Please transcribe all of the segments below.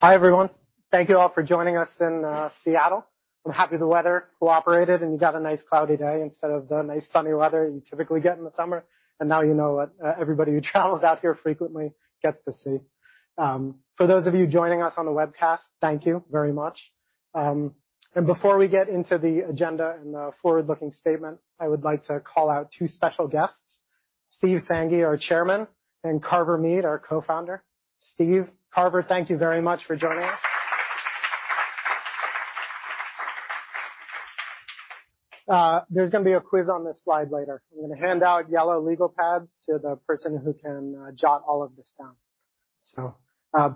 Hi, everyone. Thank you all for joining us in Seattle. I'm happy the weather cooperated, and we got a nice cloudy day instead of the nice sunny weather you typically get in the summer. Now you know what everybody who travels out here frequently gets to see. For those of you joining us on the webcast, thank you very much. Before we get into the agenda and the forward-looking statement, I would like to call out two special guests, Steve Sanghi, our chairman, and Carver Mead, our co-founder. Steve, Carver, thank you very much for joining us. There's gonna be a quiz on this slide later. I'm gonna hand out yellow legal pads to the person who can jot all of this down.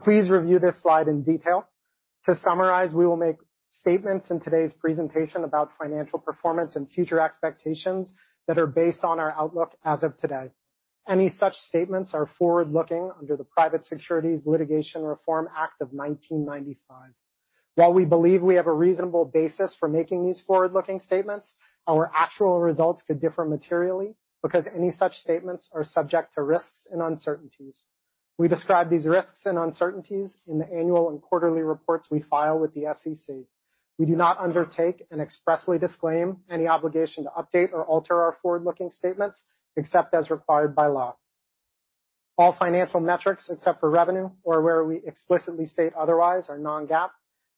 Please review this slide in detail. To summarize, we will make statements in today's presentation about financial performance and future expectations that are based on our outlook as of today. Any such statements are forward-looking under the Private Securities Litigation Reform Act of 1995. While we believe we have a reasonable basis for making these forward-looking statements, our actual results could differ materially because any such statements are subject to risks and uncertainties. We describe these risks and uncertainties in the annual and quarterly reports we file with the SEC. We do not undertake and expressly disclaim any obligation to update or alter our forward-looking statements, except as required by law. All financial metrics, except for revenue or where we explicitly state otherwise, are non-GAAP.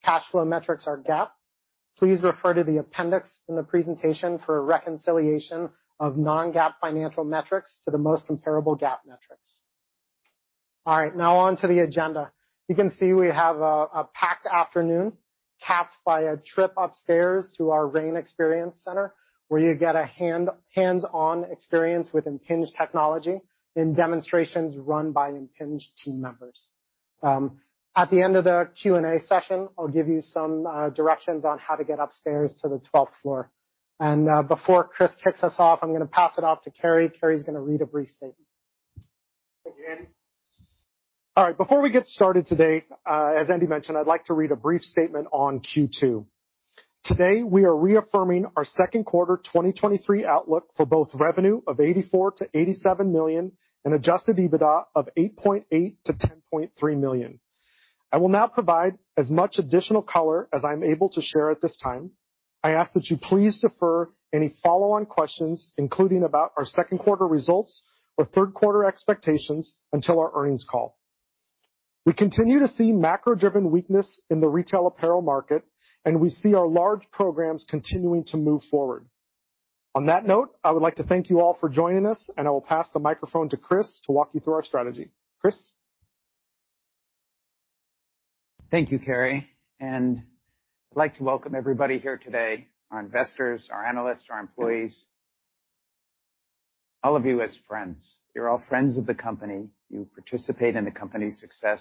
Cash flow metrics are GAAP. Please refer to the appendix in the presentation for a reconciliation of non-GAAP financial metrics to the most comparable GAAP metrics. All right, now on to the agenda. You can see we have a packed afternoon, capped by a trip upstairs to our RAIN Experience Center, where you get a hands-on experience with Impinj technology and demonstrations run by Impinj team members. At the end of the Q&A session, I'll give you some directions on how to get upstairs to the 12th floor. Before Chris kicks us off, I'm gonna pass it off to Kerry.Cary's gonna read a brief statement. Thank you, Andy. All right. Before we get started today, as Andy mentioned, I'd like to read a brief statement on Q2. Today, we are reaffirming our Q2 2023 outlook for both revenue of $84 million-$87 million and adjusted EBITDA of $8.8 million-$10.3 million. I will now provide as much additional color as I'm able to share at this time. I ask that you please defer any follow-on questions, including about our Q2 results or Q3 expectations, until our earnings call. We continue to see macro-driven weakness in the retail apparel market, we see our large programs continuing to move forward. On that note, I would like to thank you all for joining us, I will pass the microphone to Chris to walk you through our strategy. Chris? Thank you, Cary. I'd like to welcome everybody here today, our investors, our analysts, our employees, all of you as friends. You're all friends of the company. You participate in the company's success.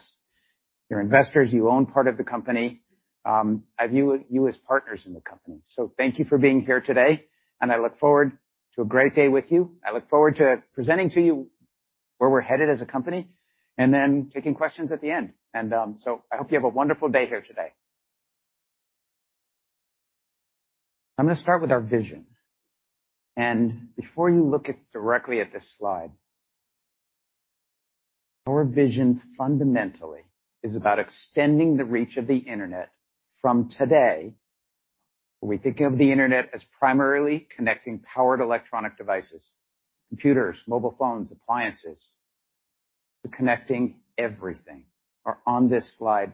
You're investors, you own part of the company. I view you as partners in the company. Thank you for being here today. I look forward to a great day with you. I look forward to presenting to you where we're headed as a company and then taking questions at the end. I hope you have a wonderful day here today. I'm gonna start with our vision. Before you look at, directly at this slide, our vision fundamentally is about extending the reach of the Internet from today. We think of the Internet as primarily connecting powered electronic devices, computers, mobile phones, appliances, to connecting everything. On this slide,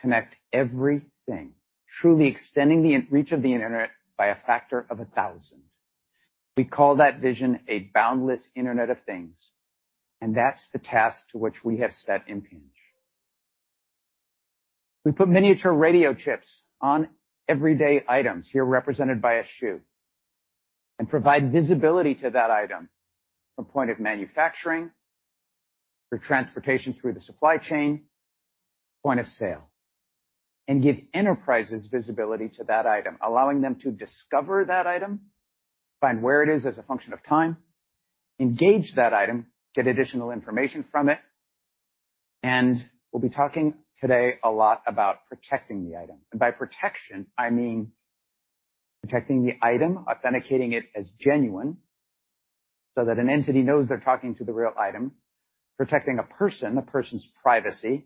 connect everything, truly extending the reach of the internet by a factor of 1,000. We call that vision a boundless Internet of Things. That's the task to which we have set Impinj. We put miniature radio chips on everyday items, here represented by a shoe, and provide visibility to that item from point of manufacturing, through transportation through the supply chain, point of sale, and give enterprises visibility to that item, allowing them to discover that item, find where it is as a function of time, engage that item, get additional information from it, and we'll be talking today a lot about protecting the item. By protection, I mean protecting the item, authenticating it as genuine, so that an entity knows they're talking to the real item, protecting a person, the person's privacy,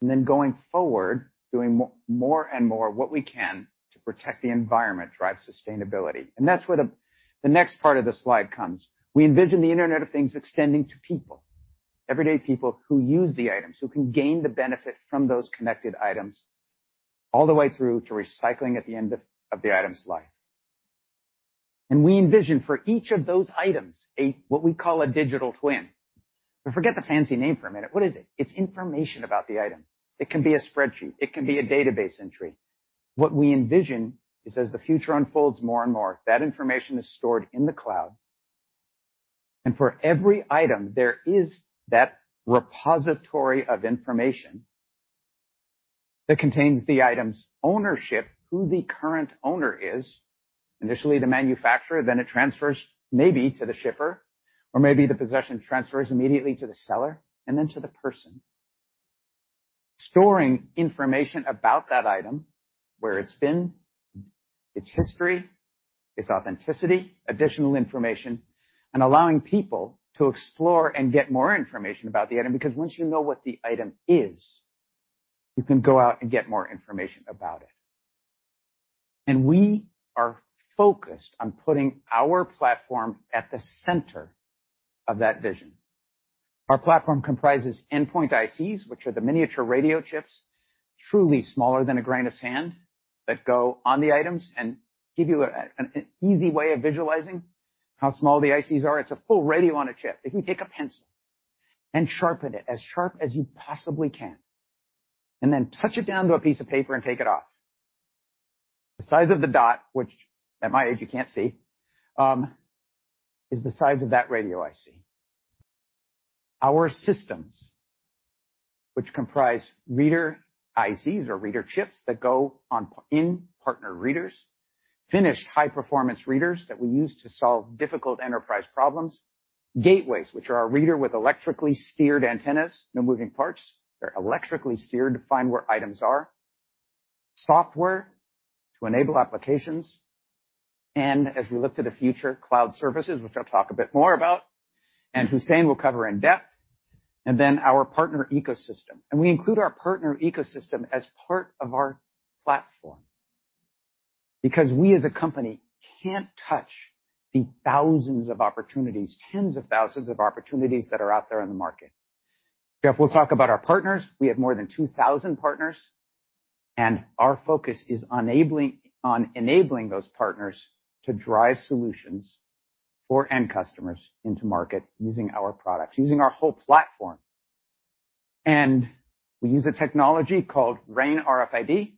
and then going forward, doing more and more what we can to protect the environment, drive sustainability. That's where the next part of the slide comes. We envision the Internet of Things extending to people, everyday people who use the items, who can gain the benefit from those connected items all the way through to recycling at the end of the item's life. We envision for each of those items, a what we call a digital twin. Forget the fancy name for a minute. What is it? It's information about the item. It can be a spreadsheet, it can be a database entry. What we envision is as the future unfolds more and more, that information is stored in the cloud, and for every item, there is that repository of information that contains the item's ownership, who the current owner is. Initially, the manufacturer, then it transfers maybe to the shipper, or maybe the possession transfers immediately to the seller and then to the person, storing information about that item, where it's been, its history, its authenticity, additional information, and allowing people to explore and get more information about the item. Once you know what the item is, you can go out and get more information about it. We are focused on putting our platform at the center of that vision. Our platform comprises endpoint ICs, which are the miniature radio chips, truly smaller than a grain of sand, that go on the items and give you an easy way of visualizing how small the ICs are. It's a full radio on a chip. If you take a pencil and sharpen it as sharp as you possibly can, and then touch it down to a piece of paper and take it off, the size of the dot, which at my age, you can't see, is the size of that radio IC. Our systems, which comprise reader ICs or reader chips that go on, in partner readers, finished high-performance readers that we use to solve difficult enterprise problems, gateways, which are our reader with electrically steered antennas, no moving parts. They're electrically steered to find where items are. Software to enable applications, and as we look to the future, cloud services, which I'll talk a bit more about, and Hussein will cover in depth, and then our partner ecosystem. We include our partner ecosystem as part of our platform, because we, as a company, can't touch the thousands of opportunities, tens of thousands of opportunities that are out there in the market. Jeff will talk about our partners. We have more than 2,000 partners, and our focus is on enabling those partners to drive solutions for end customers into market, using our products, using our whole platform. We use a technology called RAIN RFID.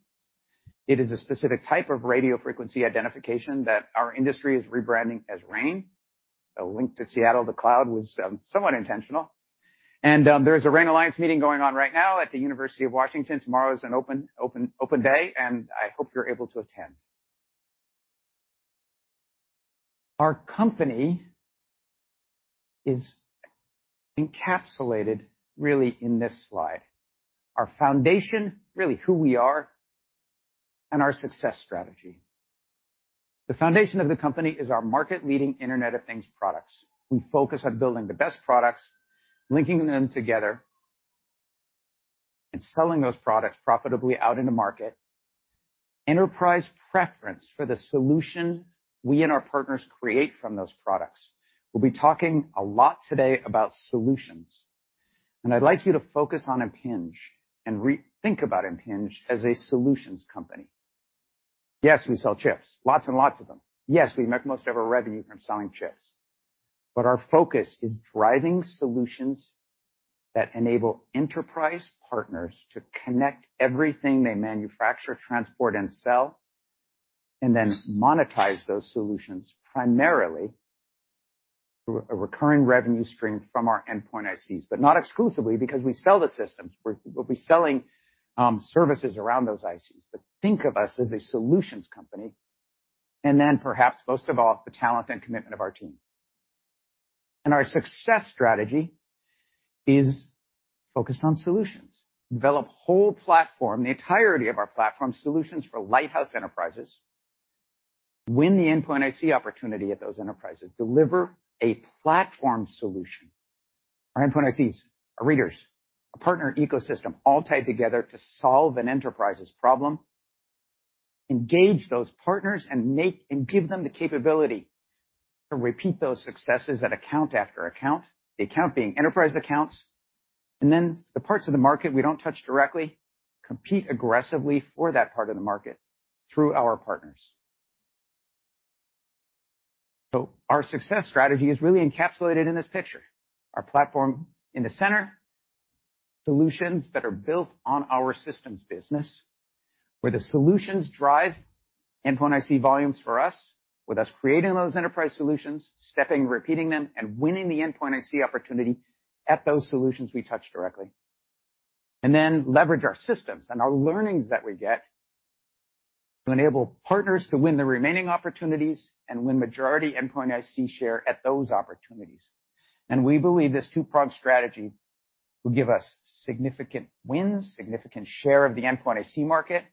It is a specific type of radio frequency identification that our industry is rebranding as RAIN. A link to Seattle, the cloud, was somewhat intentional. There's a RAIN Alliance meeting going on right now at the University of Washington. Tomorrow is an open, open day, and I hope you're able to attend. Our company is encapsulated, really, in this slide. Our foundation, really, who we are and our success strategy. The foundation of the company is our market-leading Internet of Things products. We focus on building the best products, linking them together, and selling those products profitably out in the market. Enterprise preference for the solution we and our partners create from those products. We'll be talking a lot today about solutions, and I'd like you to focus on Impinj, and think about Impinj as a solutions company. Yes, we sell chips, lots and lots of them. Yes, we make most of our revenue from selling chips, but our focus is driving solutions that enable enterprise partners to connect everything they manufacture, transport, and sell, and then monetize those solutions primarily through a recurring revenue stream from our endpoint ICs, but not exclusively, because we sell the systems. We'll be selling services around those ICs. Think of us as a solutions company, and then perhaps most of all, the talent and commitment of our team. Our success strategy is focused on solutions. Develop whole platform, the entirety of our platform, solutions for lighthouse enterprises. Win the endpoint IC opportunity at those enterprises. Deliver a platform solution. Our endpoint ICs, our readers, our partner ecosystem, all tied together to solve an enterprise's problem, engage those partners and make... Give them the capability to repeat those successes at account after account, the account being enterprise accounts, then the parts of the market we don't touch directly, compete aggressively for that part of the market through our partners. Our success strategy is really encapsulated in this picture, our platform in the center, solutions that are built on our systems business, where the solutions drive endpoint IC volumes for us, with us creating those enterprise solutions, stepping and repeating them, and winning the endpoint IC opportunity at those solutions we touch directly. Leverage our systems and our learnings that we get to enable partners to win the remaining opportunities and win majority endpoint IC share at those opportunities. We believe this two-pronged strategy will give us significant wins, significant share of the endpoint IC market,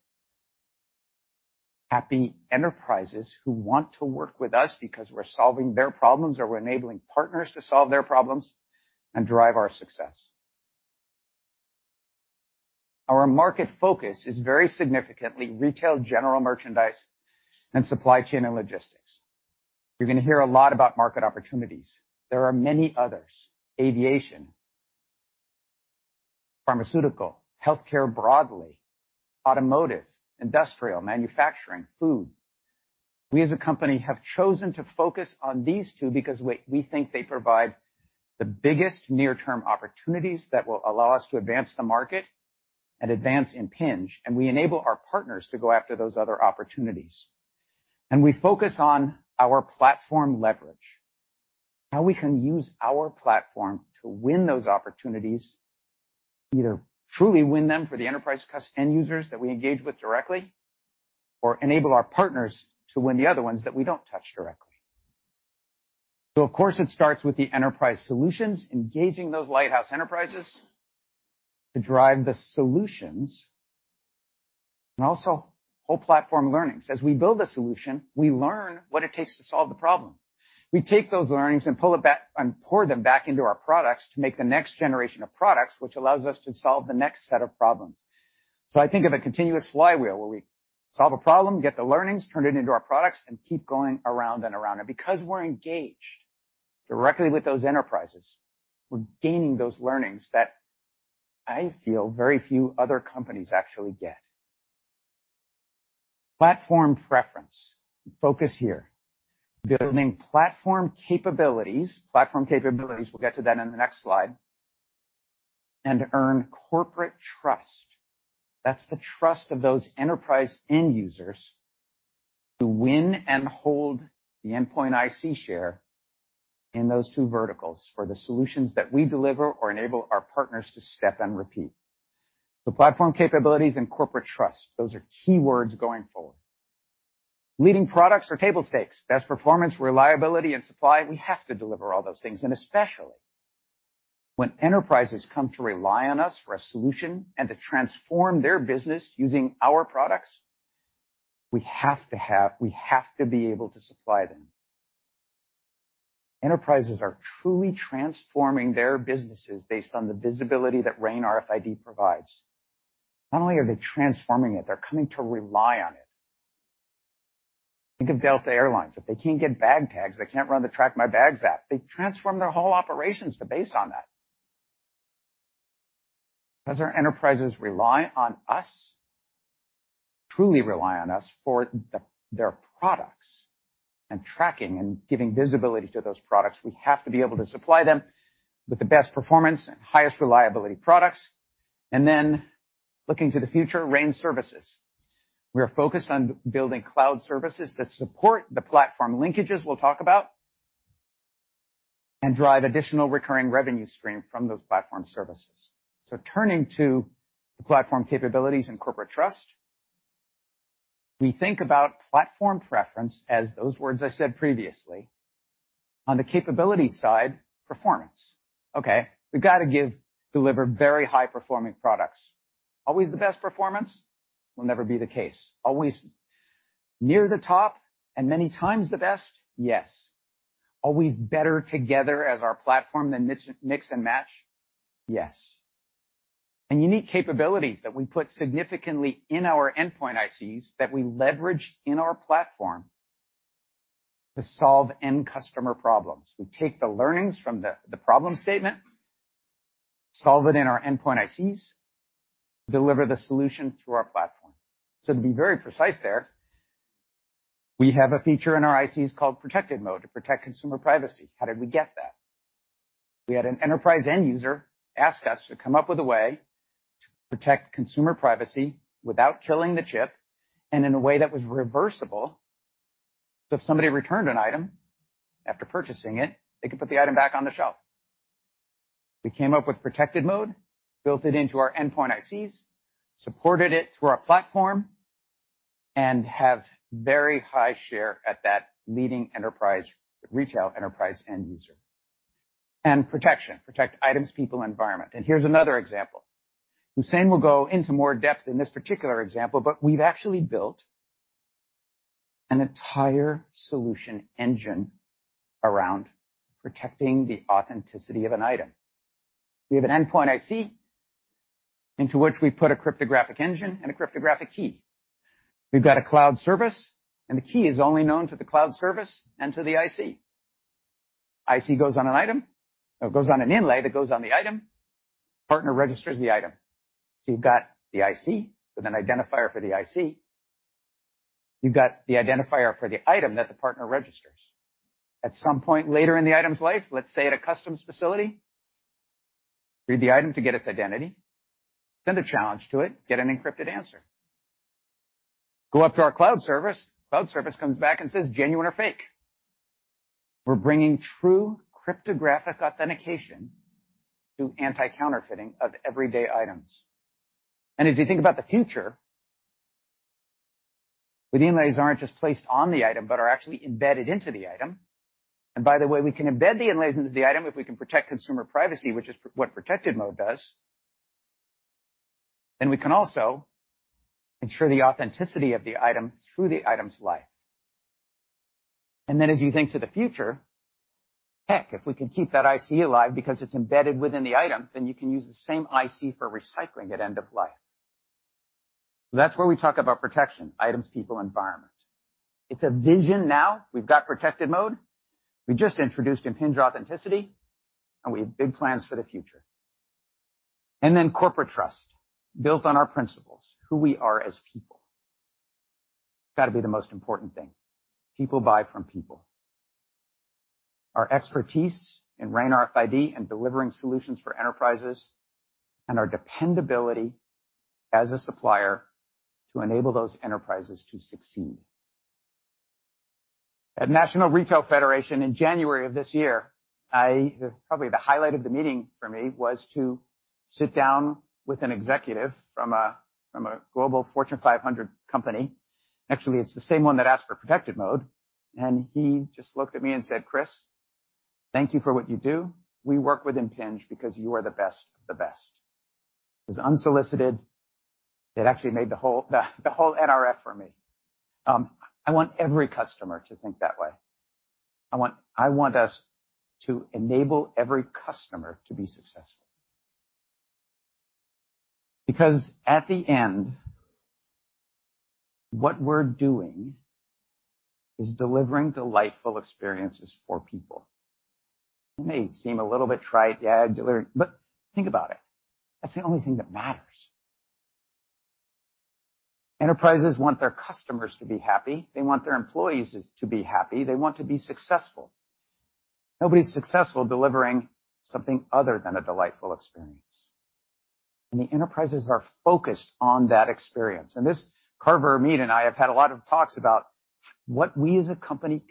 happy enterprises who want to work with us because we're solving their problems or we're enabling partners to solve their problems and drive our success. Our market focus is very significantly retail, general merchandise, and supply chain and logistics. You're gonna hear a lot about market opportunities. There are many others, aviation, pharmaceutical, healthcare, broadly, automotive, industrial, manufacturing, food. We, as a company, have chosen to focus on these two because we think they provide the biggest near-term opportunities that will allow us to advance the market and advance Impinj, and we enable our partners to go after those other opportunities. We focus on our platform leverage, how we can use our platform to win those opportunities, either truly win them for the enterprise end users that we engage with directly, or enable our partners to win the other ones that we don't touch directly. Of course, it starts with the enterprise solutions, engaging those lighthouse enterprises to drive the solutions and also whole platform learnings. As we build a solution, we learn what it takes to solve the problem. We take those learnings and pull it back and pour them back into our products to make the next generation of products, which allows us to solve the next set of problems. I think of a continuous flywheel, where we solve a problem, get the learnings, turn it into our products, and keep going around and around. Because we're engaged directly with those enterprises, we're gaining those learnings that I feel very few other companies actually get. Platform preference. Focus here. Building platform capabilities. Platform capabilities, we'll get to that in the next slide, and earn corporate trust. That's the trust of those enterprise end users to win and hold the endpoint IC share in those two verticals for the solutions that we deliver or enable our partners to step and repeat. Platform capabilities and corporate trust, those are key words going forward. Leading products are table stakes, best performance, reliability, and supply. We have to deliver all those things, and especially when enterprises come to rely on us for a solution and to transform their business using our products, we have to be able to supply them. Enterprises are truly transforming their businesses based on the visibility that RAIN RFID provides. Not only are they transforming it, they're coming to rely on it. Think of Delta Air Lines. If they can't get bag tags, they can't run the Track My Bags app. They transform their whole operations to base on that. As our enterprises rely on us, truly rely on us their products and tracking and giving visibility to those products, we have to be able to supply them with the best performance and highest reliability products. Looking to the future, Rain Services. We are focused on building cloud services that support the platform linkages we'll talk about, and drive additional recurring revenue stream from those platform services. Turning to the platform capabilities and corporate trust, we think about platform preference as those words I said previously. On the capability side, performance. We've got to deliver very high-performing products. Always the best performance? Will never be the case. Always near the top and many times the best? Yes. Always better together as our platform than mix and match? Yes. Unique capabilities that we put significantly in our endpoint ICs that we leverage in our platform to solve end customer problems. We take the learnings from the problem statement, solve it in our endpoint ICs, deliver the solution through our platform. To be very precise there, we have a feature in our ICs called Protected Mode, to protect consumer privacy. How did we get that? We had an enterprise end user ask us to come up with a way to protect consumer privacy without killing the chip and in a way that was reversible, so if somebody returned an item after purchasing it, they could put the item back on the shelf. We came up with Protected Mode, built it into our endpoint ICs, supported it through our platform, and have very high share at that leading enterprise, retail enterprise end user. Protection, protect items, people, environment. Here's another example. Hussein will go into more depth in this particular example, but we've actually built an entire solution engine around protecting the authenticity of an item. We have an endpoint IC, into which we put a cryptographic engine and a cryptographic key. We've got a cloud service, and the key is only known to the cloud service and to the IC. IC goes on an item, or it goes on an inlay that goes on the item. Partner registers the item. You've got the IC with an identifier for the IC. You've got the identifier for the item that the partner registers. At some point later in the item's life, let's say at a customs facility, read the item to get its identity, send a challenge to it, get an encrypted answer. Go up to our cloud service. Cloud service comes back and says, genuine or fake. We're bringing true cryptographic authentication to anti-counterfeiting of everyday items. As you think about the future, the inlays aren't just placed on the item, but are actually embedded into the item. By the way, we can embed the inlays into the item if we can protect consumer privacy, which is what Protected Mode does. We can also ensure the authenticity of the item through the item's life. As you think to the future, heck, if we could keep that IC alive because it's embedded within the item, then you can use the same IC for recycling at end of life. That's where we talk about protection, items, people, environment. It's a vision now. We've got Protected Mode. We just introduced Impinj Authenticity, and we have big plans for the future. Corporate trust, built on our principles, who we are as people. Got to be the most important thing. People buy from people. Our expertise in RAIN RFID and delivering solutions for enterprises, and our dependability as a supplier to enable those enterprises to succeed. At National Retail Federation in January of this year, I... Probably the highlight of the meeting for me was to sit down with an executive from a global Fortune 500 company. Actually, it's the same one that asked for Protected Mode, and he just looked at me and said, "Chris, thank you for what you do. We work with Impinj because you are the best of the best." It was unsolicited. It actually made the whole NRF for me. I want every customer to think that way. I want us to enable every customer to be successful. At the end, what we're doing is delivering delightful experiences for people. It may seem a little bit trite, yeah, deliver, think about it. That's the only thing that matters. Enterprises want their customers to be happy. They want their employees to be happy. They want to be successful. Nobody's successful delivering something other than a delightful experience, and the enterprises are focused on that experience. This, Carver Mead and I have had a lot of talks about what we as a company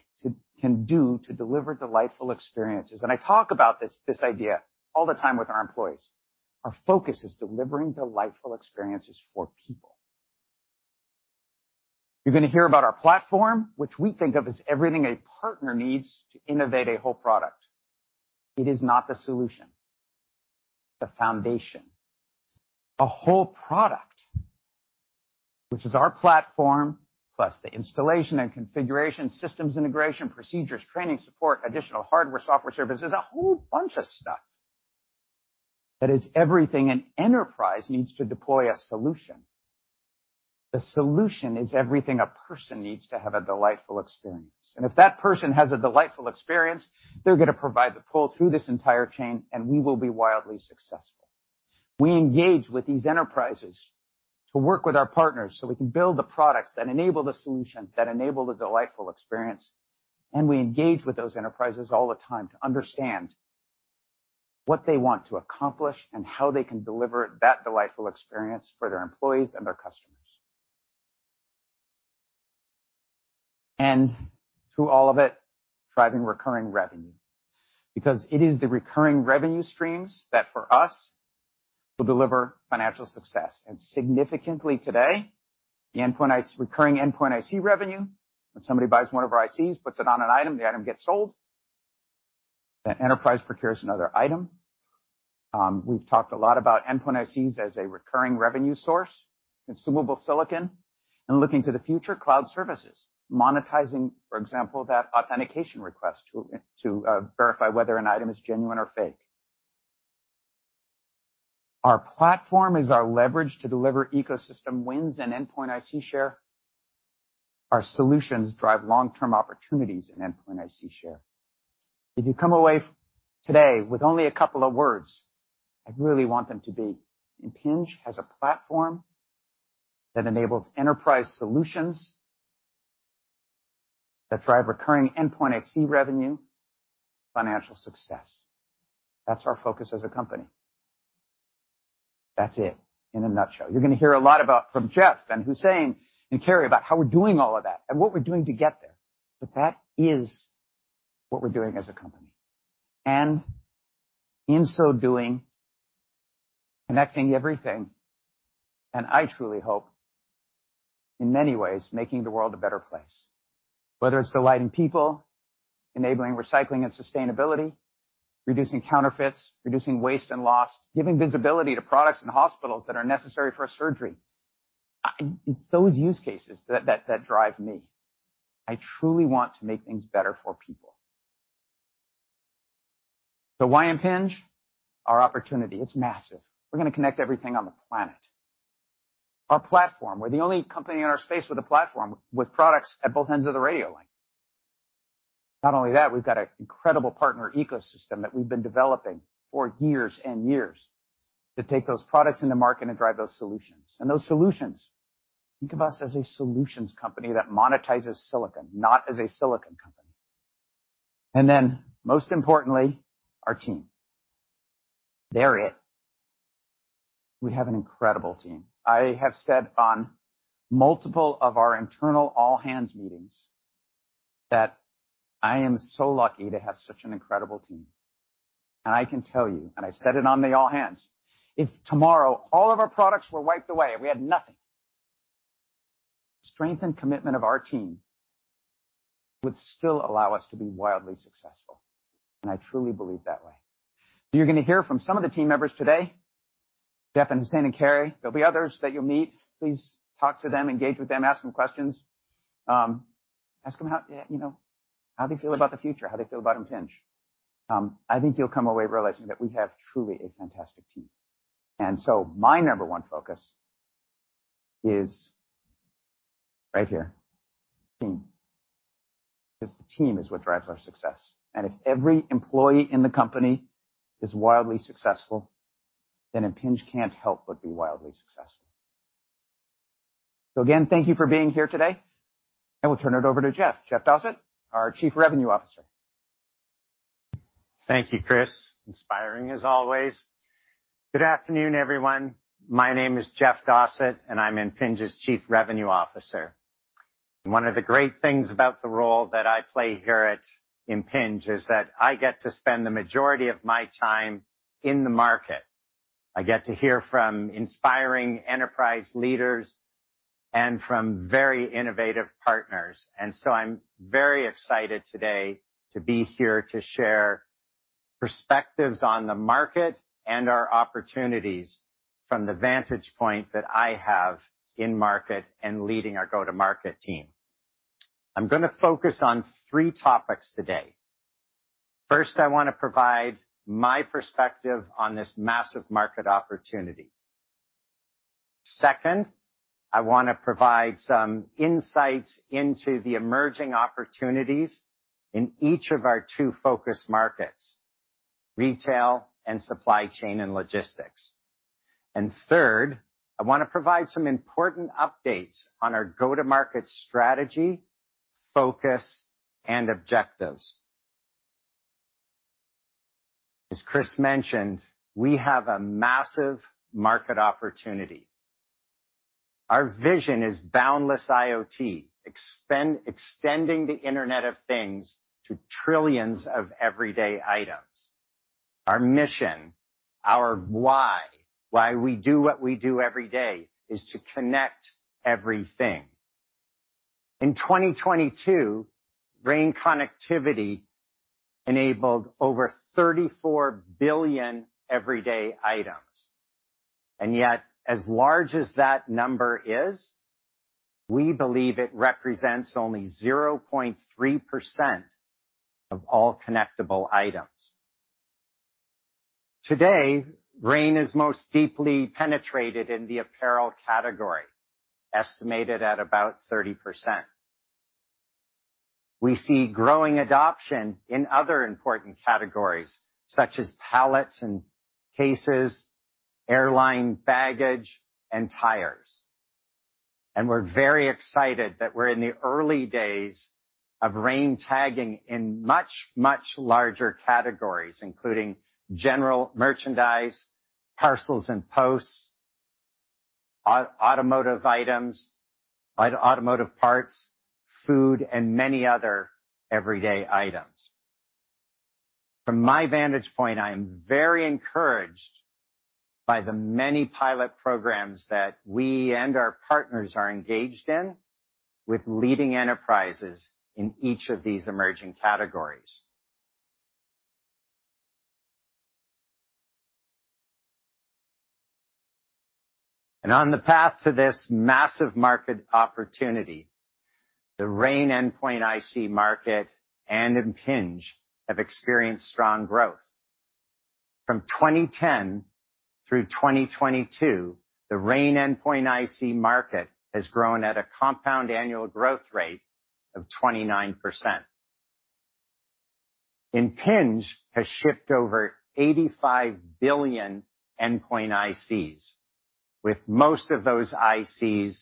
can do to deliver delightful experiences, and I talk about this idea all the time with our employees. Our focus is delivering delightful experiences for people. You're gonna hear about our platform, which we think of as everything a partner needs to innovate a whole product. It is not the solution, the foundation. A whole product, which is our platform, plus the installation and configuration, systems integration, procedures, training, support, additional hardware, software services, a whole bunch of stuff. That is everything an enterprise needs to deploy a solution. The solution is everything a person needs to have a delightful experience. If that person has a delightful experience, they're gonna provide the pull through this entire chain. We will be wildly successful. We engage with these enterprises to work with our partners so we can build the products that enable the solution, that enable the delightful experience. We engage with those enterprises all the time to understand what they want to accomplish and how they can deliver that delightful experience for their employees and their customers. Through all of it, driving recurring revenue, because it is the recurring revenue streams that, for us, will deliver financial success. Significantly today, the endpoint IC, recurring endpoint IC revenue, when somebody buys one of our ICs, puts it on an item, the item gets sold. The enterprise procures another item. We've talked a lot about endpoint ICs as a recurring revenue source, consumable silicon, and looking to the future, cloud services, monetizing, for example, that authentication request to verify whether an item is genuine or fake. Our platform is our leverage to deliver ecosystem wins and endpoint IC share. Our solutions drive long-term opportunities in endpoint IC share. If you come away today with only a couple of words, I'd really want them to be: Impinj has a platform that enables enterprise solutions that drive recurring endpoint IC revenue, financial success. That's our focus as a company. That's it in a nutshell. You're gonna hear a lot from Jeff and Hussein and Cary about how we're doing all of that and what we're doing to get there. That is what we're doing as a company. In so doing, connecting everything, and I truly hope, in many ways, making the world a better place. Whether it's delighting people, enabling recycling and sustainability, reducing counterfeits, reducing waste and loss, giving visibility to products in hospitals that are necessary for a surgery. It's those use cases that drive me. I truly want to make things better for people. Why Impinj? Our opportunity, it's massive. We're gonna connect everything on the planet. Our platform, we're the only company in our space with a platform with products at both ends of the radio link. Not only that, we've got an incredible partner ecosystem that we've been developing for years and years to take those products into market and drive those solutions. Those solutions, think of us as a solutions company that monetizes silicon, not as a silicon company. Then, most importantly, our team. They're it. We have an incredible team. I have said on multiple of our internal all-hands meetings that I am so lucky to have such an incredible team. I can tell you, and I said it on the all hands, if tomorrow all of our products were wiped away and we had nothing, strength and commitment of our team would still allow us to be wildly successful, and I truly believe that way. You're going to hear from some of the team members today, Jeff and Hussein and Cary. There'll be others that you'll meet. Please talk to them, engage with them, ask them questions. ask them how, you know, how they feel about the future, how they feel about Impinj. I think you'll come away realizing that we have truly a fantastic team. My number one focus is right here, team. The team is what drives our success, and if every employee in the company is wildly successful, then Impinj can't help but be wildly successful. Again, thank you for being here today, and we'll turn it over to Jeff. Jeff Dossett, our Chief Revenue Officer. Thank you, Chris. Inspiring as always. Good afternoon, everyone. My name is Jeff Dossett, and I'm Impinj's Chief Revenue Officer. One of the great things about the role that I play here at Impinj is that I get to spend the majority of my time in the market. I get to hear from inspiring enterprise leaders and from very innovative partners. I'm very excited today to be here to share perspectives on the market and our opportunities from the vantage point that I have in market and leading our go-to-market team. I'm gonna focus on three topics today. First, I wanna provide my perspective on this massive market opportunity. Second, I wanna provide some insights into the emerging opportunities in each of our two focus markets, retail and supply chain and logistics. Third, I wanna provide some important updates on our go-to-market strategy, focus, and objectives. As Chris mentioned, we have a massive market opportunity. Our vision is boundless IoT, extending the Internet of Things to trillions of everyday items. Our mission, our why we do what we do every day, is to connect everything. In 2022, RAIN Connectivity enabled over 34 billion everyday items, and yet, as large as that number is, we believe it represents only 0.3% of all connectable items. Today, RAIN is most deeply penetrated in the apparel category, estimated at about 30%. We see growing adoption in other important categories, such as pallets and cases, airline baggage, and tires. We're very excited that we're in the early days of RAIN tagging in much, much larger categories, including general merchandise, parcels and posts, automotive items, automotive parts, food, and many other everyday items. From my vantage point, I am very encouraged by the many pilot programs that we and our partners are engaged in with leading enterprises in each of these emerging categories. On the path to this massive market opportunity, the RAIN endpoint IC market and Impinj have experienced strong growth. From 2010 through 2022, the RAIN Endpoint IC market has grown at a compound annual growth rate of 29%. Impinj has shipped over 85 billion endpoint ICs, with most of those ICs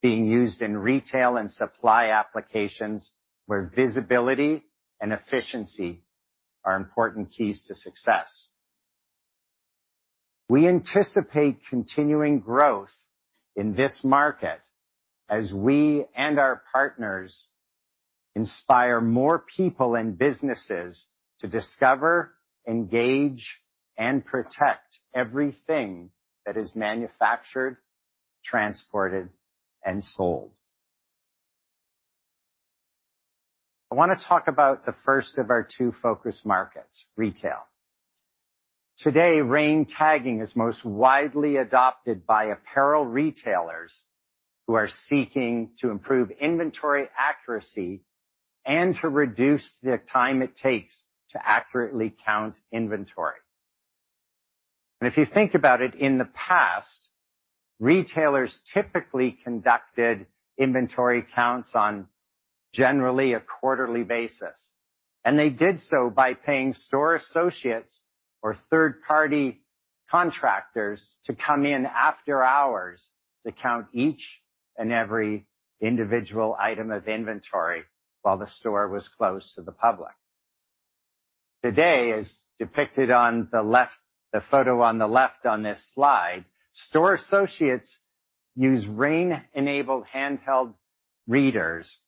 being used in retail and supply applications, where visibility and efficiency are important keys to success. I wanna talk about the first of our 2 focus markets, retail. Today, RAIN tagging is most widely adopted by apparel retailers who are seeking to improve inventory accuracy and to reduce the time it takes to accurately count inventory. If you think about it, in the past, retailers typically conducted inventory counts on generally a quarterly basis, and they did so by paying store associates or third-party contractors to come in after hours to count each and every individual item of inventory while the store was closed to the public. Today, as depicted on the left, the photo on the left on this slide, store associates use RAIN-enabled handheld readers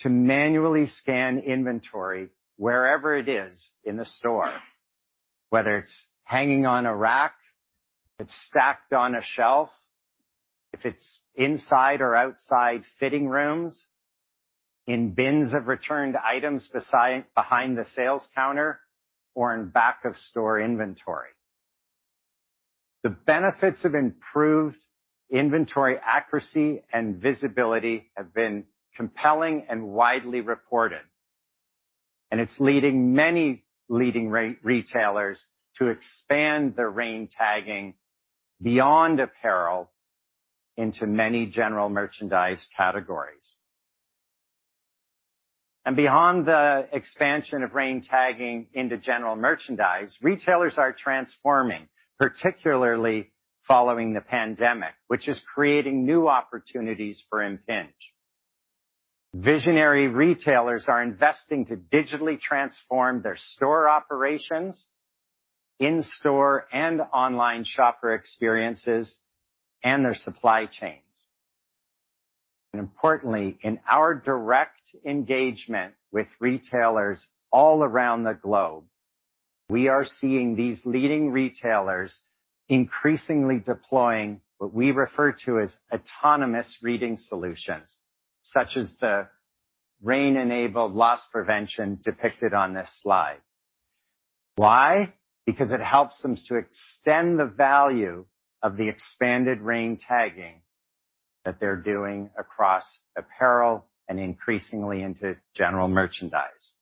to manually scan inventory wherever it is in the store, whether it's hanging on a rack, it's stacked on a shelf, if it's inside or outside fitting rooms, in bins of returned items behind the sales counter, or in back-of-store inventory. The benefits of improved inventory accuracy and visibility have been compelling and widely reported, and it's leading many leading retailers to expand their RAIN tagging beyond apparel into many general merchandise categories. Beyond the expansion of RAIN tagging into general merchandise, retailers are transforming, particularly following the pandemic, which is creating new opportunities for Impinj. Visionary retailers are investing to digitally transform their store operations, in-store and online shopper experiences, and their supply chains. Importantly, in our direct engagement with retailers all around the globe, we are seeing these leading retailers increasingly deploying what we refer to as autonomous reading solutions, such as the RAIN-enabled loss prevention depicted on this slide. Why? Because it helps them to extend the value of the expanded RAIN tagging that they're doing across apparel and increasingly into general merchandise.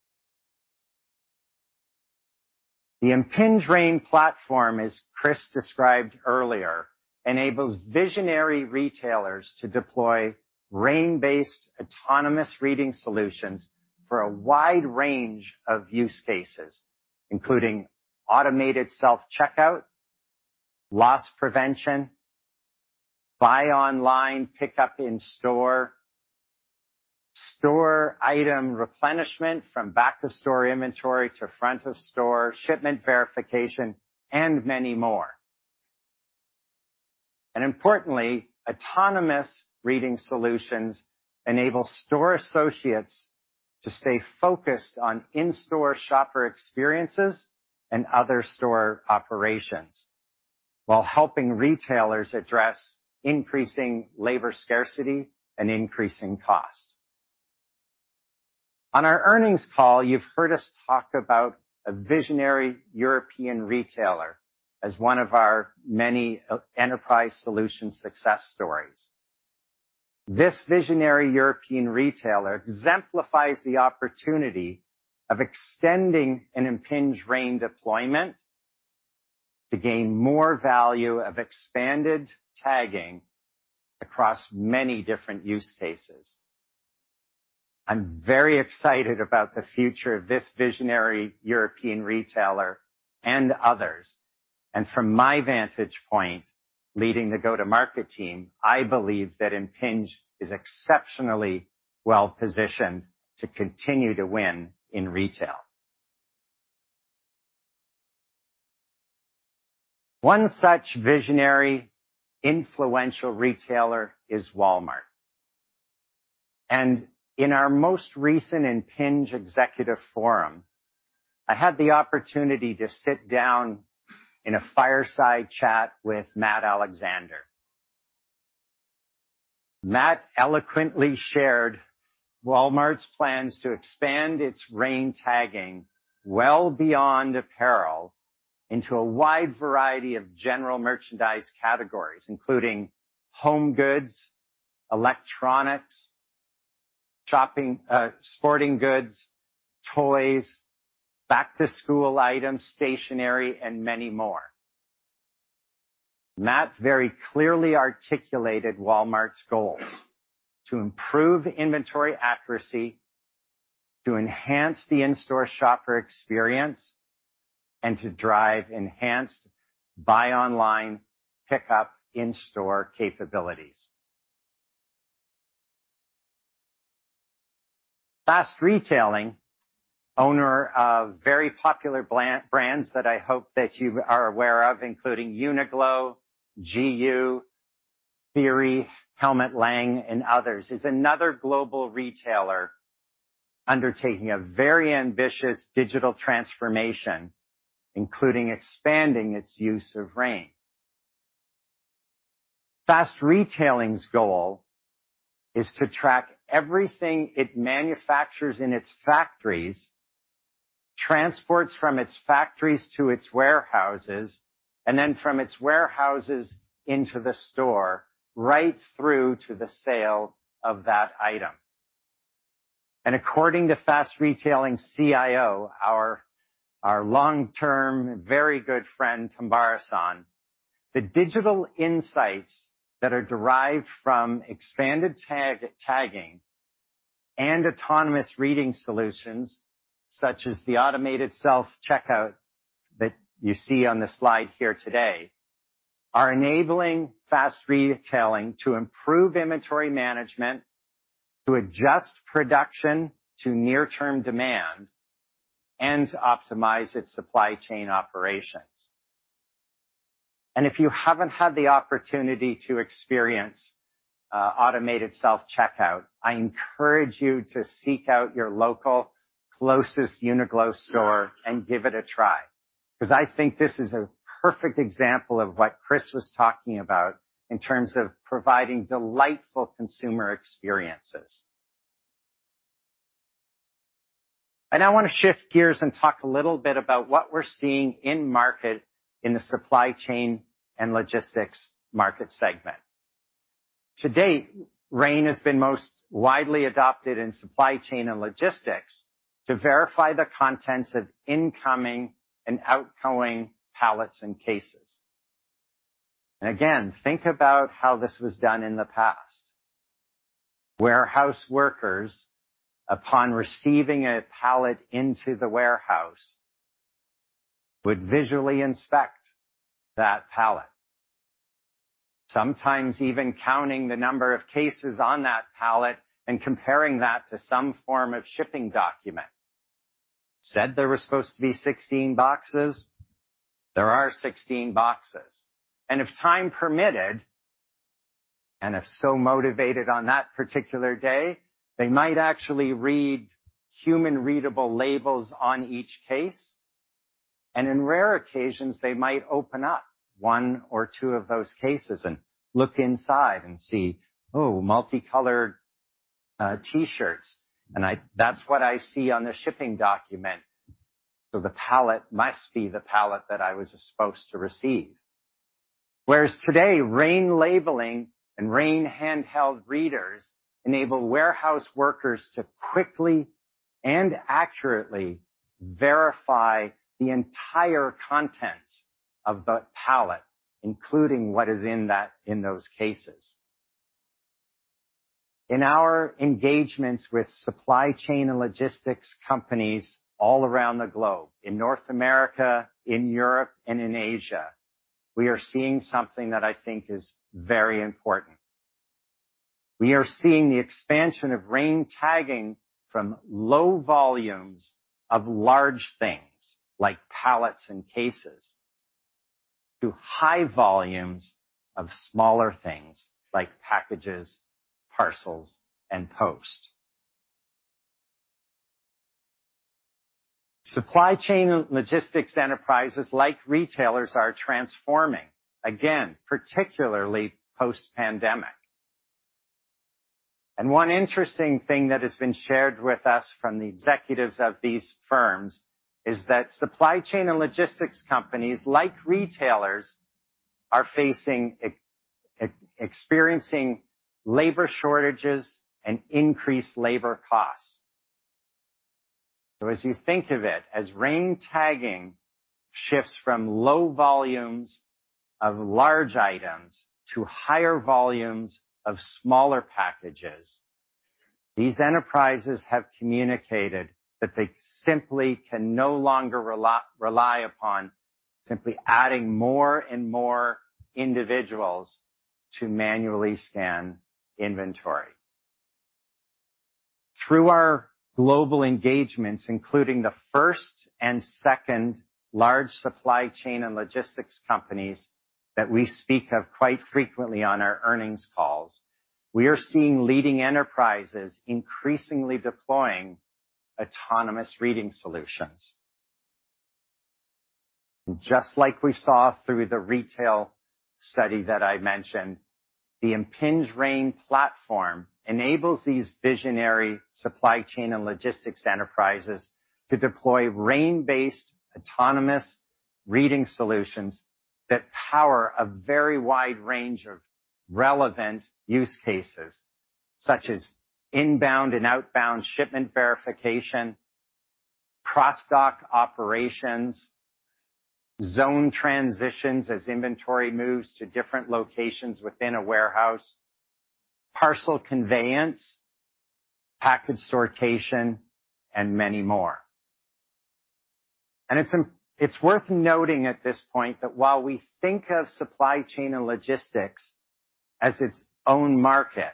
The Impinj RAIN platform, as Chris described earlier, enables visionary retailers to deploy RAIN-based autonomous reading solutions for a wide range of use cases, including automated self-checkout, loss prevention, buy online, pickup in store item replenishment from back-of-store inventory to front of store, shipment verification, and many more. Importantly, autonomous reading solutions enable store associates to stay focused on in-store shopper experiences and other store operations, while helping retailers address increasing labor scarcity and increasing costs. On our earnings call, you've heard us talk about a visionary European retailer as one of our many enterprise solution success stories. This visionary European retailer exemplifies the opportunity of extending an Impinj RAIN deployment to gain more value of expanded tagging across many different use cases. I'm very excited about the future of this visionary European retailer and others, and from my vantage point, leading the go-to-market team, I believe that Impinj is exceptionally well-positioned to continue to win in retail. One such visionary, influential retailer is Walmart. In our most recent Impinj Executive Forum, I had the opportunity to sit down in a fireside chat with Matt Alexander. Matt eloquently shared Walmart's plans to expand its RAIN tagging well beyond apparel into a wide variety of general merchandise categories, including home goods, electronics, shopping, sporting goods, toys, back-to-school items, stationery, and many more. Matt very clearly articulated Walmart's goals: to improve inventory accuracy, to enhance the in-store shopper experience, and to drive enhanced buy online, pickup in-store capabilities. Fast Retailing, owner of very popular brands that I hope that you are aware of, including Uniqlo, GU, Theory, Helmut Lang, and others, is another global retailer undertaking a very ambitious digital transformation, including expanding its use of RAIN. Fast Retailing's goal is to track everything it manufactures in its factories, transports from its factories to its warehouses, and then from its warehouses into the store, right through to the sale of that item. According to Fast Retailing CIO, our long-term, very good friend, Tambara-san, the digital insights that are derived from expanded tagging and autonomous reading solutions, such as the automated self-checkout that you see on the slide here today, are enabling Fast Retailing to improve inventory management, to adjust production to near-term demand, and to optimize its supply chain operations. If you haven't had the opportunity to experience automated self-checkout, I encourage you to seek out your local closest Uniqlo store and give it a try, 'cause I think this is a perfect example of what Chris was talking about in terms of providing delightful consumer experiences. I now want to shift gears and talk a little bit about what we're seeing in market, in the supply chain and logistics market segment. To date, RAIN has been most widely adopted in supply chain and logistics to verify the contents of incoming and outgoing pallets and cases. Again, think about how this was done in the past. Warehouse workers, upon receiving a pallet into the warehouse, would visually inspect that pallet, sometimes even counting the number of cases on that pallet and comparing that to some form of shipping document. said there were supposed to be 16 boxes, there are 16 boxes. If time permitted, and if so motivated on that particular day, they might actually read human-readable labels on each case, and in rare occasions, they might open up 1 or 2 of those cases and look inside and see, oh, multicolored T-shirts, that's what I see on the shipping document, the pallet must be the pallet that I was supposed to receive. Whereas today, RAIN labeling and RAIN handheld readers enable warehouse workers to quickly and accurately verify the entire contents of the pallet, including what is in those cases. In our engagements with supply chain and logistics companies all around the globe, in North America, in Europe, and in Asia, we are seeing something that I think is very important. We are seeing the expansion of RAIN tagging from low volumes of large things, like pallets and cases, to high volumes of smaller things like packages, parcels, and post. Supply chain logistics enterprises, like retailers, are transforming, again, particularly post-pandemic. One interesting thing that has been shared with us from the executives of these firms is that supply chain and logistics companies, like retailers, are experiencing labor shortages and increased labor costs. As you think of it, as RAIN tagging shifts from low volumes of large items to higher volumes of smaller packages, these enterprises have communicated that they simply can no longer rely upon simply adding more and more individuals to manually scan inventory. Through our global engagements, including the first and second large supply chain and logistics companies that we speak of quite frequently on our earnings calls, we are seeing leading enterprises increasingly deploying autonomous reading solutions. Just like we saw through the retail study that I mentioned, the Impinj RAIN platform enables these visionary supply chain and logistics enterprises to deploy RAIN-based autonomous reading solutions that power a very wide range of relevant use cases, such as inbound and outbound shipment verification, cross-dock operations, zone transitions as inventory moves to different locations within a warehouse, parcel conveyance, package sortation, and many more. It's worth noting at this point that while we think of supply chain and logistics as its own market,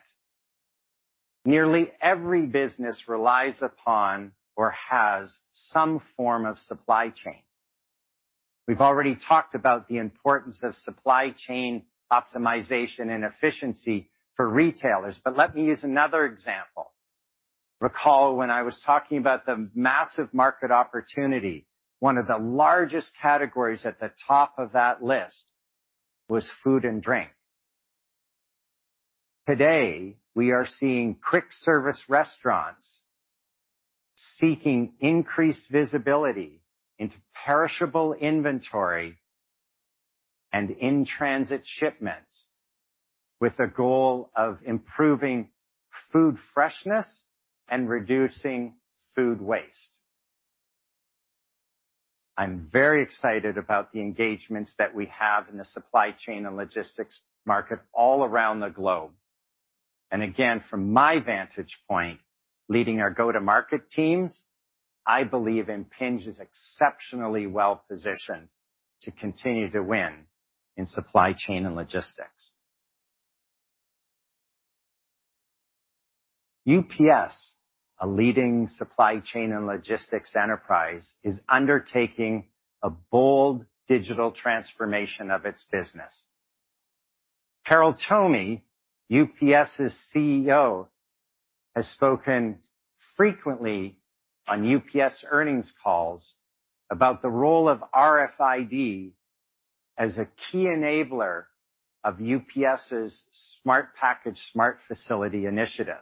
nearly every business relies upon or has some form of supply chain. We've already talked about the importance of supply chain optimization and efficiency for retailers, but let me use another example. Recall, when I was talking about the massive market opportunity, one of the largest categories at the top of that list was food and drink. Today, we are seeing quick-service restaurants seeking increased visibility into perishable inventory and in-transit shipments with the goal of improving food freshness and reducing food waste. I'm very excited about the engagements that we have in the supply chain and logistics market all around the globe. Again, from my vantage point, leading our go-to-market teams, I believe Impinj is exceptionally well positioned to continue to win in supply chain and logistics. UPS, a leading supply chain and logistics enterprise, is undertaking a bold digital transformation of its business. Carol Tomé, UPS's CEO, has spoken frequently on UPS earnings calls about the role of RFID as a key enabler of UPS's Smart Package Smart Facility initiative.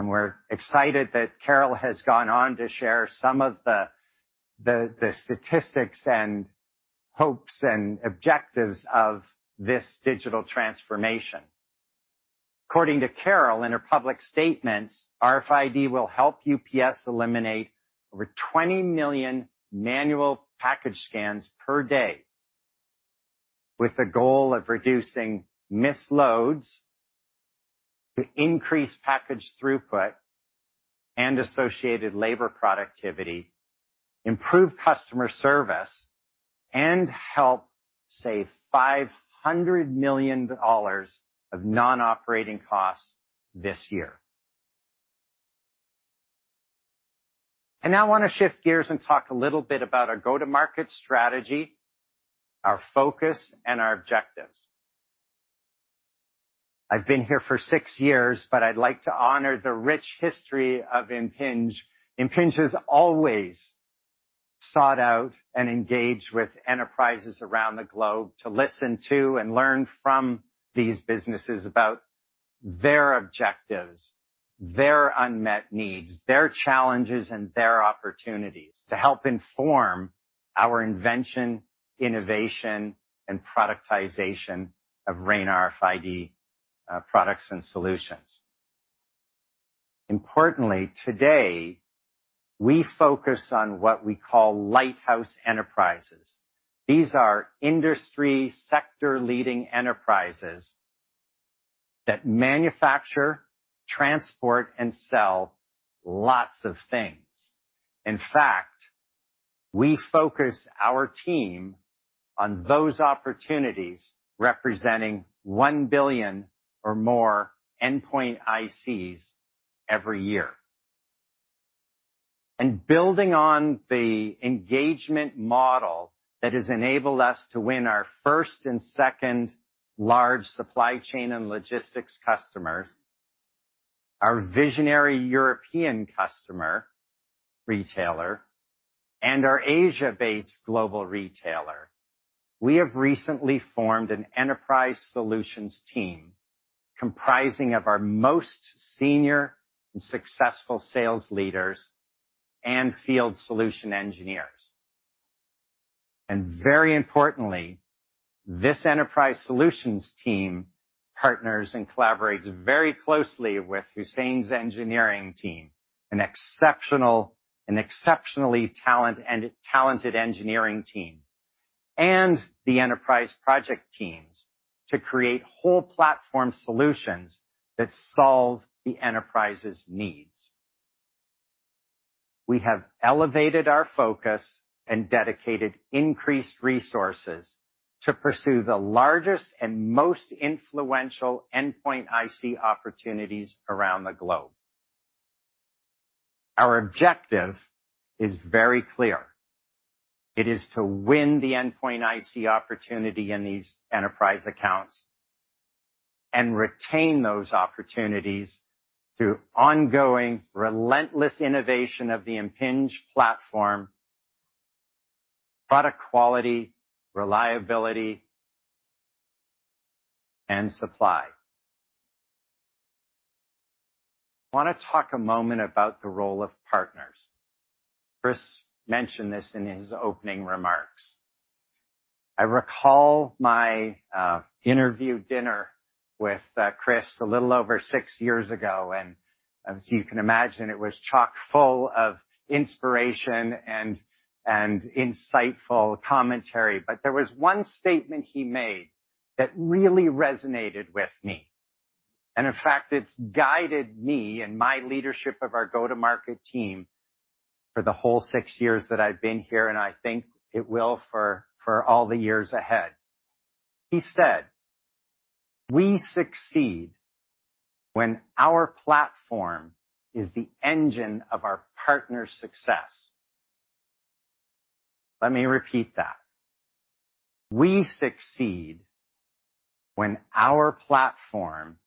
We're excited that Carol has gone on to share some of the statistics and hopes and objectives of this digital transformation. According to Carol, in her public statements, RFID will help UPS eliminate over 20 million manual package scans per day, with the goal of reducing misloads, to increase package throughput and associated labor productivity, improve customer service, and help save $500 million of non-operating costs this year. I now want to shift gears and talk a little bit about our go-to-market strategy, our focus, and our objectives. I've been here for six years, but I'd like to honor the rich history of Impinj. Impinj has always sought out and engaged with enterprises around the globe to listen to and learn from these businesses about their objectives, their unmet needs, their challenges, and their opportunities to help inform our invention, innovation, and productization of RAIN RFID products and solutions. Importantly, today, we focus on what we call lighthouse enterprises. These are industry, sector-leading enterprises that manufacture, transport, and sell lots of things. In fact, we focus our team on those opportunities, representing 1 billion or more endpoint ICs every year. Building on the engagement model that has enabled us to win our first and second large supply chain and logistics customers, our visionary European customer, retailer, and our Asia-based global retailer, we have recently formed an enterprise solutions team comprising of our most senior and successful sales leaders and field solution engineers. Very importantly, this enterprise solutions team partners and collaborates very closely with Hussein's engineering team, an exceptionally talented engineering team, and the enterprise project teams to create whole platform solutions that solve the enterprise's needs. We have elevated our focus and dedicated increased resources to pursue the largest and most influential endpoint IC opportunities around the globe. Our objective is very clear. It is to win the endpoint IC opportunity in these enterprise accounts and retain those opportunities through ongoing, relentless innovation of the Impinj platform, product quality, reliability, and supply. I want to talk a moment about the role of partners. Chris mentioned this in his opening remarks. I recall my interview dinner with Chris, a little over six years ago, as you can imagine, it was chock-full of inspiration and insightful commentary. There was one statement he made that really resonated with me, and in fact, it's guided me and my leadership of our go-to-market team for the whole six years that I've been here, and I think it will for all the years ahead. He said, "We succeed when our platform is the engine of our partner's success." Let me repeat that. We succeed when our platform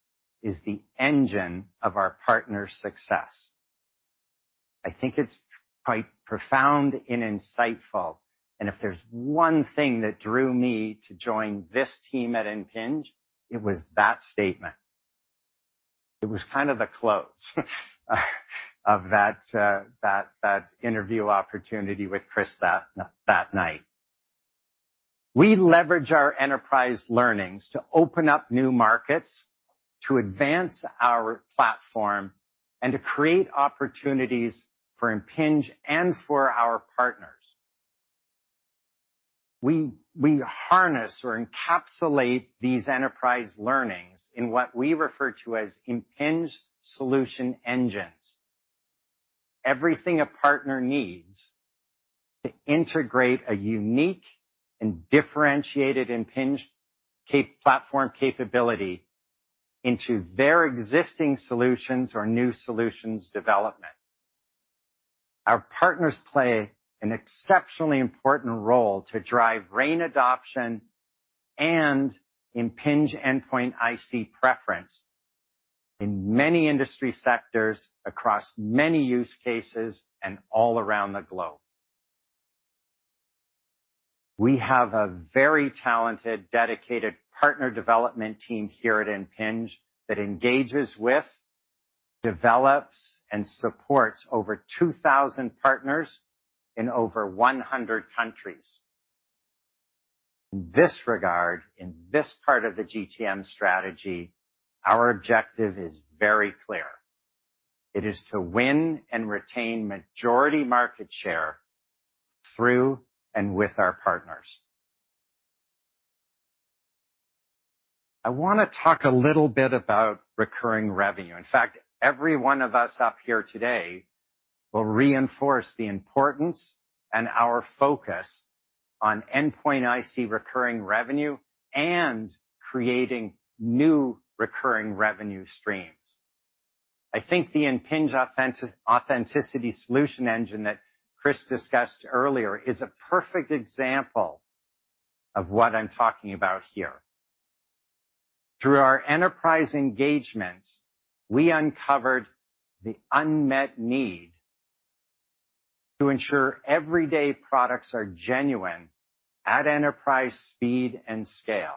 is the engine of our partner's success. I think it's quite profound and insightful, and if there's one thing that drew me to join this team at Impinj, it was that statement. It was kind of the close of that interview opportunity with Chris that night. We leverage our enterprise learnings to open up new markets, to advance our platform, and to create opportunities for Impinj and for our partners. We harness or encapsulate these enterprise learnings in what we refer to as Impinj Solution Engines. Everything a partner needs to integrate a unique and differentiated Impinj platform capability into their existing solutions or new solutions development. Our partners play an exceptionally important role to drive RAIN adoption and Impinj endpoint IC preference in many industry sectors, across many use cases, and all around the globe. We have a very talented, dedicated partner development team here at Impinj that engages with, develops, and supports over 2,000 partners in over 100 countries. In this regard, in this part of the GTM strategy, our objective is very clear. It is to win and retain majority market share through and with our partners. I wanna talk a little bit about recurring revenue. In fact, every one of us up here today will reinforce the importance and our focus on endpoint IC recurring revenue and creating new recurring revenue streams. I think the Impinj Authenticity Solution Engine that Chris discussed earlier is a perfect example of what I'm talking about here. Through our enterprise engagements, we uncovered the unmet need to ensure everyday products are genuine at enterprise speed and scale.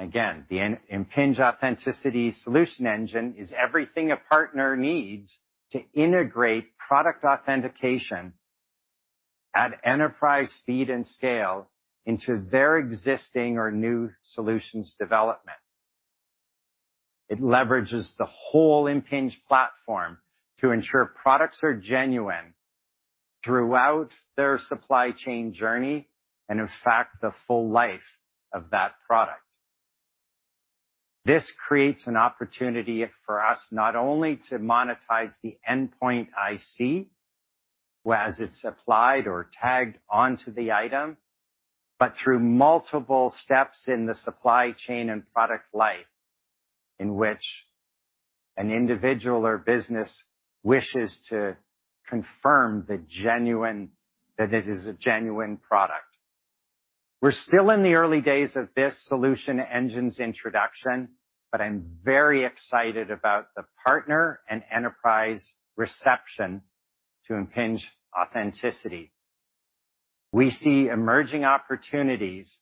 Again, the Impinj Authenticity Solution Engine is everything a partner needs to integrate product authentication at enterprise speed and scale into their existing or new solutions development. It leverages the whole Impinj platform to ensure products are genuine throughout their supply chain journey and, in fact, the full life of that product. This creates an opportunity for us not only to monetize the endpoint IC, where as it's applied or tagged onto the item, but through multiple steps in the supply chain and product life, in which an individual or business wishes to confirm that it is a genuine product. We're still in the early days of this solution engine's introduction, but I'm very excited about the partner and enterprise reception to Impinj Authenticity. We see emerging opportunities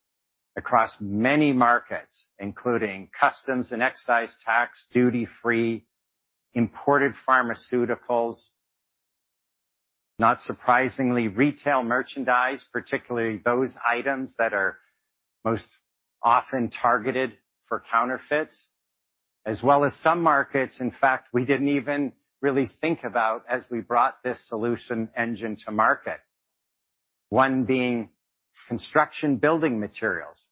across many markets, including customs and excise tax, duty-free, imported pharmaceuticals, not surprisingly, retail merchandise, particularly those items that are most often targeted for counterfeits, as well as some markets, in fact, we didn't even really think about as we brought this solution engine to market. One being construction building materials,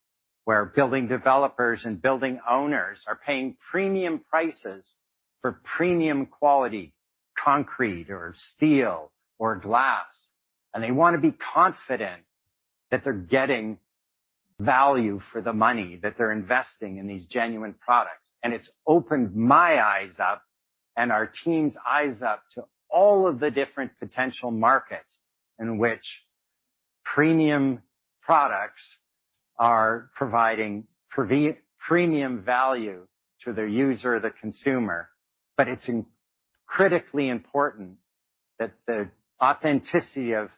where building developers and building owners are paying premium prices for premium quality concrete or steel or glass, they wanna be confident that they're getting value for the money, that they're investing in these genuine products. It's opened my eyes up and our team's eyes up to all of the different potential markets in which premium products are providing premium value to their user, the consumer, but it's in critically important that the authenticity of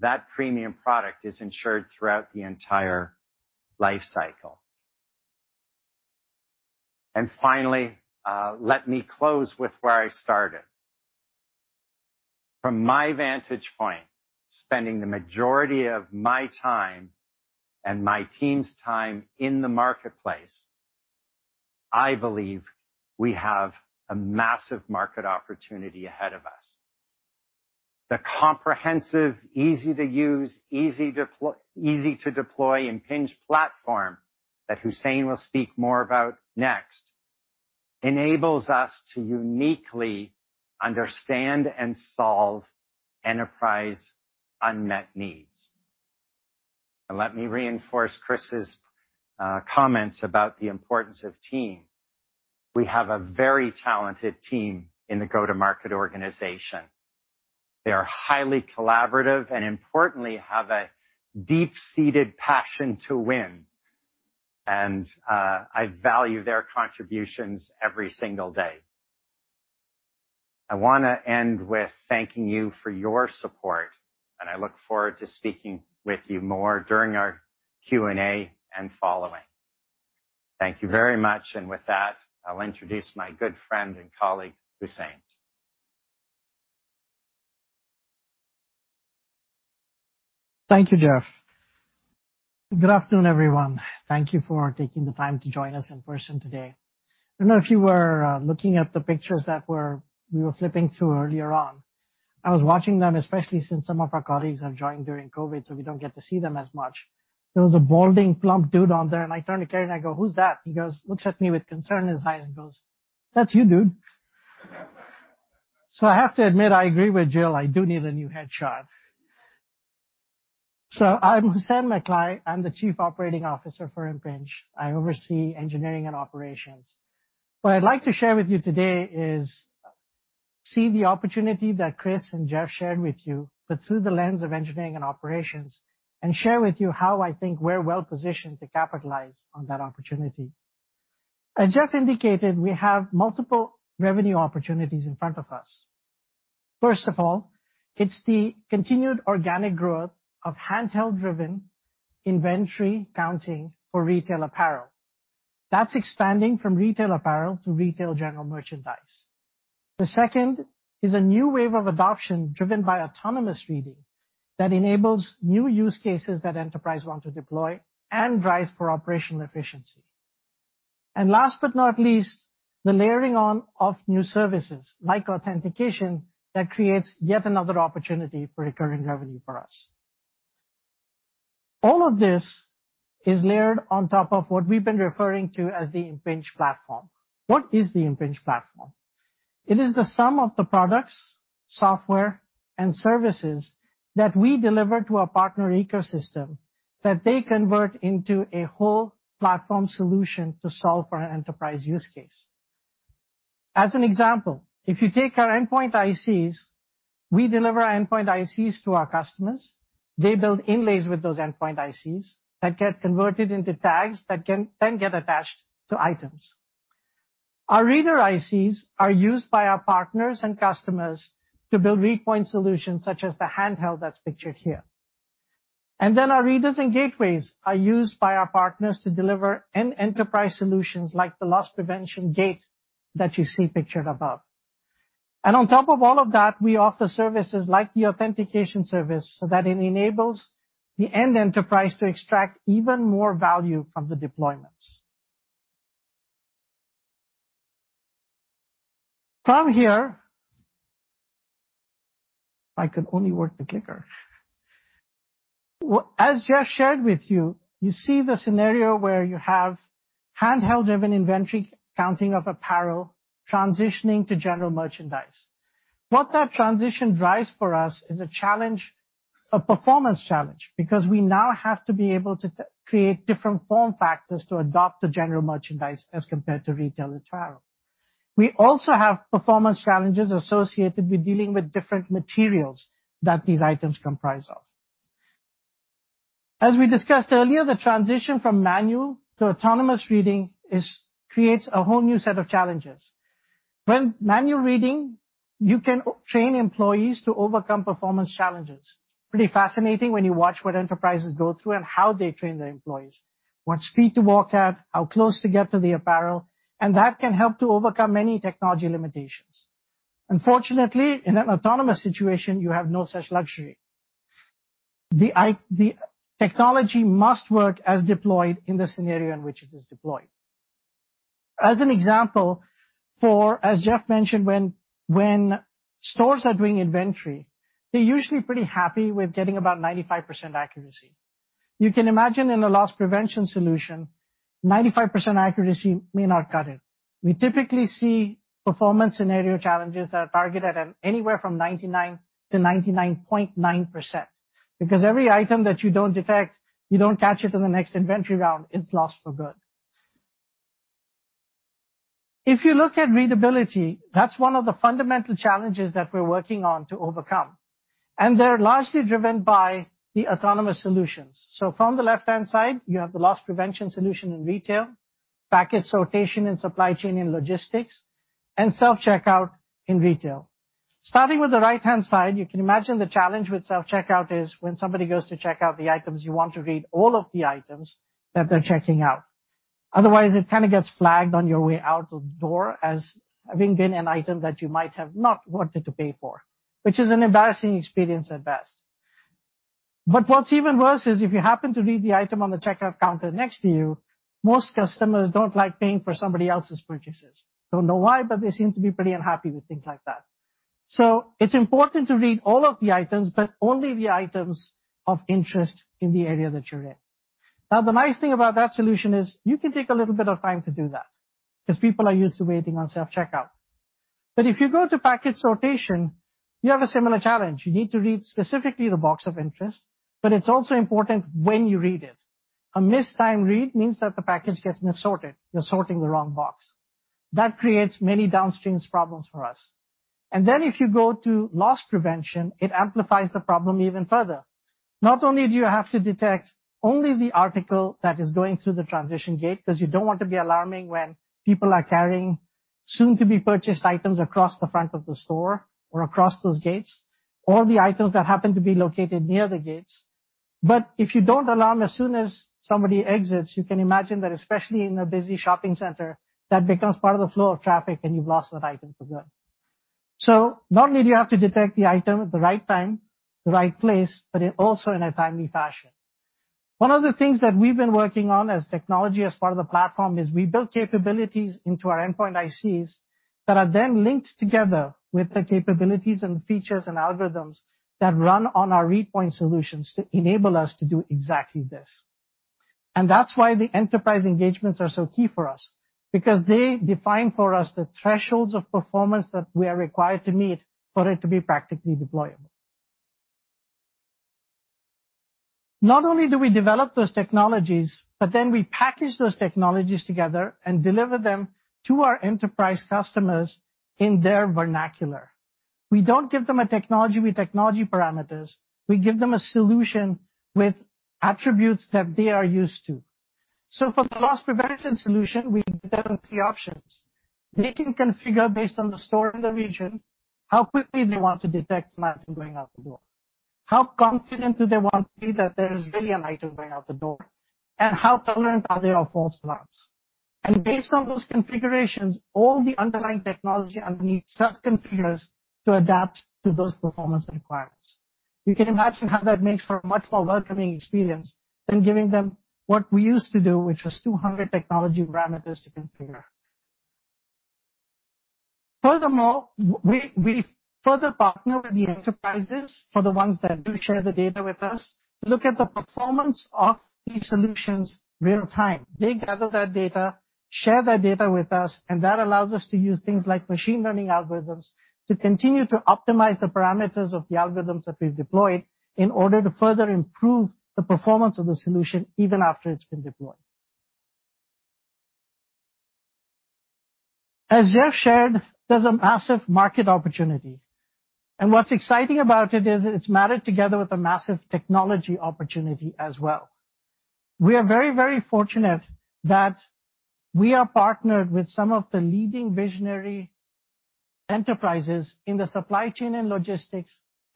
that premium product is ensured throughout the entire life cycle. Finally, let me close with where I started. From my vantage point, spending the majority of my time and my team's time in the marketplace, I believe we have a massive market opportunity ahead of us. The comprehensive, easy-to-use, easy-to-deploy Impinj platform, that Hussein will speak more about next, enables us to uniquely understand and solve enterprise unmet needs. Let me reinforce Chris's comments about the importance of team. We have a very talented team in the go-to-market organization. They are highly collaborative and importantly, have a deep-seated passion to win, and I value their contributions every single day. I wanna end with thanking you for your support, and I look forward to speaking with you more during our Q&A and following. Thank you very much. With that, I'll introduce my good friend and colleague, Hussein. Thank you, Jeff. Good afternoon, everyone. Thank you for taking the time to join us in person today. I don't know if you were looking at the pictures we were flipping through earlier on. I was watching them, especially since some of our colleagues have joined during COVID, so we don't get to see them as much. There was a balding, plump dude on there, and I turned to Kerry and I go: "Who's that?" He goes, looks at me with concern in his eyes and goes, "That's you, dude." I have to admit, I agree with Jill. I do need a new headshot. I'm Hussein Mecklai. I'm the Chief Operating Officer for Impinj. I oversee engineering and operations. What I'd like to share with you today is see the opportunity that Chris and Jeff shared with you, but through the lens of engineering and operations, and share with you how I think we're well positioned to capitalize on that opportunity. As Jeff indicated, we have multiple revenue opportunities in front of us. First of all, it's the continued organic growth of handheld-driven inventory counting for retail apparel. That's expanding from retail apparel to retail general merchandise. The second is a new wave of adoption, driven by autonomous reading, that enables new use cases that enterprise want to deploy and drives for operational efficiency. Last but not least, the layering on of new services like authentication, that creates yet another opportunity for recurring revenue for us. All of this is layered on top of what we've been referring to as the Impinj platform. What is the Impinj platform? It is the sum of the products, software, and services that we deliver to our partner ecosystem, that they convert into a whole platform solution to solve for an enterprise use case. As an example, if you take our endpoint ICs, we deliver our endpoint ICs to our customers. They build inlays with those endpoint ICs that get converted into tags that can then get attached to items. Our reader ICs are used by our partners and customers to build Readpoint solutions, such as the handheld that's pictured here. Our readers and gateways are used by our partners to deliver end enterprise solutions like the loss prevention gate that you see pictured above. On top of all of that, we offer services like the authentication service, so that it enables the end enterprise to extract even more value from the deployments. From here, if I could only work the clicker. Well, as Jeff shared with you see the scenario where you have handheld-driven inventory, counting of apparel, transitioning to general merchandise. What that transition drives for us is a challenge, a performance challenge, because we now have to be able to create different form factors to adopt the general merchandise as compared to retail apparel. We also have performance challenges associated with dealing with different materials that these items comprise of. As we discussed earlier, the transition from manual to autonomous reading is, creates a whole new set of challenges. When manual reading, you can train employees to overcome performance challenges. Pretty fascinating when you watch what enterprises go through and how they train their employees, what speed to walk at, how close to get to the apparel, and that can help to overcome many technology limitations. Unfortunately, in an autonomous situation, you have no such luxury. The technology must work as deployed in the scenario in which it is deployed. As an example, for, as Jeff mentioned, when stores are doing inventory, they're usually pretty happy with getting about 95% accuracy. You can imagine in a loss prevention solution, 95% accuracy may not cut it. We typically see performance scenario challenges that are targeted at anywhere from 99% to 99.9%, because every item that you don't detect, you don't catch it in the next inventory round, it's lost for good. If you look at readability, that's one of the fundamental challenges that we're working on to overcome, and they're largely driven by the autonomous solutions. From the left-hand side, you have the loss prevention solution in retail, package rotation in supply chain and logistics, and self-checkout in retail. Starting with the right-hand side, you can imagine the challenge with self-checkout is when somebody goes to check out the items, you want to read all of the items that they're checking out. Otherwise, it kind of gets flagged on your way out the door as having been an item that you might have not wanted to pay for, which is an embarrassing experience at best. What's even worse is if you happen to read the item on the checkout counter next to you, most customers don't like paying for somebody else's purchases. Don't know why, but they seem to be pretty unhappy with things like that. It's important to read all of the items, but only the items of interest in the area that you're in. The nice thing about that solution is you can take a little bit of time to do that, 'cause people are used to waiting on self-checkout. If you go to package sortation, you have a similar challenge. You need to read specifically the box of interest, but it's also important when you read it. A mistimed read means that the package gets missorted. You're sorting the wrong box. That creates many downstream problems for us. If you go to loss prevention, it amplifies the problem even further. Not only do you have to detect only the article that is going through the transition gate, 'cause you don't want to be alarming when people are carrying soon-to-be-purchased items across the front of the store or across those gates, or the items that happen to be located near the gates. If you don't alarm, as soon as somebody exits, you can imagine that, especially in a busy shopping center, that becomes part of the flow of traffic, and you've lost that item for good. Not only do you have to detect the item at the right time, the right place, but it also in a timely fashion. One of the things that we've been working on as technology, as part of the platform, is we built capabilities into our endpoint ICs that are then linked together with the capabilities and features and algorithms that run on our Readpoint solutions to enable us to do exactly this. That's why the enterprise engagements are so key for us, because they define for us the thresholds of performance that we are required to meet for it to be practically deployable. Not only do we develop those technologies, but then we package those technologies together and deliver them to our enterprise customers in their vernacular. We don't give them a technology with technology parameters. We give them a solution with attributes that they are used to. For the loss prevention solution, we develop three options. They can configure based on the store in the region, how quickly they want to detect an item going out the door, how confident do they want to be that there is really an item going out the door, and how tolerant are they of false alarms? Based on those configurations, all the underlying technology underneath self-configures to adapt to those performance requirements. You can imagine how that makes for a much more welcoming experience than giving them what we used to do, which was 200 technology parameters to configure. Furthermore, we further partner with the enterprises, for the ones that do share the data with us, to look at the performance of these solutions real time. They gather that data, share that data with us, and that allows us to use things like machine learning algorithms to continue to optimize the parameters of the algorithms that we've deployed in order to further improve the performance of the solution even after it's been deployed. As Jeff shared, there's a massive market opportunity, and what's exciting about it is it's married together with a massive technology opportunity as well. We are very, very fortunate that we are partnered with some of the leading visionary enterprises in the supply chain and logistics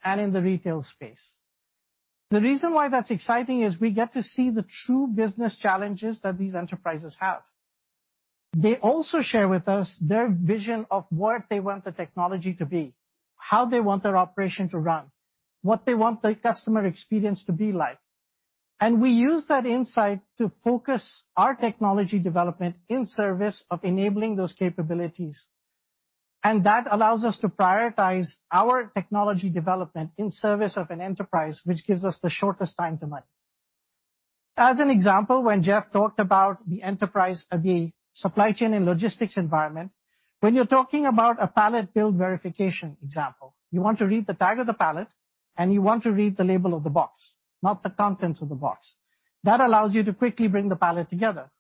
and in the retail space. The reason why that's exciting is we get to see the true business challenges that these enterprises have. They also share with us their vision of what they want the technology to be, how they want their operation to run, what they want the customer experience to be like. We use that insight to focus our technology development in service of enabling those capabilities. That allows us to prioritize our technology development in service of an enterprise, which gives us the shortest time to money. As an example, when Jeff talked about the supply chain and logistics environment, when you're talking about a pallet build verification example, you want to read the tag of the pallet, and you want to read the label of the box, not the contents of the box. That allows you to quickly bring the pallet together.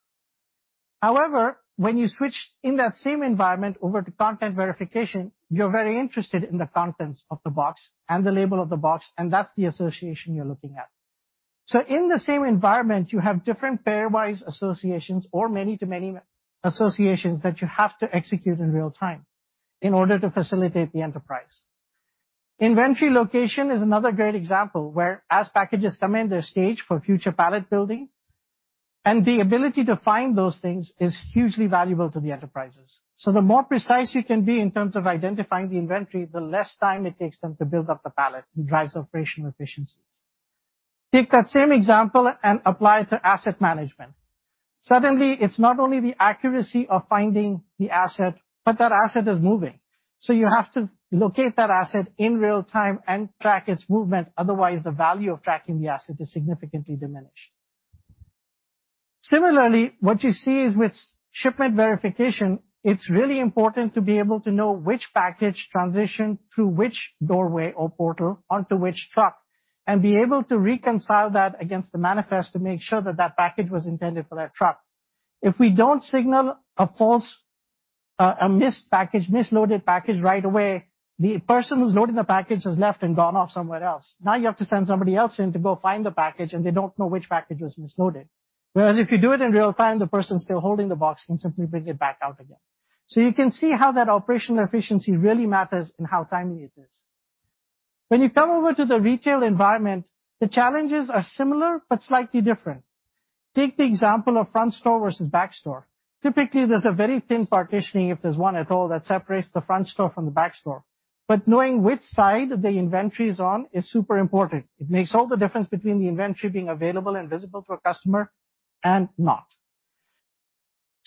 However, when you switch in that same environment over to content verification, you're very interested in the contents of the box and the label of the box, and that's the association you're looking at. In the same environment, you have different pairwise associations or many to many associations that you have to execute in real time in order to facilitate the enterprise. Inventory location is another great example where as packages come in, they're staged for future pallet building, and the ability to find those things is hugely valuable to the enterprises. The more precise you can be in terms of identifying the inventory, the less time it takes them to build up the pallet and drives operational efficiencies. Take that same example and apply it to asset management. Suddenly, it's not only the accuracy of finding the asset, but that asset is moving. You have to locate that asset in real time and track its movement. Otherwise, the value of tracking the asset is significantly diminished. Similarly, what you see is with shipment verification, it's really important to be able to know which package transitioned through which doorway or portal onto which truck, and be able to reconcile that against the manifest to make sure that that package was intended for that truck. If we don't signal a false, a missed package, misloaded package right away, the person who's loading the package has left and gone off somewhere else. Now, you have to send somebody else in to go find the package. They don't know which package was misloaded. If you do it in real-time, the person still holding the box can simply bring it back out again. You can see how that operational efficiency really matters and how timely it is. When you come over to the retail environment, the challenges are similar but slightly different. Take the example of front store versus back store. Typically, there's a very thin partitioning, if there's one at all, that separates the front store from the back store. Knowing which side the inventory is on is super important. It makes all the difference between the inventory being available and visible to a customer and not.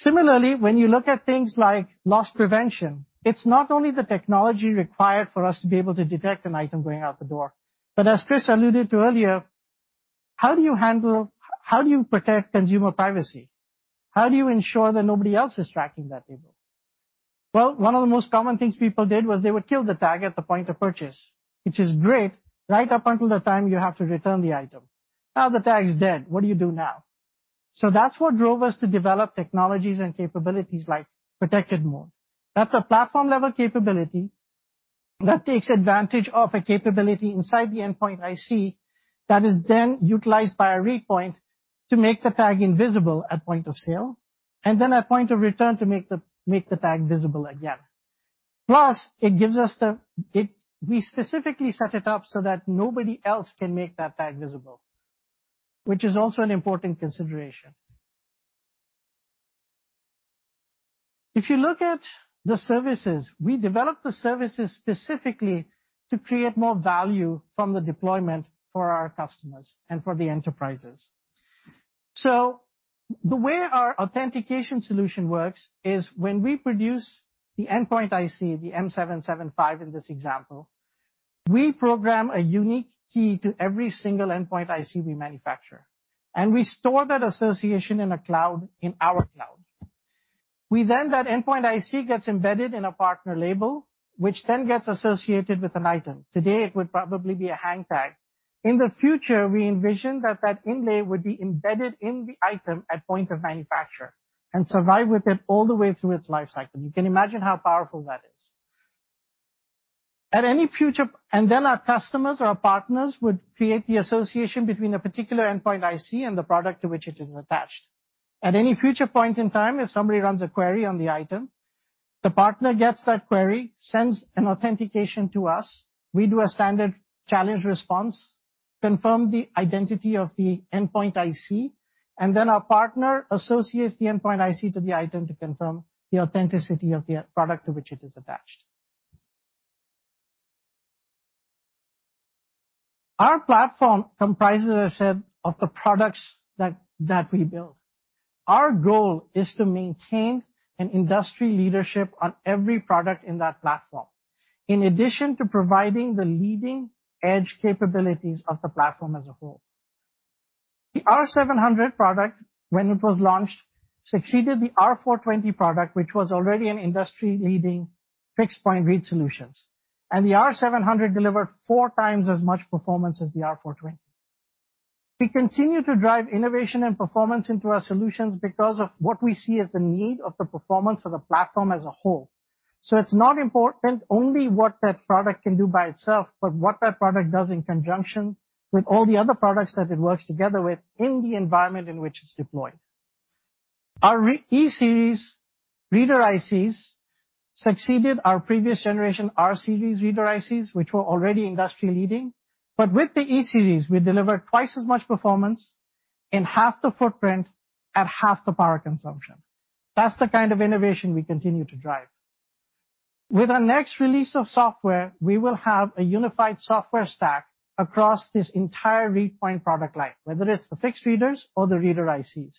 When you look at things like loss prevention, it's not only the technology required for us to be able to detect an item going out the door, but as Chris alluded to earlier, how do you handle... How do you protect consumer privacy? How do you ensure that nobody else is tracking that label? One of the most common things people did was they would kill the tag at the point of purchase, which is great, right up until the time you have to return the item. Now, the tag is dead. What do you do now? That's what drove us to develop technologies and capabilities like Protected Mode. That's a platform-level capability that takes advantage of a capability inside the Endpoint IC that is then utilized by a read point to make the tag invisible at point of sale, and then at point of return to make the tag visible again. It gives us the... we specifically set it up so that nobody else can make that tag visible, which is also an important consideration. If you look at the services, we developed the services specifically to create more value from the deployment for our customers and for the enterprises. The way our authentication solution works is when we produce the endpoint IC, the M775 in this example, we program a unique key to every single endpoint IC we manufacture, and we store that association in a cloud, in our cloud. That endpoint IC gets embedded in a partner label, which then gets associated with an item. Today, it would probably be a hang tag. In the future, we envision that inlay would be embedded in the item at point of manufacture and survive with it all the way through its life cycle. You can imagine how powerful that is. At any future... Our customers or partners would create the association between a particular endpoint IC and the product to which it is attached. At any future point in time, if somebody runs a query on the item, the partner gets that query, sends an authentication to us, we do a standard challenge response, confirm the identity of the endpoint IC, and then our partner associates the endpoint IC to the item to confirm the authenticity of the product to which it is attached. Our platform comprises, I said, of the products that we build. Our goal is to maintain an industry leadership on every product in that platform, in addition to providing the leading-edge capabilities of the platform as a whole. The R700 product, when it was launched, succeeded the R420 product, which was already an industry-leading fixed point read solutions. The Impinj R700 delivered 4 times as much performance as the Impinj R420. We continue to drive innovation and performance into our solutions because of what we see as the need of the performance of the platform as a whole. It's not important only what that product can do by itself, but what that product does in conjunction with all the other products that it works together with in the environment in which it's deployed. Our E-series reader ICs succeeded our previous generation, R-series reader ICs, which were already industry-leading. With the E-series, we delivered 2 times as much performance in half the footprint at half the power consumption. That's the kind of innovation we continue to drive. With our next release of software, we will have a unified software stack across this entire read point product line, whether it's the fixed readers or the reader ICs.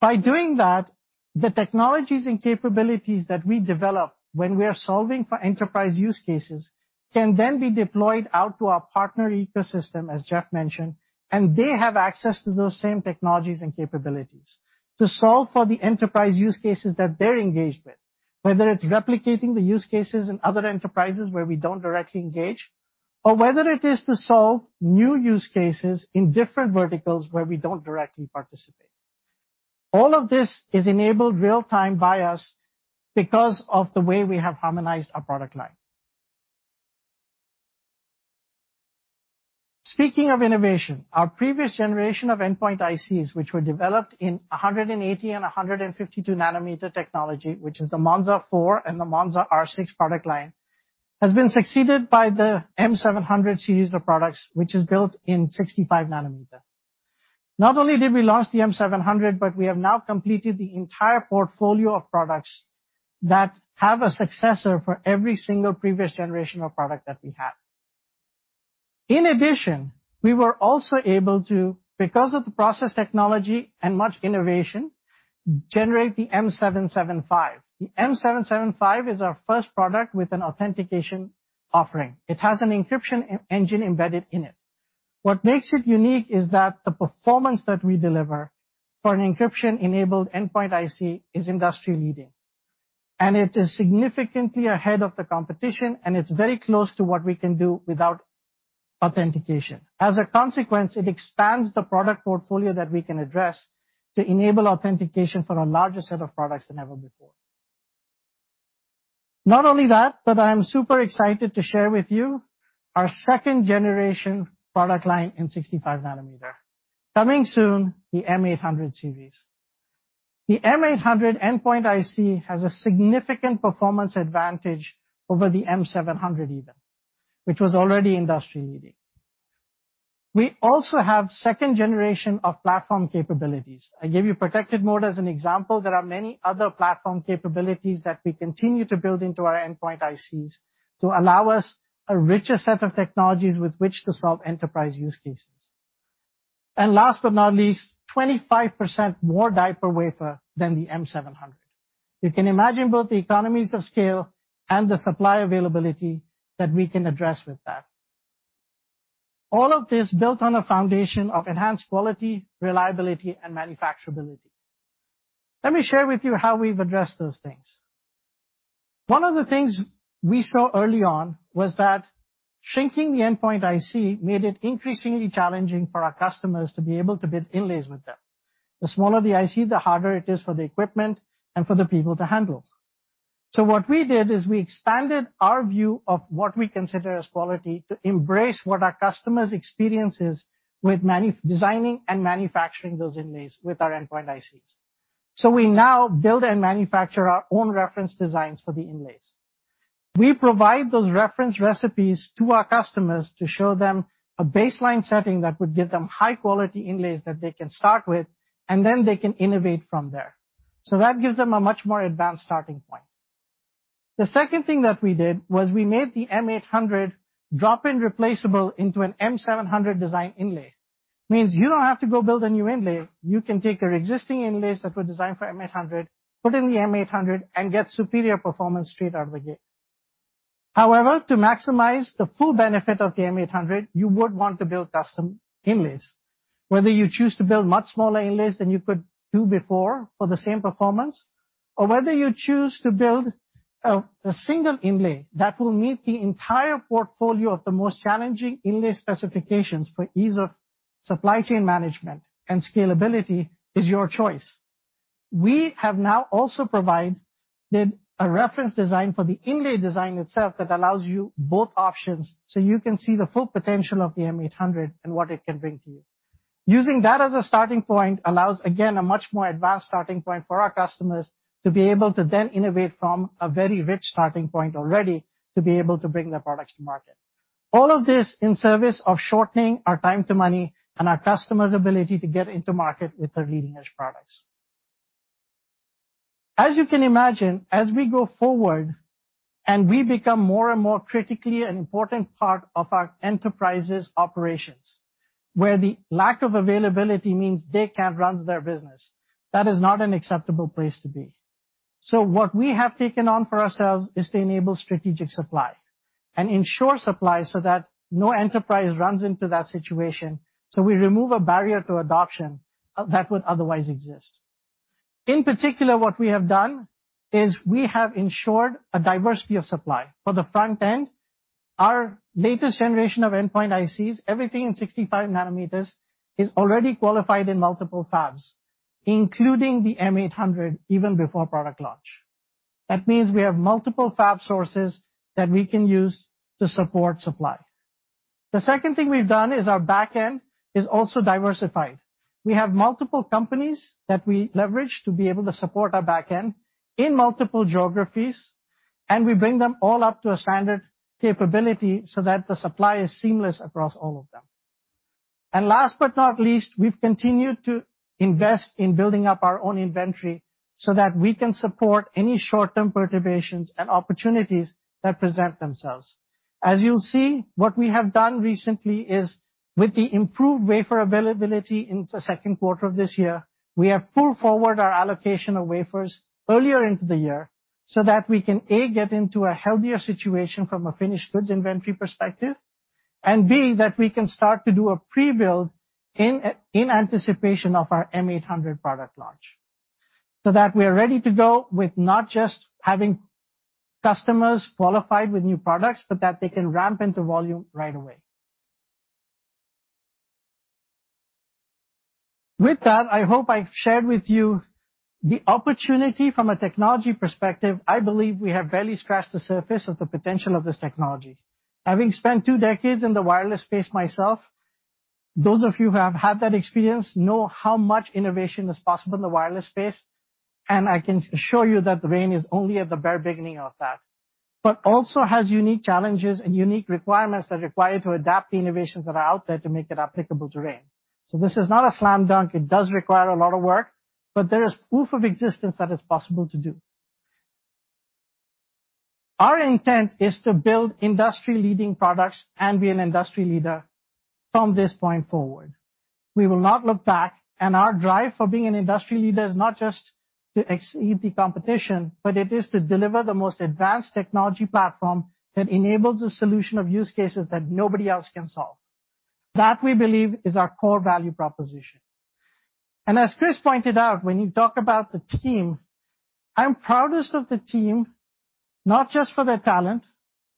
By doing that, the technologies and capabilities that we develop when we are solving for enterprise use cases, can then be deployed out to our partner ecosystem, as Jeff mentioned, and they have access to those same technologies and capabilities to solve for the enterprise use cases that they're engaged with. Whether it's replicating the use cases in other enterprises where we don't directly engage, or whether it is to solve new use cases in different verticals where we don't directly participate. All of this is enabled real-time by us because of the way we have harmonized our product line. Speaking of innovation, our previous generation of endpoint ICs, which were developed in 180 and 152-nanometer technology, which is the Monza 4 and the Monza R6 product line, has been succeeded by the Impinj M700 series of products, which is built in 65-nanometer. Not only did we launch the Impinj M700, we have now completed the entire portfolio of products that have a successor for every single previous generational product that we had. In addition, we were also able to, because of the process technology and much innovation, generate the Impinj M775. The Impinj M775 is our first product with an authentication offering. It has an encryption engine embedded in it. What makes it unique is that the performance that we deliver for an encryption-enabled endpoint IC is industry-leading. It is significantly ahead of the competition. It's very close to what we can do without authentication. As a consequence, it expands the product portfolio that we can address to enable authentication for a larger set of products than ever before. Not only that, I am super excited to share with you our second generation product line in 65-nanometer. Coming soon, the M800 series. The M800 endpoint IC has a significant performance advantage over the M700 even, which was already industry-leading. We also have second generation of platform capabilities. I gave you Protected Mode as an example. There are many other platform capabilities that we continue to build into our endpoint ICs, to allow us a richer set of technologies with which to solve enterprise use cases. Last but not least, 25% more die per wafer than the M700. You can imagine both the economies of scale and the supply availability that we can address with that. All of this built on a foundation of enhanced quality, reliability, and manufacturability. Let me share with you how we've addressed those things. One of the things we saw early on was that shrinking the endpoint IC made it increasingly challenging for our customers to be able to build inlays with them. The smaller the IC, the harder it is for the equipment and for the people to handle. What we did is we expanded our view of what we consider as quality, to embrace what our customers experiences with designing and manufacturing those inlays with our endpoint ICs. We now build and manufacture our own reference designs for the inlays. We provide those reference recipes to our customers to show them a baseline setting that would give them high-quality inlays that they can start with, and then they can innovate from there. That gives them a much more advanced starting point. The second thing that we did was we made the M800 drop-in replaceable into an M700 design inlay. Means you don't have to go build a new inlay. You can take your existing inlays that were designed for M800, put in the M800, and get superior performance straight out of the gate. However, to maximize the full benefit of the M800, you would want to build custom inlays. Whether you choose to build much smaller inlays than you could do before for the same performance, or whether you choose to build a single inlay that will meet the entire portfolio of the most challenging inlay specifications for ease of supply chain management and scalability, is your choice. We have now also provided a reference design for the inlay design itself that allows you both options, so you can see the full potential of the M800 and what it can bring to you. Using that as a starting point allows, again, a much more advanced starting point for our customers to be able to then innovate from a very rich starting point already, to be able to bring their products to market. All of this in service of shortening our time to money and our customers' ability to get into market with their leading-edge products. You can imagine, as we go forward and we become more and more critically an important part of our enterprise's operations, where the lack of availability means they can't run their business, that is not an acceptable place to be. What we have taken on for ourselves is to enable strategic supply and ensure supply so that no enterprise runs into that situation, so we remove a barrier to adoption that would otherwise exist. In particular, what we have done is we have ensured a diversity of supply. For the front end, our latest generation of endpoint ICs, everything in 65-nanometer, is already qualified in multiple fabs, including the M800, even before product launch. That means we have multiple fab sources that we can use to support supply. The second thing we've done is our back end is also diversified. We have multiple companies that we leverage to be able to support our back end in multiple geographies. We bring them all up to a standard capability so that the supply is seamless across all of them. Last but not least, we've continued to invest in building up our own inventory so that we can support any short-term perturbations and opportunities that present themselves. As you'll see, what we have done recently is, with the improved wafer availability in the Q2 of this year, we have pulled forward our allocation of wafers earlier into the year so that we can, A, get into a healthier situation from a finished goods inventory perspective, and B, that we can start to do a pre-build in anticipation of our M800 product launch, so that we are ready to go with not just having customers qualified with new products, but that they can ramp into volume right away. With that, I hope I've shared with you the opportunity from a technology perspective. I believe we have barely scratched the surface of the potential of this technology. Having spent two decades in the wireless space myself, those of you who have had that experience know how much innovation is possible in the wireless space. I can assure you that the RAIN is only at the very beginning of that. Also has unique challenges and unique requirements that require to adapt the innovations that are out there to make it applicable to RAIN. This is not a slam dunk. It does require a lot of work. There is proof of existence that it's possible to do. Our intent is to build industry-leading products and be an industry leader from this point forward. We will not look back. Our drive for being an industry leader is not just to exceed the competition, but it is to deliver the most advanced technology platform that enables a solution of use cases that nobody else can solve. That, we believe, is our core value proposition. As Chris pointed out, when you talk about the team, I'm proudest of the team, not just for their talent,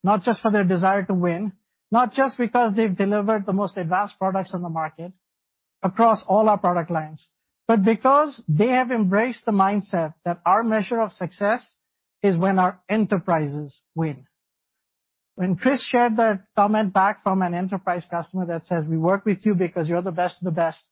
not just for their desire to win, not just because they've delivered the most advanced products on the market across all our product lines, but because they have embraced the mindset that our measure of success is when our enterprises win. When Chris shared that comment back from an enterprise customer that says, "We work with you because you're the best of the best,"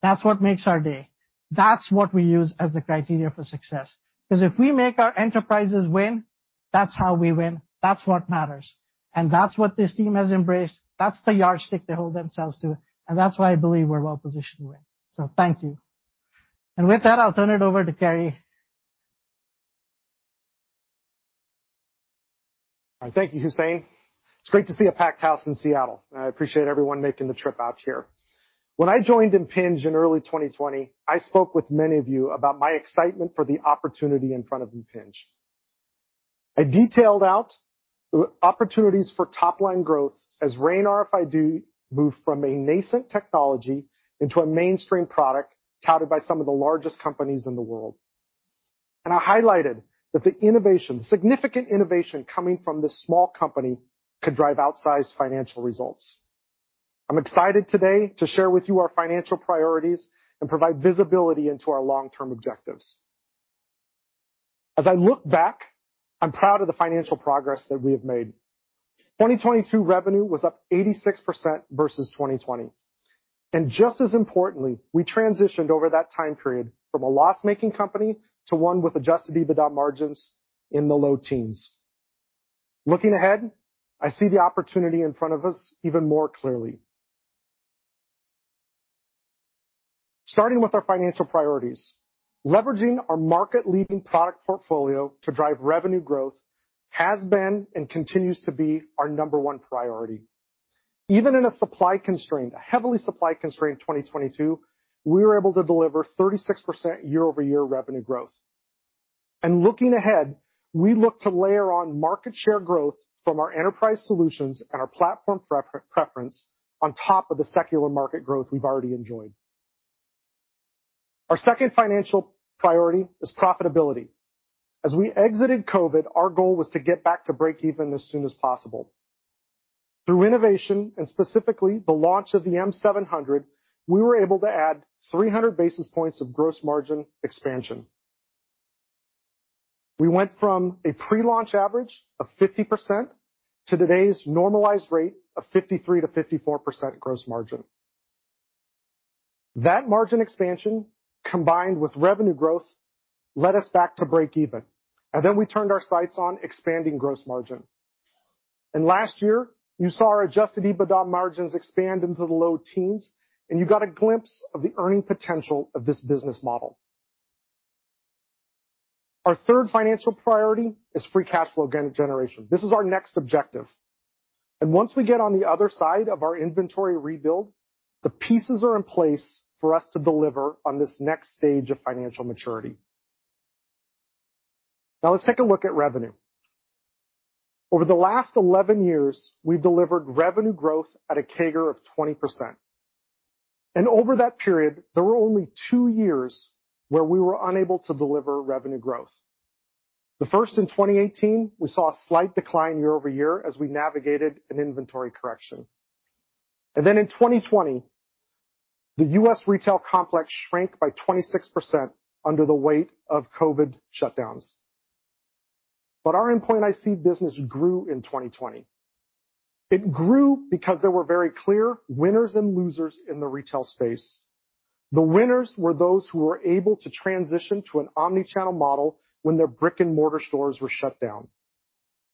that's what makes our day. That's what we use as the criteria for success, because if we make our enterprises win, that's how we win, that's what matters, and that's what this team has embraced. That's the yardstick they hold themselves to, and that's why I believe we're well positioned to win. Thank you. With that, I'll turn it over to Kerry. All right. Thank you, Hussein. It's great to see a packed house in Seattle. I appreciate everyone making the trip out here. When I joined Impinj in early 2020, I spoke with many of you about my excitement for the opportunity in front of Impinj. I detailed out the opportunities for top-line growth as RAIN RFID moved from a nascent technology into a mainstream product, touted by some of the largest companies in the world. I highlighted that the innovation, significant innovation coming from this small company, could drive outsized financial results. I'm excited today to share with you our financial priorities and provide visibility into our long-term objectives. As I look back, I'm proud of the financial progress that we have made. 2022 revenue was up 86% versus 2020. Just as importantly, we transitioned over that time period from a loss-making company to one with adjusted EBITDA margins in the low teens. Looking ahead, I see the opportunity in front of us even more clearly. Starting with our financial priorities, leveraging our market-leading product portfolio to drive revenue growth has been and continues to be our number one priority. Even in a heavily supply-constrained 2022, we were able to deliver 36% year-over-year revenue growth. Looking ahead, we look to layer on market share growth from our enterprise solutions and our platform preference on top of the secular market growth we've already enjoyed. Our second financial priority is profitability. As we exited COVID, our goal was to get back to break even as soon as possible. Through innovation, specifically the launch of the M700, we were able to add 300 basis points of gross margin expansion. We went from a pre-launch average of 50% to today's normalized rate of 53%-54% gross margin. That margin expansion, combined with revenue growth, led us back to break even, then we turned our sights on expanding gross margin. Last year, you saw our adjusted EBITDA margins expand into the low teens, you got a glimpse of the earning potential of this business model. Our third financial priority is free cash flow generation. This is our next objective, once we get on the other side of our inventory rebuild, the pieces are in place for us to deliver on this next stage of financial maturity. Now, let's take a look at revenue. Over the last 11 years, we've delivered revenue growth at a CAGR of 20%, over that period, there were only 2 years where we were unable to deliver revenue growth. The first, in 2018, we saw a slight decline year-over-year as we navigated an inventory correction. Then in 2020, the U.S. retail complex shrank by 26% under the weight of COVID shutdowns. Our endpoint IC business grew in 2020. It grew because there were very clear winners and losers in the retail space. The winners were those who were able to transition to an omnichannel model when their brick-and-mortar stores were shut down.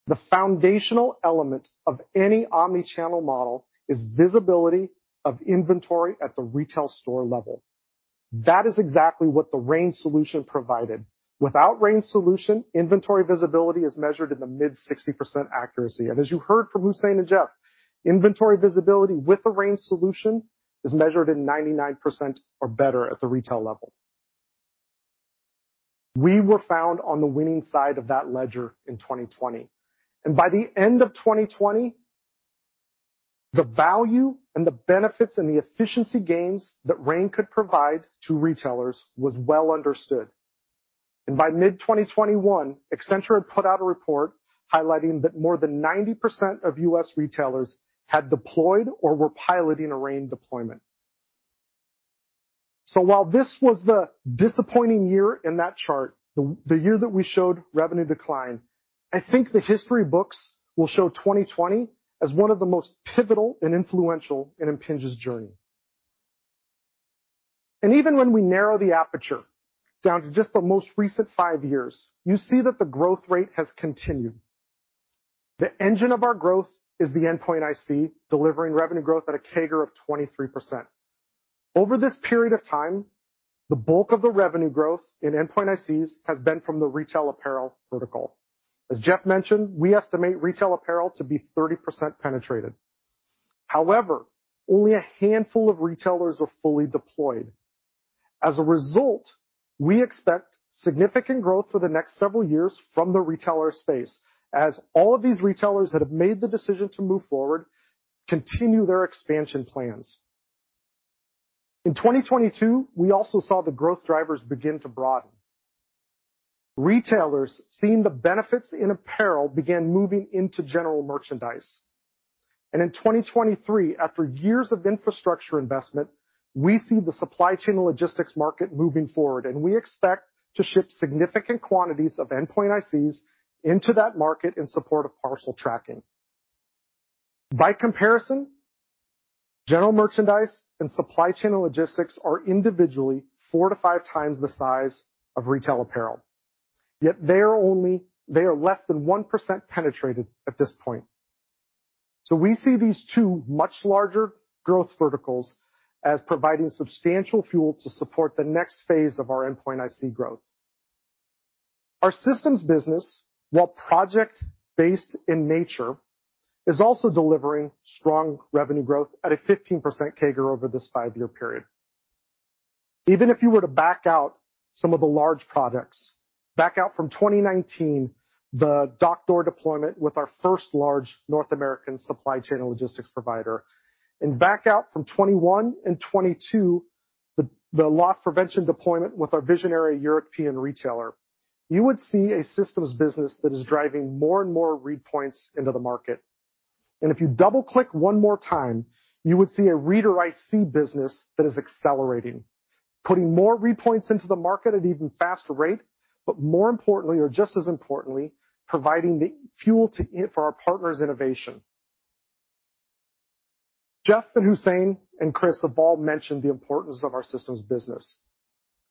The foundational element of any omnichannel model is visibility of inventory at the retail store level. That is exactly what the RAIN solution provided. Without RAIN solution, inventory visibility is measured in the mid-60% accuracy, as you heard from Hussein and Jeff, inventory visibility with the RAIN solution is measured in 99% or better at the retail level. We were found on the winning side of that ledger in 2020, by the end of 2020, the value and the benefits and the efficiency gains that RAIN could provide to retailers was well understood. By mid-2021, Accenture had put out a report highlighting that more than 90% of U.S. retailers had deployed or were piloting a RAIN deployment. While this was the disappointing year in that chart, the year that we showed revenue decline, I think the history books will show 2020 as one of the most pivotal and influential in Impinj's journey. Even when we narrow the aperture down to just the most recent five years, you see that the growth rate has continued. The engine of our growth is the endpoint IC, delivering revenue growth at a CAGR of 23%. Over this period of time, the bulk of the revenue growth in endpoint ICs has been from the retail apparel vertical. As Jeff mentioned, we estimate retail apparel to be 30% penetrated. However, only a handful of retailers are fully deployed. As a result, we expect significant growth for the next several years from the retailer space, as all of these retailers that have made the decision to move forward continue their expansion plans. In 2022, we also saw the growth drivers begin to broaden. Retailers, seeing the benefits in apparel, began moving into general merchandise. In 2023, after years of infrastructure investment, we see the supply chain and logistics market moving forward. We expect to ship significant quantities of Endpoint ICs into that market in support of parcel tracking. By comparison, general merchandise and supply chain and logistics are individually four to five times the size of retail apparel, yet they are less than 1% penetrated at this point. We see these two much larger growth verticals as providing substantial fuel to support the next phase of our Endpoint IC growth. Our systems business, while project-based in nature, is also delivering strong revenue growth at a 15% CAGR over this five-year period. Even if you were to back out some of the large products, back out from 2019, the dock door deployment with our first large North American supply chain and logistics provider, and back out from 21 and 22, the loss prevention deployment with our visionary European retailer, you would see a systems business that is driving more and more read points into the market. If you double-click one more time, you would see a reader IC business that is accelerating, putting more read points into the market at an even faster rate, but more importantly, or just as importantly, providing the fuel to it for our partners' innovation. Jeff and Hussein and Chris have all mentioned the importance of our systems business.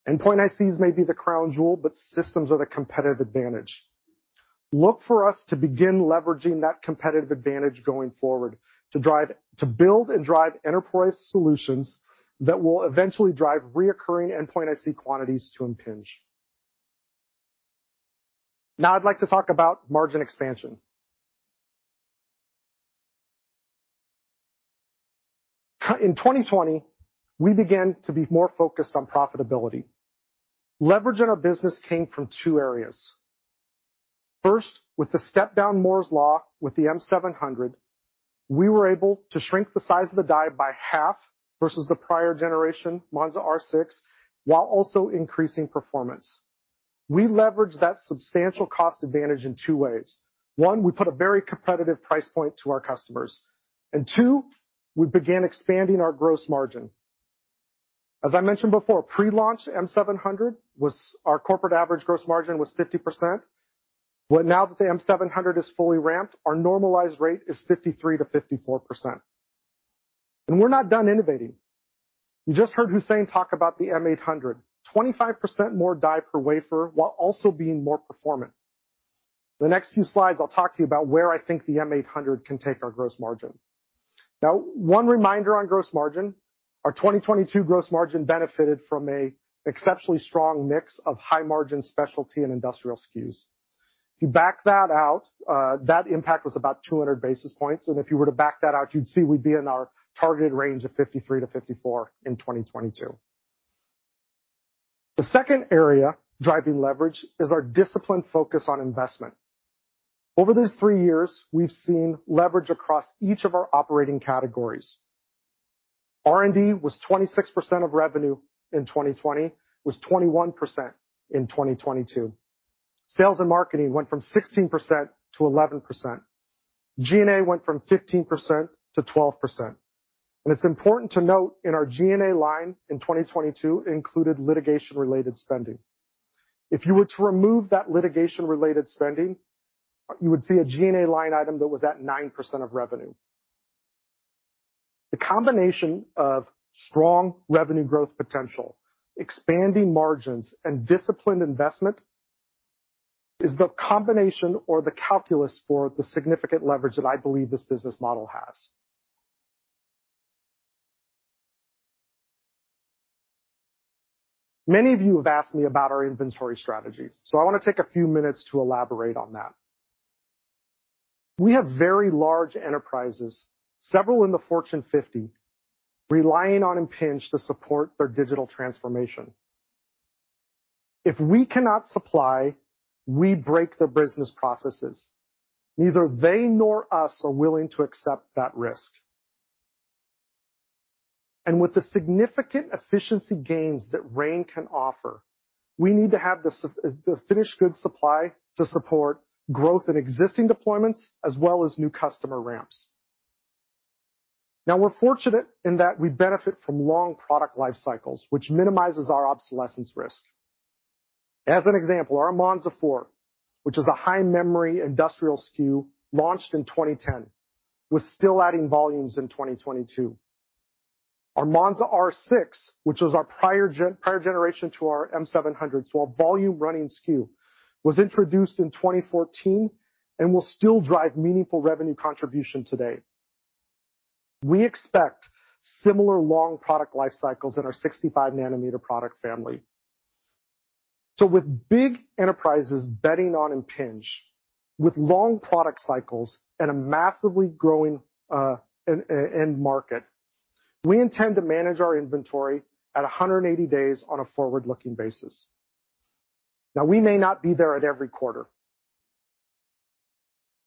endpoint ICs may be the crown jewel, but systems are the competitive advantage. Look for us to begin leveraging that competitive advantage going forward to build and drive enterprise solutions that will eventually drive recurring Endpoint IC quantities to Impinj. I'd like to talk about margin expansion. In 2020, we began to be more focused on profitability. Leverage in our business came from two areas. First, with the step-down Moore's Law, with the M700, we were able to shrink the size of the die by half versus the prior generation, Monza R6, while also increasing performance. We leveraged that substantial cost advantage in two ways. One, we put a very competitive price point to our customers, and two, we began expanding our gross margin. I mentioned before, our corporate average gross margin was 50%. Now that the M700 is fully ramped, our normalized rate is 53%-54%. We're not done innovating. You just heard Hussein talk about the M800, 25% more die per wafer, while also being more performant. The next few slides, I'll talk to you about where I think the M800 can take our gross margin. One reminder on gross margin, our 2022 gross margin benefited from a exceptionally strong mix of high-margin specialty and industrial SKUs. If you back that out, that impact was about 200 basis points, and if you were to back that out, you'd see we'd be in our targeted range of 53%-54% in 2022. The second area driving leverage is our disciplined focus on investment. Over these three years, we've seen leverage across each of our operating categories. R&D was 26% of revenue in 2020, was 21% in 2022. Sales and marketing went from 16% to 11%. G&A went from 15% to 12%. It's important to note in our G&A line in 2022, included litigation-related spending. If you were to remove that litigation-related spending, you would see a G&A line item that was at 9% of revenue. The combination of strong revenue growth potential, expanding margins, and disciplined investment is the combination or the calculus for the significant leverage that I believe this business model has. Many of you have asked me about our inventory strategy, so I want to take a few minutes to elaborate on that. We have very large enterprises, several in the Fortune 50, relying on Impinj to support their digital transformation. If we cannot supply, we break their business processes. Neither they nor us are willing to accept that risk. With the significant efficiency gains that RAIN can offer, we need to have the finished goods supply to support growth in existing deployments as well as new customer ramps. Now, we're fortunate in that we benefit from long product life cycles, which minimizes our obsolescence risk. As an example, our Monza 4, which is a high memory industrial SKU, launched in 2010, was still adding volumes in 2022. Our Monza R6, which is our prior generation to our M700, so our volume running SKU, was introduced in 2014 and will still drive meaningful revenue contribution today. We expect similar long product life cycles in our 65-nanometer product family. With big enterprises betting on Impinj, with long product cycles and a massively growing end market, we intend to manage our inventory at 180 days on a forward-looking basis. Now, we may not be there at every quarter.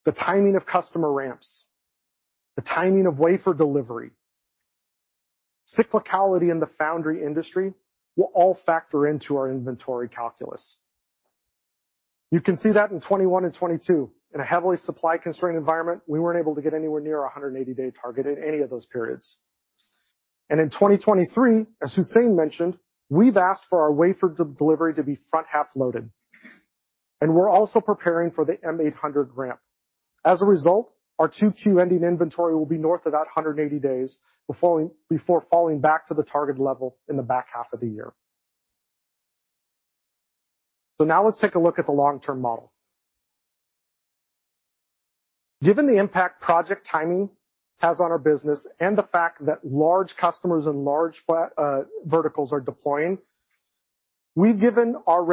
The timing of customer ramps, the timing of wafer delivery, cyclicality in the foundry industry, will all factor into our inventory calculus. You can see that in 2021 and 2022. In a heavily supply-constrained environment, we weren't able to get anywhere near our 180-day target in any of those periods. In 2023, as Hussein mentioned, we've asked for our wafer de-delivery to be front-half loaded, and we're also preparing for the M800 ramp. As a result, our 2Q ending inventory will be north of that 180 days, before falling back to the target level in the back half of the year. Now let's take a look at the long-term model. Given the impact project timing has on our business and the fact that large customers and large verticals are deploying, we've given our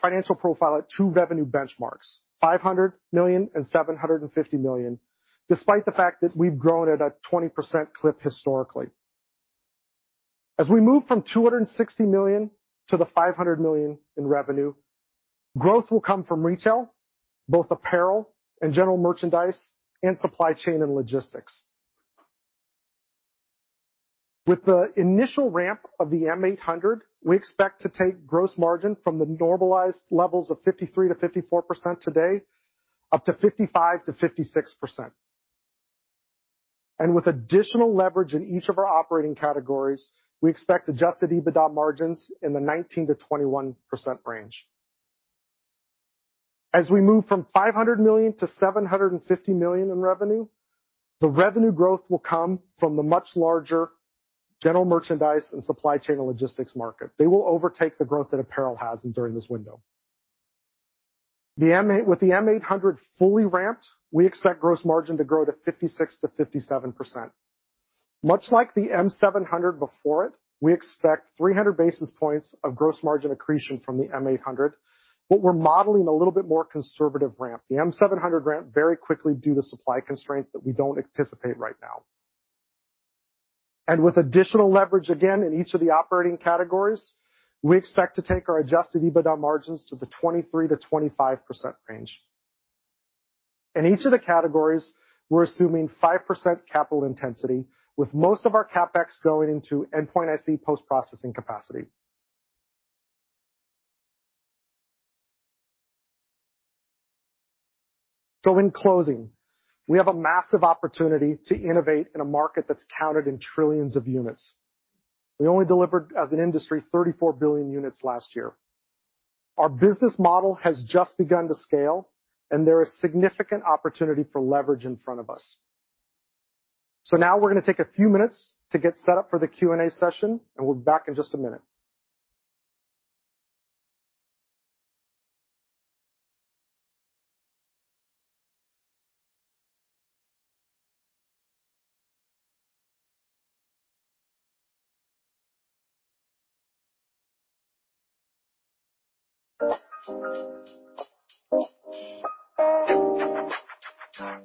financial profile at 2 revenue benchmarks, $5 million and $750 million, despite the fact that we've grown at a 20% clip historically. As we move from $260 million to the $500 million in revenue, growth will come from retail, both apparel and general merchandise, and supply chain and logistics. With the initial ramp of the M800, we expect to take gross margin from the normalized levels of 53%-54% today, up to 55%-56%. With additional leverage in each of our operating categories, we expect adjusted EBITDA margins in the 19%-21% range. As we move from $500 million to $750 million in revenue, the revenue growth will come from the much larger general merchandise and supply chain and logistics market. They will overtake the growth that apparel has during this window. With the M800 fully ramped, we expect gross margin to grow to 56%-57%. Much like the M700 before it, we expect 300 basis points of gross margin accretion from the M800, but we're modeling a little bit more conservative ramp. The M700 ramp very quickly due to supply constraints that we don't anticipate right now. With additional leverage, again, in each of the operating categories, we expect to take our adjusted EBITDA margins to the 23%-25% range. In each of the categories, we're assuming 5% capital intensity, with most of our CapEx going into endpoint IC post-processing capacity. In closing, we have a massive opportunity to innovate in a market that's counted in trillions of units. We only delivered, as an industry, 34 billion units last year. Our business model has just begun to scale, and there is significant opportunity for leverage in front of us. Now we're going to take a few minutes to get set up for the Q&A session, and we're back in just a minute. Okay, I think we are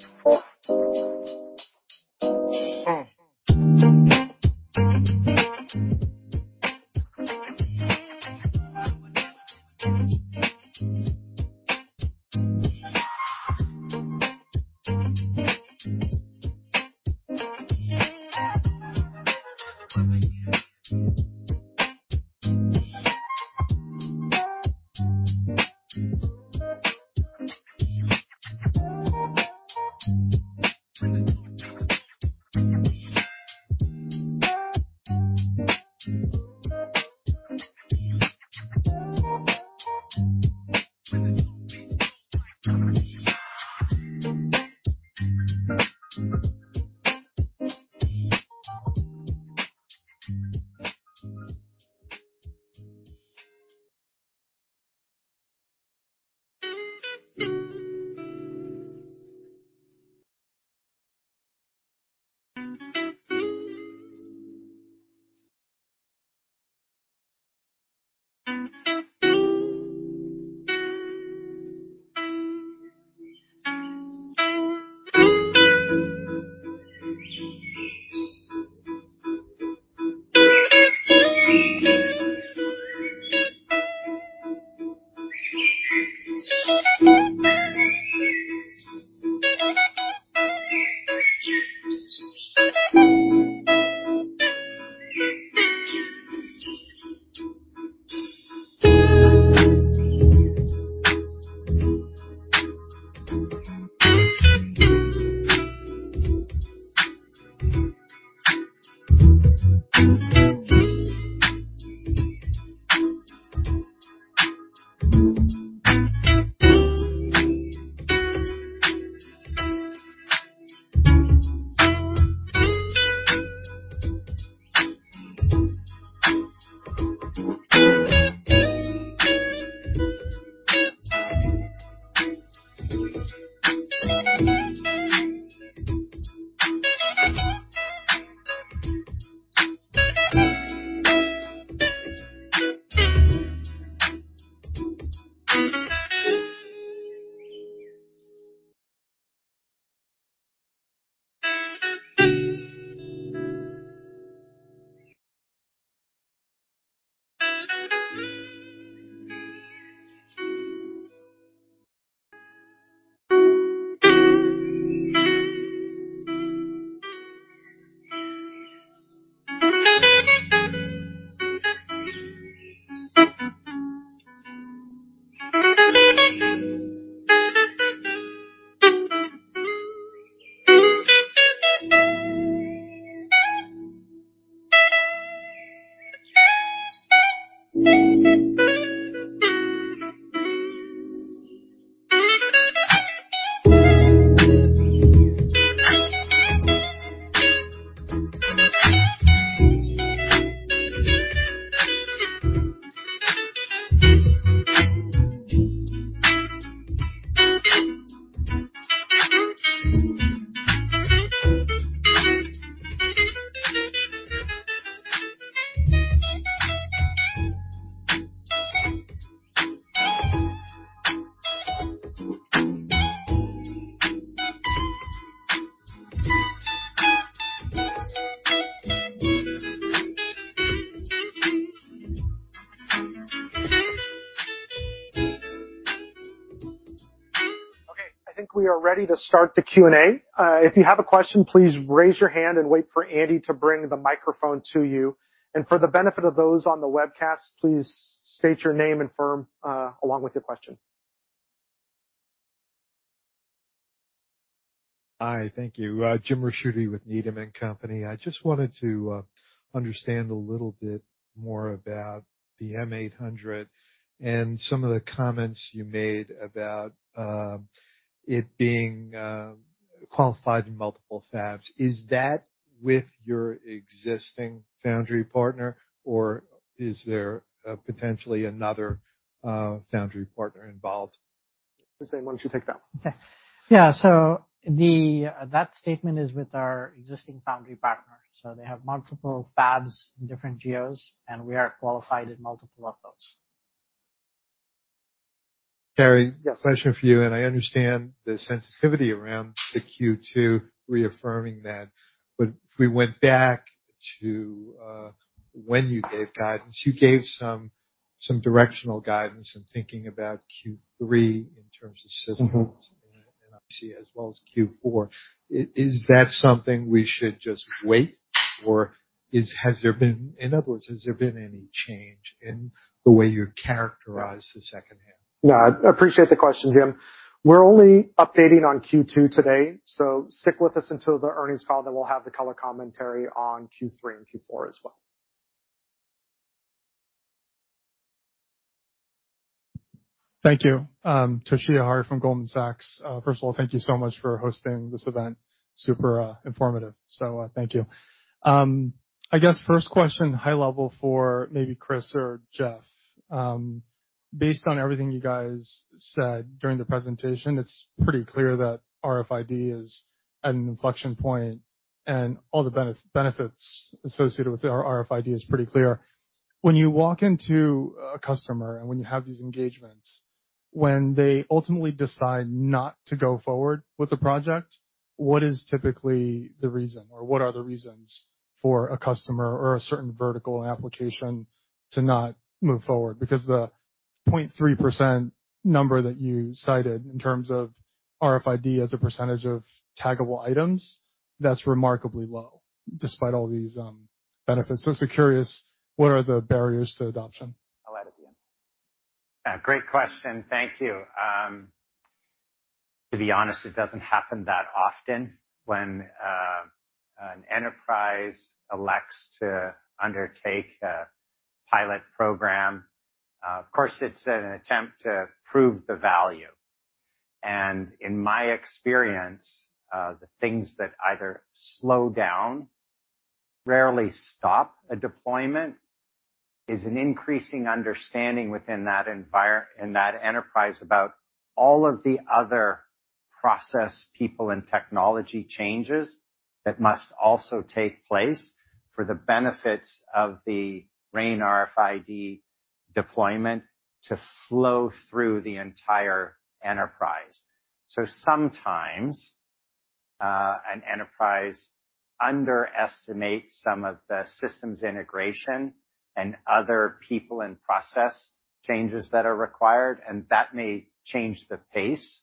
ready to start the Q&A. If you have a question, please raise your hand and wait for Andy to bring the microphone to you. For the benefit of those on the webcast, please state your name and firm along with your question. Hi, thank you. Jim Ricchiuti with Needham & Company. I just wanted to understand a little bit more about the M800 and some of the comments you made about it being qualified in multiple fabs. Is that with your existing foundry partner, or is there potentially another foundry partner involved? Hussein, why don't you take that one? Okay. Yeah, that statement is with our existing foundry partner. They have multiple fabs in different geos, and we are qualified in multiple of those. Terry? Yes. Question for you, and I understand the sensitivity around the Q2 reaffirming that, but if we went back to, when you gave guidance, you gave some directional guidance in thinking about Q3 in terms of systems-. Mm-hmm. IC, as well as Q4. Is that something we should just wait? In other words, has there been any change in the way you characterize the second half? No, I appreciate the question, Jim. We're only updating on Q2 today, so stick with us until the earnings call, then we'll have the color commentary on Q3 and Q4 as well. Thank you. Toshiya Hari from Goldman Sachs. First of all, thank you so much for hosting this event. Super informative. Thank you. I guess first question, high level for maybe Chris or Jeff. Based on everything you guys said during the presentation, it's pretty clear that RFID is at an inflection point, and all the benefits associated with RFID is pretty clear. When you walk into a customer, and when you have these engagements, when they ultimately decide not to go forward with the project, what is typically the reason, or what are the reasons for a customer or a certain vertical application to not move forward? Because the 0.3% number that you cited in terms of RFID as a percentage of taggable items, that's remarkably low, despite all these benefits. Just curious, what are the barriers to adoption? I'll add at the end. Yeah, great question. Thank you. To be honest, it doesn't happen that often when an enterprise elects to undertake a pilot program. Of course, it's an attempt to prove the value, and in my experience, the things that either slow down, rarely stop a deployment, is an increasing understanding within that enterprise about all of the other process, people, and technology changes that must also take place for the benefits of the RAIN RFID deployment to flow through the entire enterprise. Sometimes an enterprise underestimates some of the systems integration and other people and process changes that are required, and that may change the pace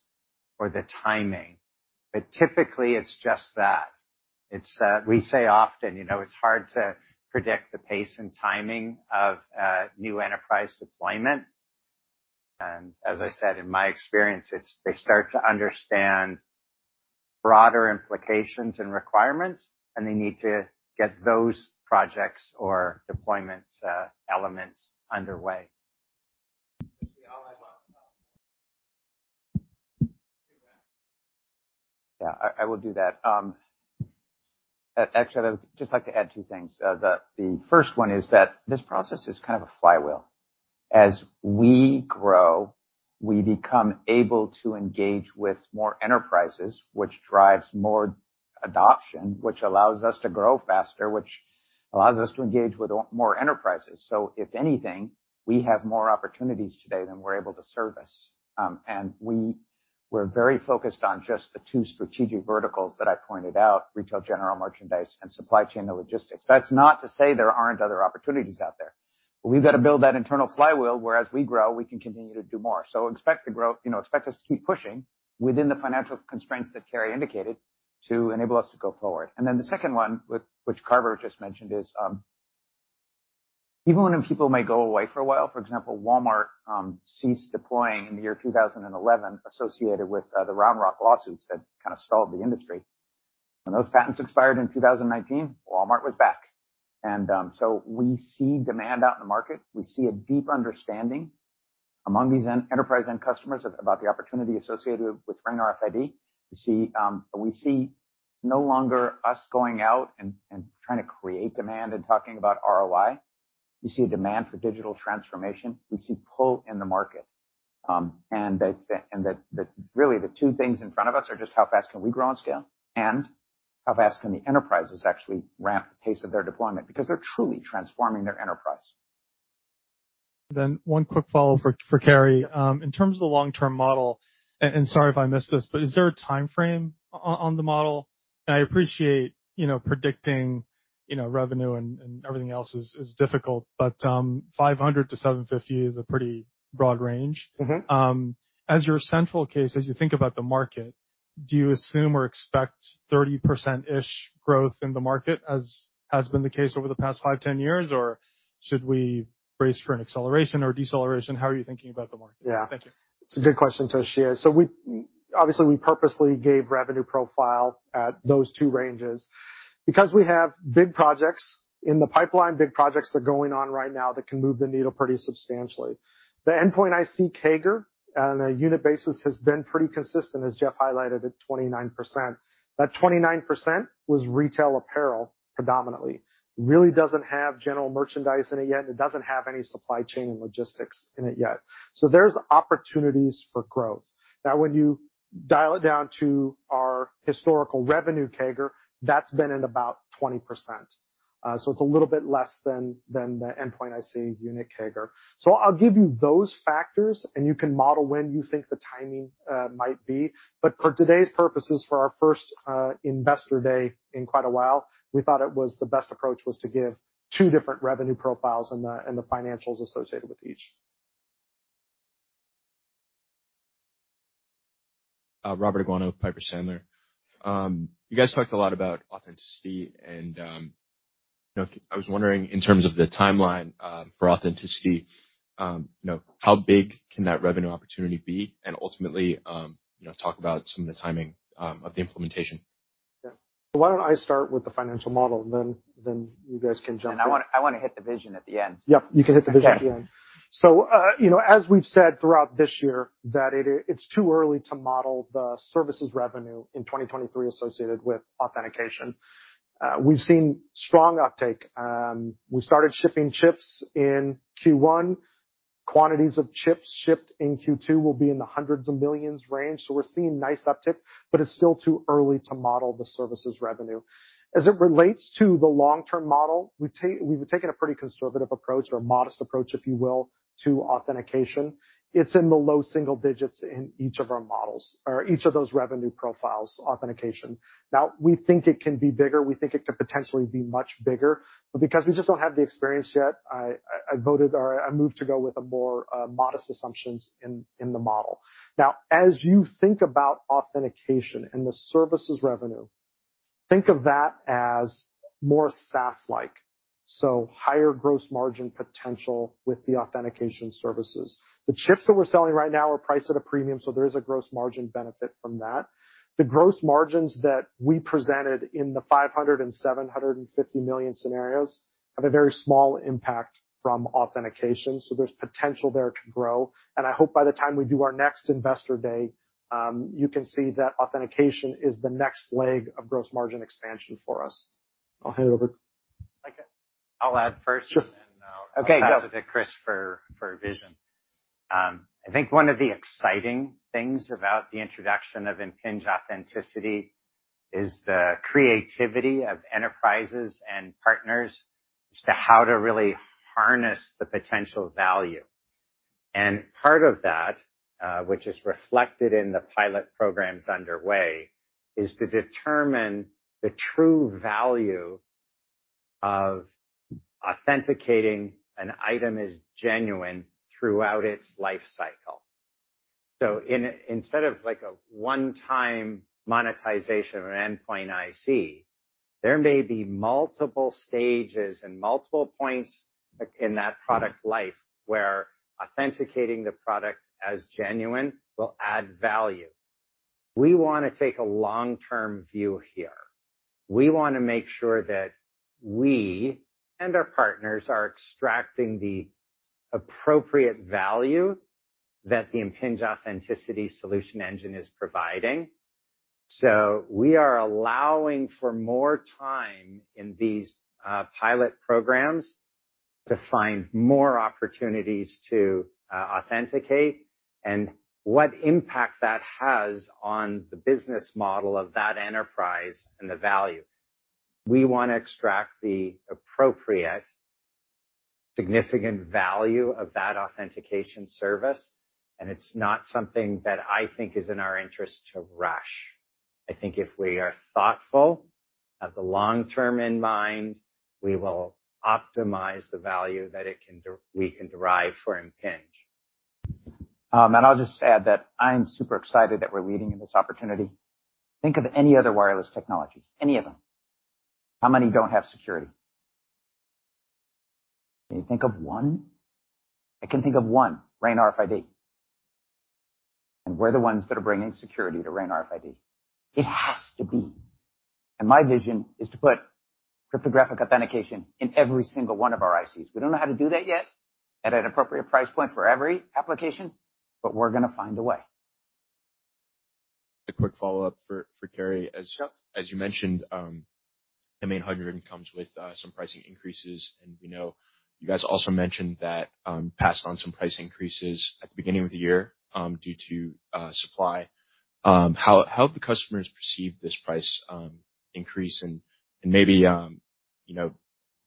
or the timing. Typically, it's just that. It's, we say often, you know, it's hard to predict the pace and timing of new enterprise deployment. As I said, in my experience, it's, they start to understand broader implications and requirements, and they need to get those projects or deployments, elements underway. Yeah, I will do that. Actually, I'd just like to add two things. The first one is that this process is kind of a flywheel. As we grow, we become able to engage with more enterprises, which drives more adoption, which allows us to grow faster, which allows us to engage with more enterprises. If anything, we have more opportunities today than we're able to service. We're very focused on just the two strategic verticals that I pointed out, retail, general merchandise, and supply chain and logistics. That's not to say there aren't other opportunities out there, but we've got to build that internal flywheel, where as we grow, we can continue to do more. You know, expect us to keep pushing within the financial constraints that Kerry indicated to enable us to go forward. The second one, which Carver just mentioned, is even when people may go away for a while, for example, Walmart ceased deploying in the year 2011, associated with the Round Rock lawsuits that kind of stalled the industry. When those patents expired in 2019, Walmart was back. We see demand out in the market. We see a deep understanding among these enterprise end customers about the opportunity associated with RAIN RFID. We see no longer us going out and trying to create demand and talking about ROI. We see a demand for digital transformation. We see pull in the market, and that really, the two things in front of us are just how fast can we grow on scale and how fast can the enterprises actually ramp the pace of their deployment? Because they're truly transforming their enterprise. One quick follow for Kerry. In terms of the long-term model, and sorry if I missed this, but is there a time frame on the model? I appreciate, you know, predicting, you know, revenue and everything else is difficult, but $500-$750 is a pretty broad range. Mm-hmm. As your central case, as you think about the market, do you assume or expect 30%-ish growth in the market as has been the case over the past five, 10 years? Or should we brace for an acceleration or deceleration? How are you thinking about the market? Yeah. Thank you. It's a good question, Toshiya. obviously, we purposely gave revenue profile at those two ranges because we have big projects in the pipeline, big projects that are going on right now that can move the needle pretty substantially. The endpoint ICs CAGR on a unit basis has been pretty consistent, as Jeff highlighted, at 29%. That 29% was retail apparel, predominantly. It really doesn't have general merchandise in it yet. It doesn't have any supply chain and logistics in it yet. There's opportunities for growth. Now, when you dial it down to our historical revenue, CAGR, that's been at about 20%. so it's a little bit less than the endpoint ICs unit CAGR. I'll give you those factors, and you can model when you think the timing might be. For today's purposes, for our first investor day in quite a while, we thought it was the best approach was to give two different revenue profiles and the financials associated with each. Harsh Kumar, Piper Sandler. You guys talked a lot about Authenticity, and, you know, I was wondering, in terms of the timeline, for Authenticity, you know, how big can that revenue opportunity be? Ultimately, you know, talk about some of the timing, of the implementation. Yeah. Why don't I start with the financial model, and then you guys can jump in. I wanna hit the vision at the end. Yep, you can hit the vision at the end. Okay. You know, as we've said throughout this year, that it's too early to model the services revenue in 2023 associated with authentication. We've seen strong uptake. We started shipping chips in Q1. Quantities of chips shipped in Q2 will be in the $hundreds of millions range, we're seeing nice uptick, it's still too early to model the services revenue. As it relates to the long-term model, we've taken a pretty conservative approach or modest approach, if you will, to authentication. It's in the low single digits in each of our models or each of those revenue profiles, authentication. We think it can be bigger. We think it could potentially be much bigger, but because we just don't have the experience yet, I voted, or I moved to go with a more modest assumptions in the model. As you think about authentication and the services revenue, think of that as more SaaS-like, so higher gross margin potential with the authentication services. The chips that we're selling right now are priced at a premium, so there is a gross margin benefit from that. The gross margins that we presented in the $500 million and $750 million scenarios have a very small impact from authentication, so there's potential there to grow. I hope by the time we do our next Investor Day, you can see that authentication is the next leg of gross margin expansion for us. I'll hand it over. I guess I'll add first. Sure. then I'll- Okay, go. Pass it to Chris for vision. I think one of the exciting things about the introduction of Impinj Authenticity is the creativity of enterprises and partners as to how to really harness the potential value. Part of that, which is reflected in the pilot programs underway, is to determine the true value of authenticating an item is genuine throughout its life cycle. Instead of like a one-time monetization of an endpoint IC, there may be multiple stages and multiple points in that product life where authenticating the product as genuine will add value. We wanna take a long-term view here. We wanna make sure that we and our partners are extracting the appropriate value that the Impinj Authenticity solution engine is providing. We are allowing for more time in these pilot programs to find more opportunities to authenticate and what impact that has on the business model of that enterprise and the value. We wanna extract the appropriate, significant value of that authentication service, and it's not something that I think is in our interest to rush. I think if we are thoughtful, have the long term in mind, we will optimize the value that we can derive for Impinj. I'll just add that I'm super excited that we're leading in this opportunity. Think of any other wireless technology, any of them. How many don't have security? Can you think of one? I can think of one, RAIN RFID, and we're the ones that are bringing security to RAIN RFID. It has to be, and my vision is to put cryptographic authentication in every single one of our ICs. We don't know how to do that yet at an appropriate price point for every application, but we're gonna find a way. A quick follow-up for Cary. Sure. As you mentioned, the Impinj M800 comes with some pricing increases, and we know you guys also mentioned that passed on some price increases at the beginning of the year due to supply. How have the customers perceived this price increase? Maybe, you know,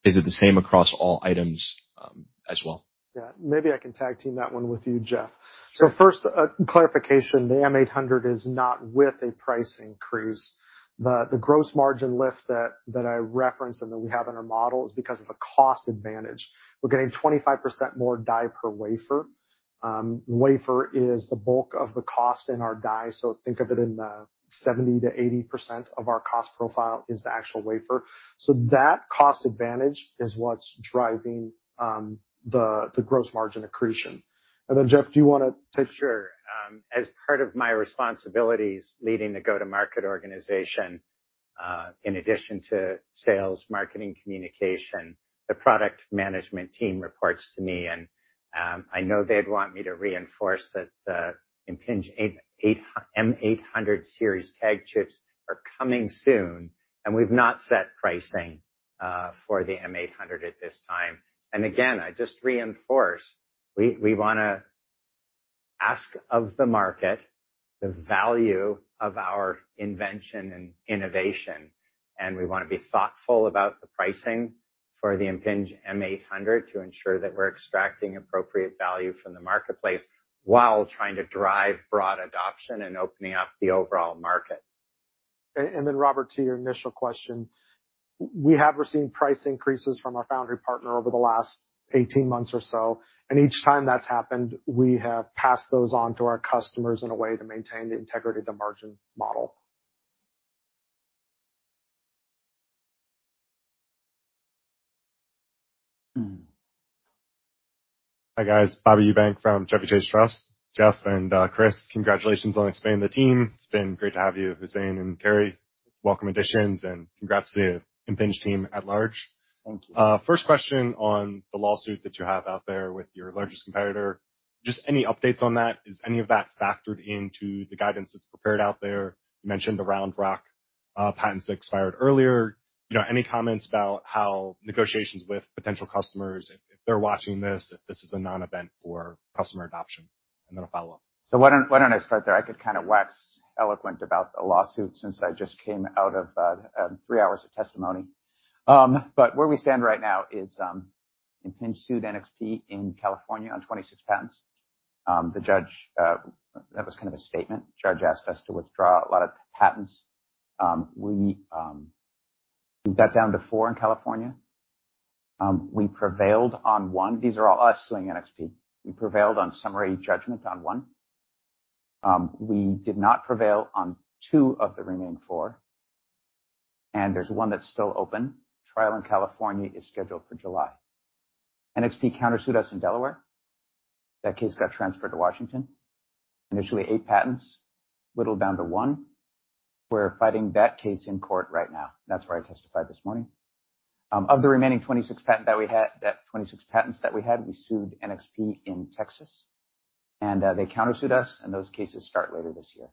is it the same across all items as well? Yeah. Maybe I can tag team that one with you, Jeff. Sure. First, clarification, the Impinj M800 is not with a price increase. The gross margin lift that I referenced and that we have in our model is because of a cost advantage. We're getting 25% more die per wafer. Wafer is the bulk of the cost in our die, so think of it in the 70%-80% of our cost profile is the actual wafer. That cost advantage is what's driving the gross margin accretion. Jeff, do you want to take- Sure. As part of my responsibilities, leading the go-to-market organization, in addition to sales, marketing, communication, the product management team reports to me, I know they'd want me to reinforce that the Impinj M800 series tag chips are coming soon, we've not set pricing for the M800 at this time. Again, I just reinforce, we wanna ask of the market the value of our invention and innovation, and we wanna be thoughtful about the pricing for the Impinj M800 to ensure that we're extracting appropriate value from the marketplace while trying to drive broad adoption and opening up the overall market. Then Robert, to your initial question, we have received price increases from our foundry partner over the last 18 months or so, and each time that's happened, we have passed those on to our customers in a way to maintain the integrity of the margin model. Hi, guys. Bill Peterson from CJS Securities. Jeff and Chris, congratulations on expanding the team. It's been great to have you, Hussein and Terry. Welcome additions, congrats to the Impinj team at large. Thank you. First question on the lawsuit that you have out there with your largest competitor. Just any updates on that? Is any of that factored into the guidance that's prepared out there? You mentioned the Round Rock patents that expired earlier. You know, any comments about how negotiations with potential customers, if they're watching this, if this is a non-event for customer adoption, and then a follow-up? Why don't I start there? I could kind of wax eloquent about the lawsuit since I just came out of 3 hours of testimony. Where we stand right now is Impinj sued NXP in California on 26 patents. The judge that was kind of a statement. Judge asked us to withdraw a lot of patents. We got down to 4 in California. We prevailed on 1. These are all us suing NXP. We prevailed on summary judgment on 1. We did not prevail on 2 of the remaining 4, and there's 1 that's still open. Trial in California is scheduled for July. NXP countersued us in Delaware. That case got transferred to Washington. Initially, 8 patents, whittled down to 1. We're fighting that case in court right now. That's where I testified this morning. Of the remaining that 26 patents that we had, we sued NXP in Texas. They countersued us, and those cases start later this year.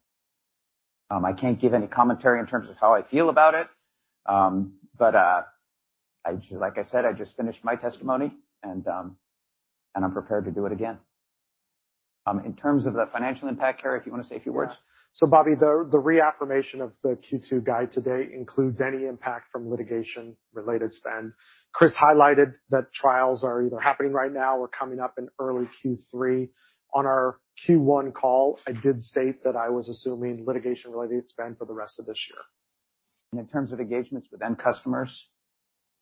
I can't give any commentary in terms of how I feel about it. I just like I said, I just finished my testimony. I'm prepared to do it again. In terms of the financial impact, Kerry, if you want to say a few words. Yeah. Bobby, the reaffirmation of the Q2 guide today includes any impact from litigation-related spend. Chris highlighted that trials are either happening right now or coming up in early Q3. On our Q1 call, I did state that I was assuming litigation-related spend for the rest of this year. In terms of engagements with end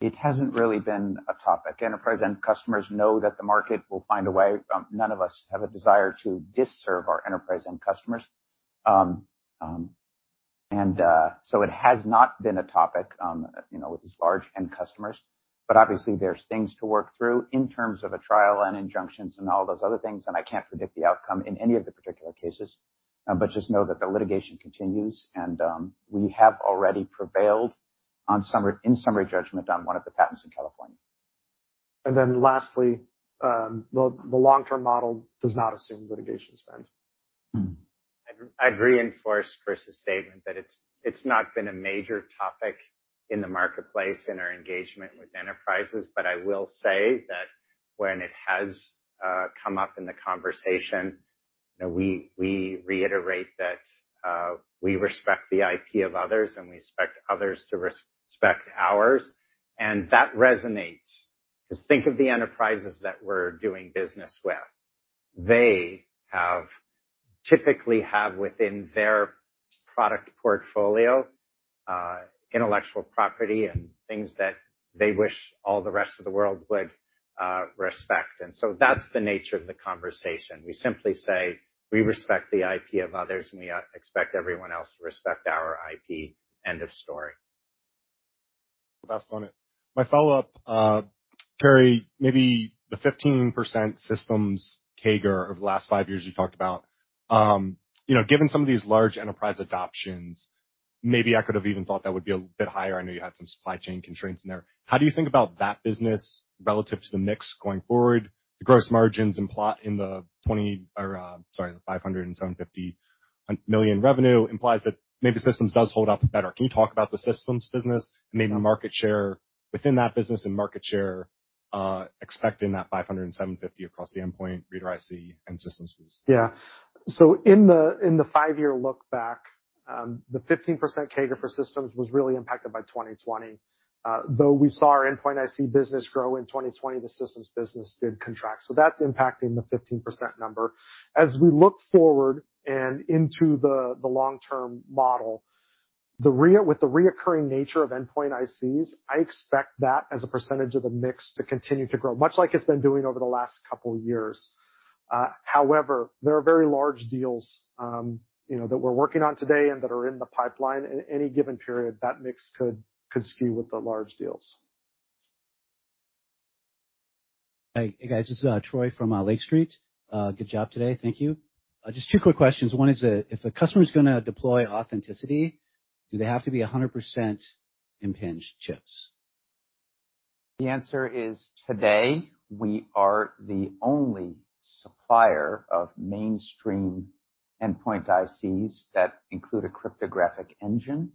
customers, it hasn't really been a topic. Enterprise end customers know that the market will find a way. None of us have a desire to disserve our enterprise end customers. It has not been a topic, you know, with these large end customers, but obviously there's things to work through in terms of a trial and injunctions and all those other things, and I can't predict the outcome in any of the particular cases, but just know that the litigation continues, and we have already prevailed in summary judgment on one of the patents in California. lastly, the long-term model does not assume litigation spend. Mm-hmm. I'd reinforce Chris's statement that it's not been a major topic in the marketplace, in our engagement with enterprises, but I will say that when it has come up in the conversation, you know, we reiterate that we respect the IP of others, and we expect others to respect ours, and that resonates. 'Cause think of the enterprises that we're doing business with. They have, typically have, within their product portfolio, intellectual property and things that they wish all the rest of the world would respect. That's the nature of the conversation. We simply say we respect the IP of others, and we expect everyone else to respect our IP. End of story. Best on it. My follow-up, Kerry, maybe the 15% systems CAGR over the last five years, you talked about. You know, given some of these large enterprise adoptions, maybe I could have even thought that would be a bit higher. I know you had some supply chain constraints in there. How do you think about that business relative to the mix going forward, the gross margins and plot in the $500 million-$750 million revenue implies that maybe systems does hold up better. Can you talk about the systems business and maybe market share within that business and market share expecting that $500 million-$750 million across the endpoint, reader IC, and systems business? In the five-year look back, the 15% CAGR for systems was really impacted by 2020. Though we saw our endpoint IC business grow in 2020, the systems business did contract, so that's impacting the 15% number. As we look forward and into the long-term model, with the reoccurring nature of endpoint ICs, I expect that as a percentage of the mix to continue to grow, much like it's been doing over the last couple of years. However, there are very large deals, you know, that we're working on today and that are in the pipeline. In any given period, that mix could skew with the large deals. Hey, guys, this is Troy from Lake Street. Good job today. Thank you. Just 2 quick questions. 1 is, if a customer is gonna deploy Authenticity, do they have to be 100% Impinj chips? The answer is today, we are the only supplier of mainstream endpoint ICs that include a cryptographic engine,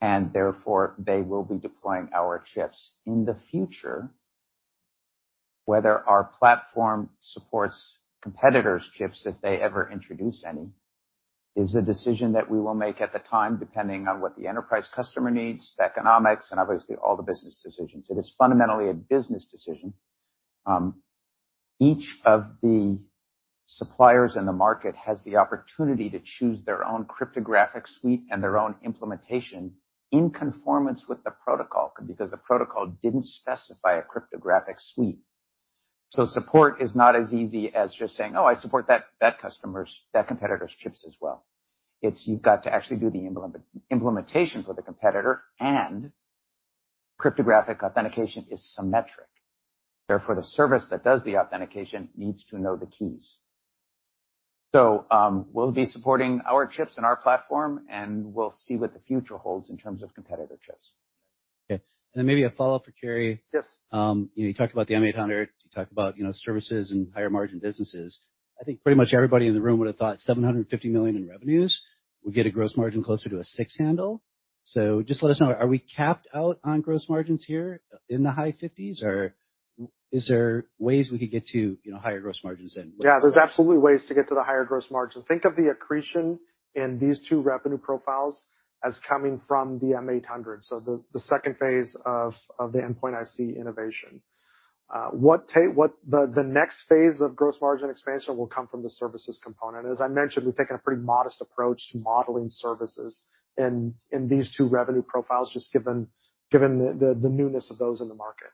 and therefore they will be deploying our chips. In the future, whether our platform supports competitors' chips, if they ever introduce any, is a decision that we will make at the time, depending on what the enterprise customer needs, the economics, and obviously all the business decisions. It is fundamentally a business decision.... each of the suppliers in the market has the opportunity to choose their own cryptographic suite and their own implementation in conformance with the protocol, because the protocol didn't specify a cryptographic suite. Support is not as easy as just saying: Oh, I support that competitor's chips as well. It's you've got to actually do the implementation for the competitor, and cryptographic authentication is symmetric. Therefore, the service that does the authentication needs to know the keys. We'll be supporting our chips and our platform, and we'll see what the future holds in terms of competitor chips. Okay, maybe a follow-up for Kerry. Yes. You talked about the M800, you talked about, you know, services and higher margin businesses. I think pretty much everybody in the room would have thought $750 million in revenues would get a gross margin closer to a 60%. Just let us know, are we capped out on gross margins here in the high 50s%, or is there ways we could get to, you know, higher gross margins then? There's absolutely ways to get to the higher gross margin. Think of the accretion in these two revenue profiles as coming from the M800. The second phase of Endpoint IC innovation. What the next phase of gross margin expansion will come from the services component. As I mentioned, we've taken a pretty modest approach to modeling services in these two revenue profiles, just given the newness of those in the market.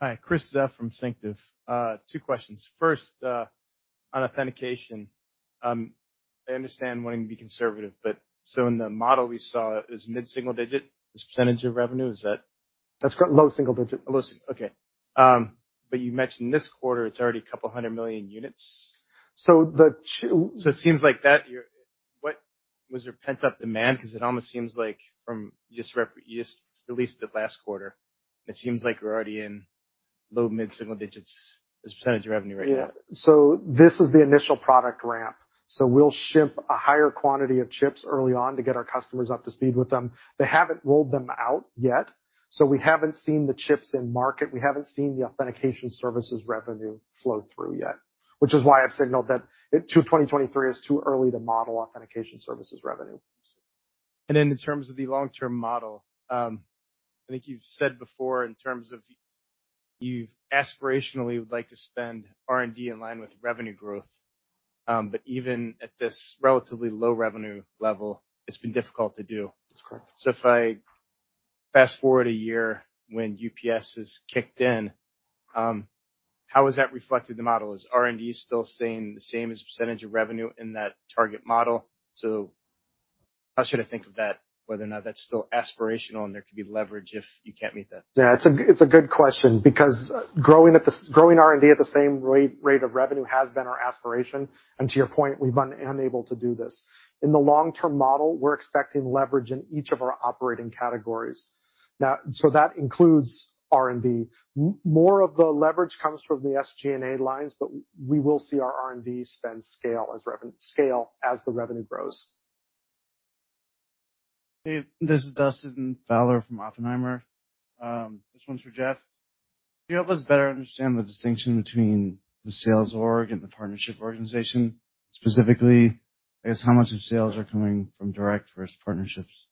Hi, Chris Zeff from UBS. Two questions. First, on authentication, I understand wanting to be conservative, but so in the model we saw is mid-single digit, this % of revenue, is that-? That's low single digit. Low single, okay. You mentioned this quarter, it's already a couple hundred million units. So the two- It seems like that you're... Was there pent-up demand? It almost seems like from, you just released it last quarter, and it seems like we're already in low mid-single digits as a percentage of revenue, right? Yeah. This is the initial product ramp. We'll ship a higher quantity of chips early on to get our customers up to speed with them. They haven't rolled them out yet, so we haven't seen the chips in market. We haven't seen the authentication services revenue flow through yet, which is why I've signaled that 2023 is too early to model authentication services revenue. In terms of the long-term model, I think you've said before, in terms of you've aspirationally would like to spend R&D in line with revenue growth, but even at this relatively low revenue level, it's been difficult to do. That's correct. If I fast forward a year when UPS is kicked in, how has that reflected the model? Is R&D still staying the same as a percentage of revenue in that target model? How should I think of that, whether or not that's still aspirational and there could be leverage if you can't meet that? Yeah, it's a good question, because growing R&D at the same rate of revenue has been our aspiration, and to your point, we've been unable to do this. In the long-term model, we're expecting leverage in each of our operating categories. Now, that includes R&D. More of the leverage comes from the SG&A lines, but we will see our R&D spend scale as the revenue grows. Hey, this is Dustin Fowler from Oppenheimer. This one's for Jeff. Can you help us better understand the distinction between the sales org and the partnership organization? Specifically, I guess, how much of sales are coming from direct versus partnerships?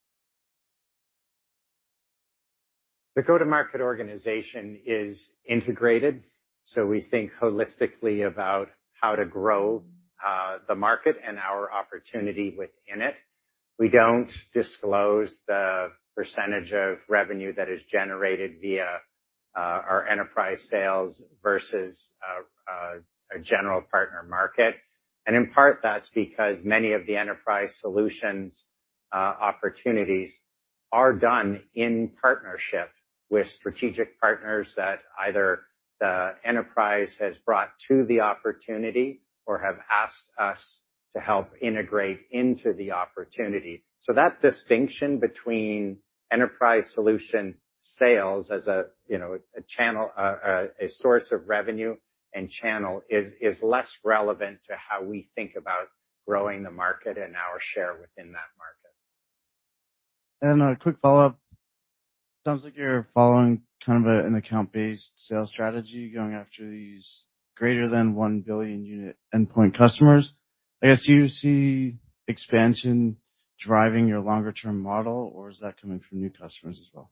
The go-to-market organization is integrated, so we think holistically about how to grow the market and our opportunity within it. We don't disclose the percentage of revenue that is generated via our enterprise sales versus a general partner market. In part, that's because many of the enterprise solutions opportunities are done in partnership with strategic partners, that either the enterprise has brought to the opportunity or have asked us to help integrate into the opportunity. That distinction between enterprise solution sales as a, you know, a channel, a source of revenue and channel is less relevant to how we think about growing the market and our share within that market. A quick follow-up. Sounds like you're following kind of a, an account-based sales strategy, going after these greater than 1 billion unit endpoint customers. I guess, do you see expansion driving your longer-term model, or is that coming from new customers as well?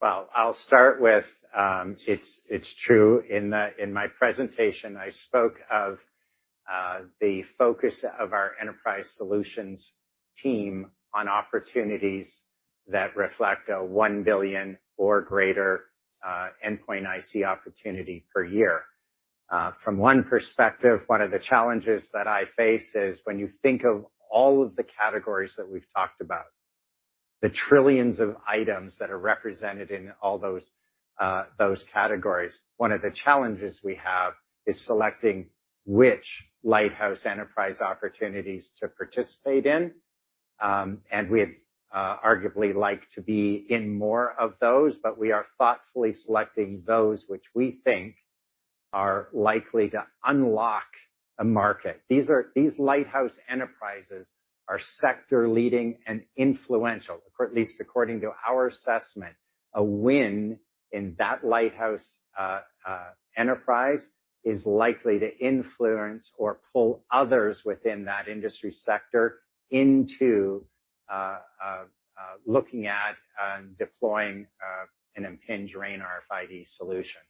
Well, I'll start with, it's true. In my presentation, I spoke of the focus of our enterprise solutions team on opportunities that reflect a 1 billion or greater endpoint IC opportunity per year. From one perspective, one of the challenges that I face is when you think of all of the categories that we've talked about, the trillions of items that are represented in all those categories, one of the challenges we have is selecting which lighthouse enterprise opportunities to participate in. We'd arguably like to be in more of those, but we are thoughtfully selecting those which we think are likely to unlock a market. These lighthouse enterprises are sector leading and influential, or at least according to our assessment, a win in that lighthouse enterprise, is likely to influence or pull others within that industry sector into looking at and deploying an Impinj RAIN RFID solution.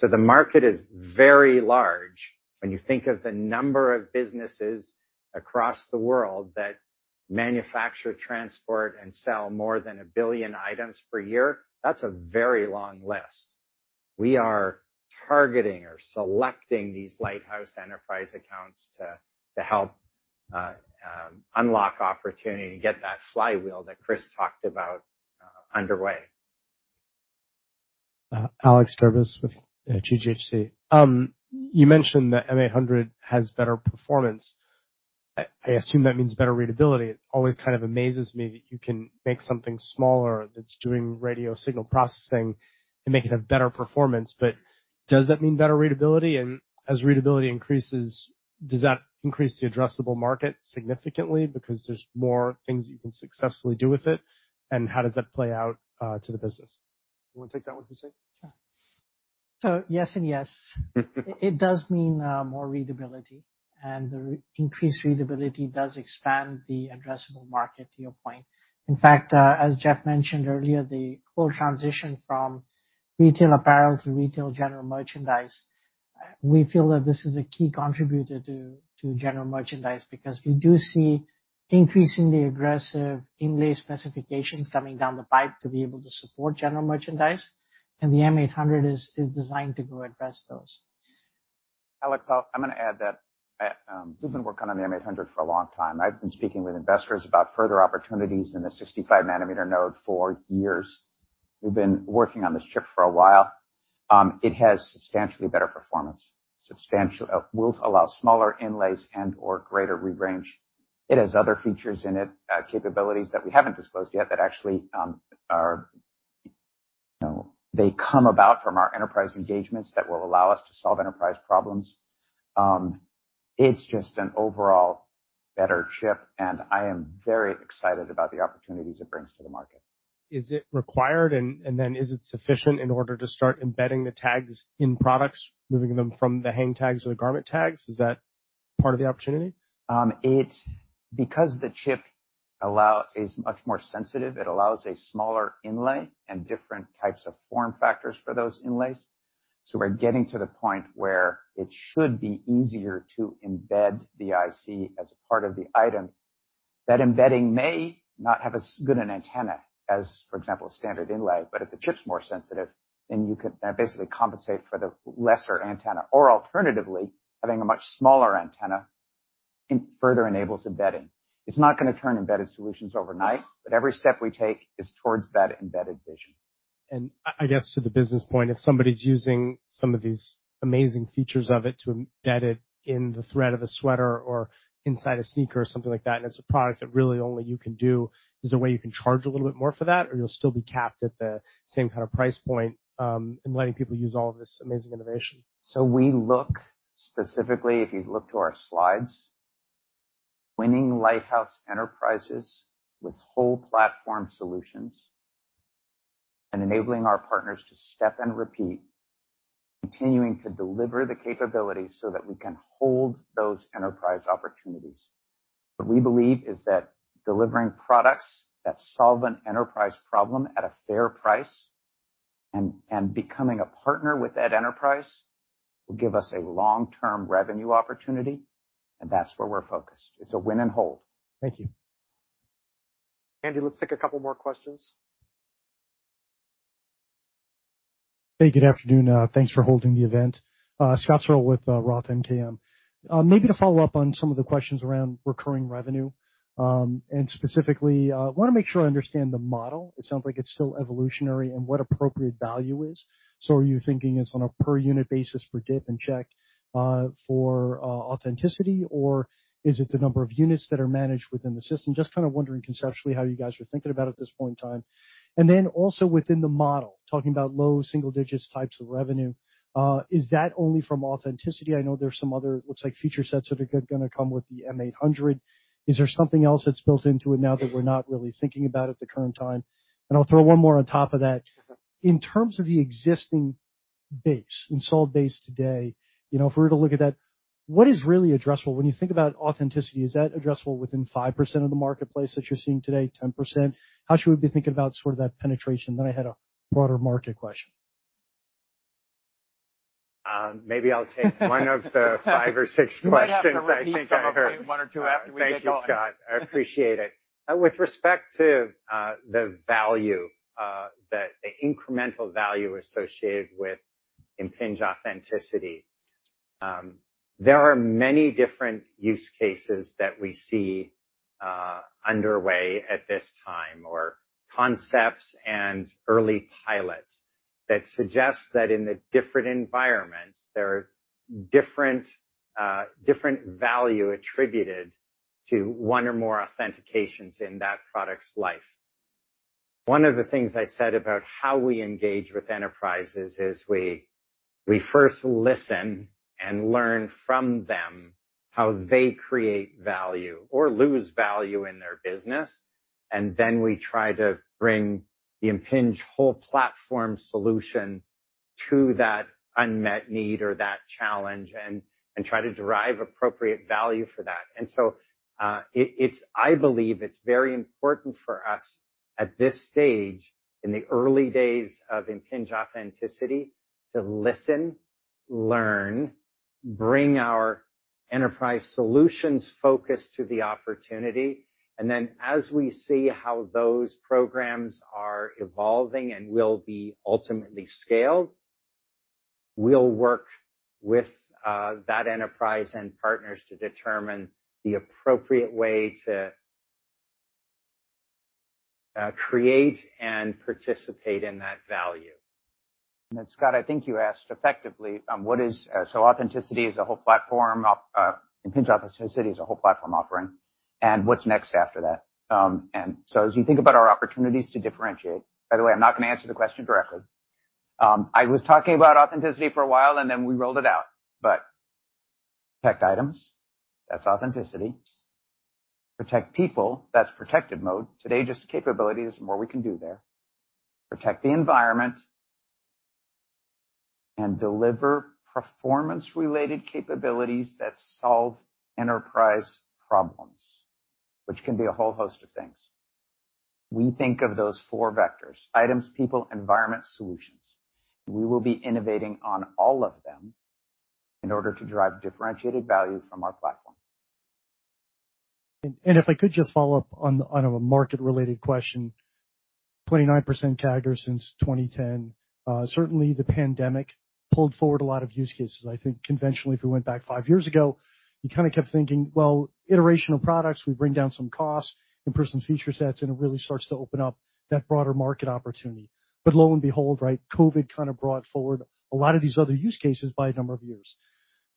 The market is very large. When you think of the number of businesses across the world that manufacture, transport, and sell more than 1 billion items per year, that's a very long list. We are targeting or selecting these lighthouse enterprise accounts to help unlock opportunity and get that flywheel that Chris talked about underway. Alex Davis with GGHC. You mentioned that M800 has better performance. I assume that means better readability. It always kind of amazes me that you can make something smaller that's doing radio signal processing and make it have better performance. Does that mean better readability? As readability increases, does that increase the addressable market significantly because there's more things you can successfully do with it? How does that play out to the business? You want to take that one, Chris? Sure. Yes and yes. It does mean more readability, and the increased readability does expand the addressable market, to your point. In fact, as Jeff mentioned earlier, the whole transition from retail apparel to retail general merchandise, we feel that this is a key contributor to general merchandise, because we do see increasingly aggressive inlay specifications coming down the pipe to be able to support general merchandise, and the M800 is designed to go address those. Alex, I'm going to add that we've been working on the M800 for a long time. I've been speaking with investors about further opportunities in the 65-nanometer node for years. We've been working on this chip for a while. It has substantially better performance. will allow smaller inlays and/or greater read range. It has other features in it, capabilities that we haven't disclosed yet, that actually, you know, they come about from our enterprise engagements that will allow us to solve enterprise problems. It's just an overall better chip, and I am very excited about the opportunities it brings to the market. Is it required, and then is it sufficient in order to start embedding the tags in products, moving them from the hang tags to the garment tags? Is that part of the opportunity? Because the chip is much more sensitive, it allows a smaller inlay and different types of form factors for those inlays. We're getting to the point where it should be easier to embed the IC as a part of the item. That embedding may not have as good an antenna as, for example, a standard inlay, if the chip's more sensitive, then you can basically compensate for the lesser antenna, or alternatively, having a much smaller antenna, it further enables embedding. It's not going to turn embedded solutions overnight, every step we take is towards that embedded vision. I guess, to the business point, if somebody's using some of these amazing features of it to embed it in the thread of a sweater or inside a sneaker or something like that, and it's a product that really only you can do, is there a way you can charge a little bit more for that, or you'll still be capped at the same kind of price point, in letting people use all of this amazing innovation? We look specifically, if you look to our slides, winning lighthouse enterprises with whole platform solutions and enabling our partners to step and repeat, continuing to deliver the capabilities so that we can hold those enterprise opportunities. What we believe is that delivering products that solve an enterprise problem at a fair price and becoming a partner with that enterprise, will give us a long-term revenue opportunity, and that's where we're focused. It's a win and hold. Thank you. Andy, let's take a couple more questions. Hey, good afternoon. Thanks for holding the event. Scott Searle with Roth MKM. Maybe to follow up on some of the questions around recurring revenue, and specifically, want to make sure I understand the model. It sounds like it's still evolutionary and what appropriate value is. Are you thinking it's on a per unit basis for dip and check, for authenticity, or is it the number of units that are managed within the system? Just kind of wondering conceptually how you guys are thinking about it at this point in time. Also within the model, talking about low single digits types of revenue, is that only from authenticity? I know there's some other, looks like feature sets that are gonna come with the M800. Is there something else that's built into it now that we're not really thinking about at the current time? I'll throw one more on top of that. In terms of the existing base, installed base today, you know, if we were to look at that, what is really addressable? When you think about authenticity, is that addressable within 5% of the marketplace that you're seeing today, 10%? How should we be thinking about sort of that penetration? I had a broader market question. maybe I'll one of the 5 or 6 questions I heard. You might have to repeat some of them, 1 or 2 after we get going. Thank you, Scott. I appreciate it. With respect to the incremental value associated with Impinj Authenticity, there are many different use cases that we see underway at this time, or concepts and early pilots that suggest that in the different environments, there are different value attributed to one or more authentications in that product's life. One of the things I said about how we engage with enterprises is we first listen and learn from them, how they create value or lose value in their business, and then we try to bring the Impinj whole platform solution to that unmet need or that challenge, and try to derive appropriate value for that. I believe it's very important for us at this stage, in the early days of Impinj Authenticity, to listen, learn, bring our enterprise solutions focus to the opportunity, then as we see how those programs are evolving and will be ultimately scaled, we'll work with that enterprise and partners to determine the appropriate way to create and participate in that value. Scott, I think you asked effectively, authenticity is a whole platform, Impinj Authenticity is a whole platform offering, and what's next after that? As you think about our opportunities to differentiate, by the way, I'm not going to answer the question directly. I was talking about authenticity for a while, we rolled it out. Protect items, that's authenticity. Protect people, that's Protected Mode. Today, just capabilities, more we can do there. Protect the environment and deliver performance-related capabilities that solve enterprise problems, which can be a whole host of things. We think of those four vectors, items, people, environment, solutions. We will be innovating on all of them in order to drive differentiated value from our platform. If I could just follow up on a market-related question. 29% CAGR since 2010. Certainly, the pandemic pulled forward a lot of use cases. I think conventionally, if we went back five years ago, you kind of kept thinking, well, iteration of products, we bring down some costs, in-person feature sets, and it really starts to open up that broader market opportunity. Lo and behold, right, COVID kind of brought forward a lot of these other use cases by a number of years.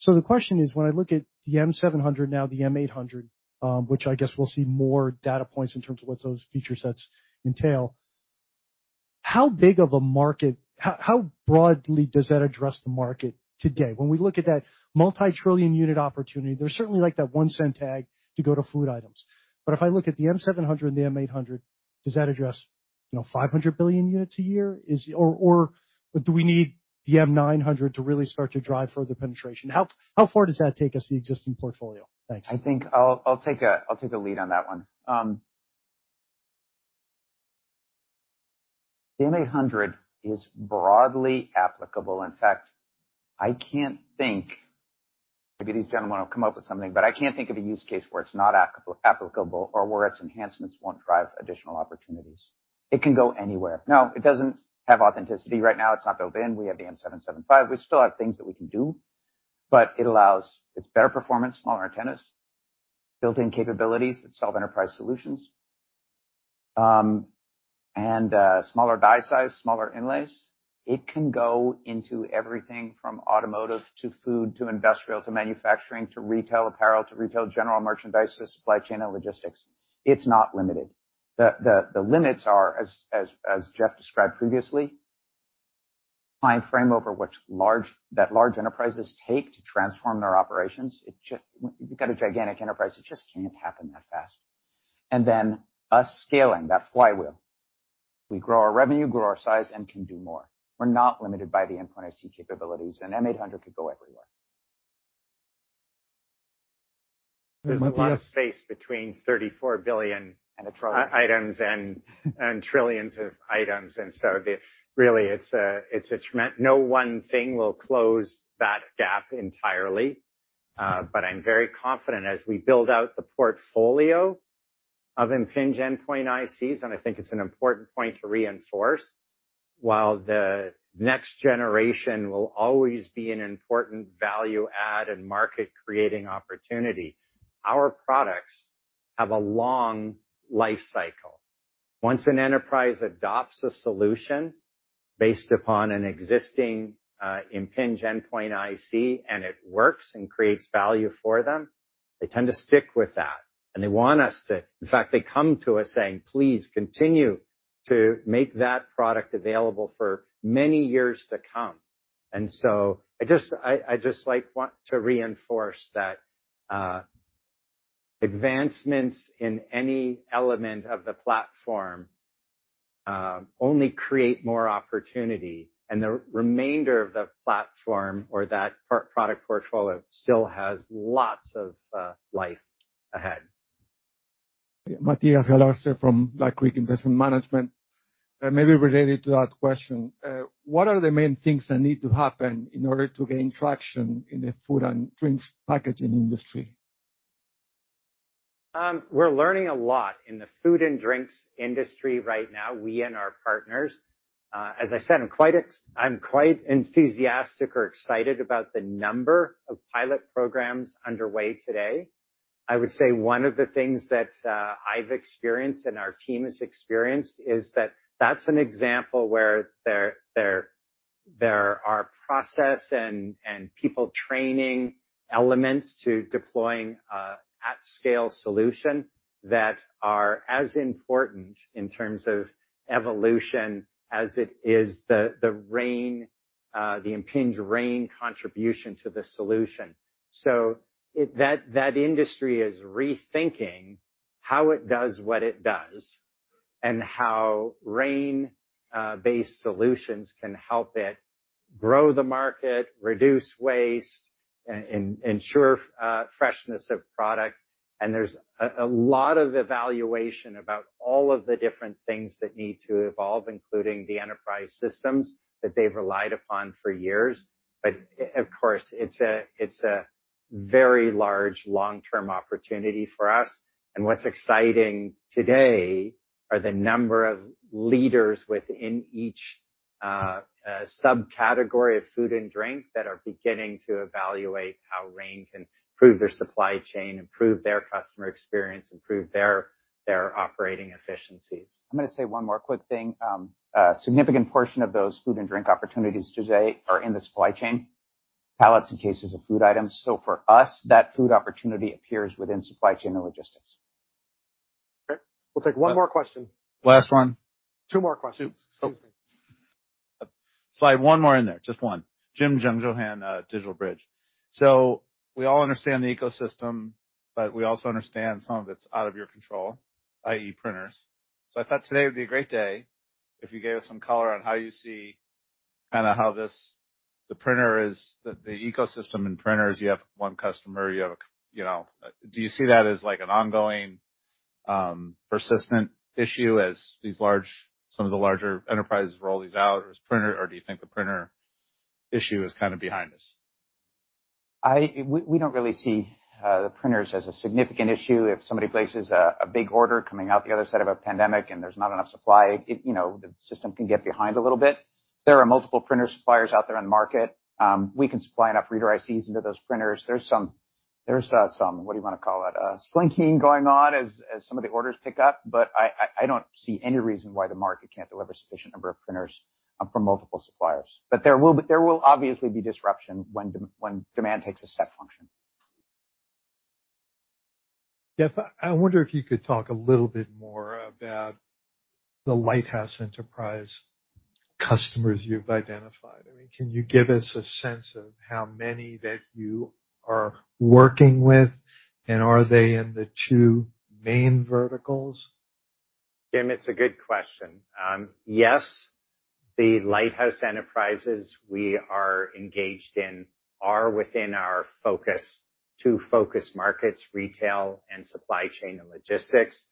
The question is, when I look at the M700, now the M800, which I guess we'll see more data points in terms of what those feature sets entail, how broadly does that address the market today? When we look at that multi-trillion unit opportunity, there's certainly like that $0.01 tag to go to food items. If I look at the Impinj M700 and the Impinj M800, does that address, you know, 500 billion units a year? Or do we need the Impinj M900 to really start to drive further penetration? How far does that take us, the existing portfolio? Thanks. I think I'll take a lead on that one. The M800 is broadly applicable. In fact, I can't think, maybe these gentlemen will come up with something, but I can't think of a use case where it's not applicable or where its enhancements won't drive additional opportunities. It can go anywhere. Now, it doesn't have authenticity right now. It's not built in. We have the M775. We still have things that we can do, but it allows. It's better performance, smaller antennas, built-in capabilities that solve enterprise solutions, and smaller die size, smaller inlays. It can go into everything from automotive, to food, to industrial, to manufacturing, to retail apparel, to retail general merchandise, to supply chain and logistics. It's not limited. The limits are as Jeff described previously, time frame over which that large enterprises take to transform their operations. You've got a gigantic enterprise, it just can't happen that fast. Then us scaling that flywheel. We grow our revenue, grow our size, and can do more. We're not limited by the endpoint IC capabilities, and M800 could go everywhere. There's a lot of space between 34 billion items and trillions of items. No one thing will close that gap entirely, but I'm very confident as we build out the portfolio of Impinj endpoint ICs, and I think it's an important point to reinforce, while the next generation will always be an important value add and market-creating opportunity, our products have a long life cycle. Once an enterprise adopts a solution based upon an existing Impinj endpoint IC, and it works and creates value for them, they tend to stick with that. In fact, they come to us saying, "Please continue to make that product available for many years to come." I just like want to reinforce that advancements in any element of the platform only create more opportunity, and the remainder of the platform or that part product portfolio still has lots of life ahead. Matias Galarce from Lake Creek Investment Management. Maybe related to that question, what are the main things that need to happen in order to gain traction in the food and drinks packaging industry? We're learning a lot in the food and drinks industry right now, we and our partners. As I said, I'm quite enthusiastic or excited about the number of pilot programs underway today. I would say one of the things that I've experienced and our team has experienced is that that's an example where there are process and people training elements to deploying a at-scale solution that are as important in terms of evolution as it is the Impinj RAIN contribution to the solution. That industry is rethinking how it does what it does. How RAIN based solutions can help it grow the market, reduce waste, and ensure freshness of product. There's a lot of evaluation about all of the different things that need to evolve, including the enterprise systems that they've relied upon for years. Of course, it's a very large long-term opportunity for us. What's exciting today are the number of leaders within each subcategory of food and drink that are beginning to evaluate how RAIN can improve their supply chain, improve their customer experience, improve their operating efficiencies. I'm gonna say one more quick thing. A significant portion of those food and drink opportunities today are in the supply chain, pallets and cases of food items. For us, that food opportunity appears within supply chain and logistics. Okay, we'll take one more question. Last one. Two more questions. Two. Excuse me. Slide one more in there. Just one. Jim Jungjohann, Digital Bridge. We all understand the ecosystem, but we also understand some of it's out of your control, i.e., printers. I thought today would be a great day if you gave us some color on how you see kind of how the printer is, the ecosystem and printers, you have one customer, you have a, you know, do you see that as like an ongoing, persistent issue as some of the larger enterprises roll these out as printer? Or do you think the printer issue is kind of behind us? We don't really see the printers as a significant issue. If somebody places a big order coming out the other side of a pandemic, and there's not enough supply, you know, the system can get behind a little bit. There are multiple printer suppliers out there on the market. We can supply enough reader ICs into those printers. There's some, there's some, what do you wanna call it? slinking going on as some of the orders pick up, but I don't see any reason why the market can't deliver sufficient number of printers from multiple suppliers. There will obviously be disruption when demand takes a step function. Yeah. I wonder if you could talk a little bit more about the lighthouse enterprise customers you've identified. I mean, can you give us a sense of how many that you are working with, and are they in the two main verticals? Jim, it's a good question. Yes, the lighthouse enterprises we are engaged in are within our focus, 2 focus markets, retail and supply chain and logistics.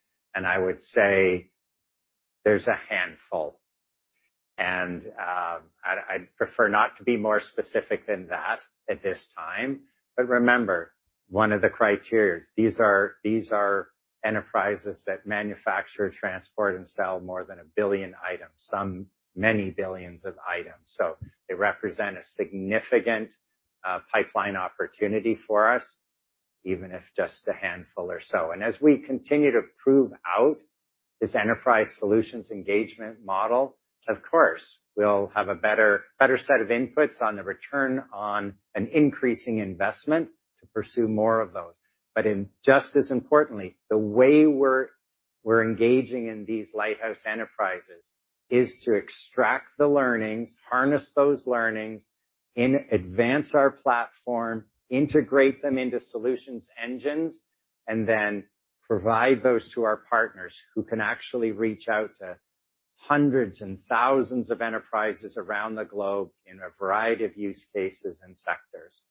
I would say there's a handful. I'd prefer not to be more specific than that at this time. Remember, one of the criteria, these are enterprises that manufacture, transport, and sell more than 1 billion items, some many billions of items. They represent a significant pipeline opportunity for us, even if just a handful or so. As we continue to prove out this enterprise solutions engagement model, of course, we'll have a better set of inputs on the return on an increasing investment to pursue more of those. In... just as importantly, the way we're engaging in these lighthouse enterprises is to extract the learnings, harness those learnings, and advance our platform, integrate them into Solution Engines, and then provide those to our partners, who can actually reach out to hundreds and thousands of enterprises around the globe in a variety of use cases and sectors.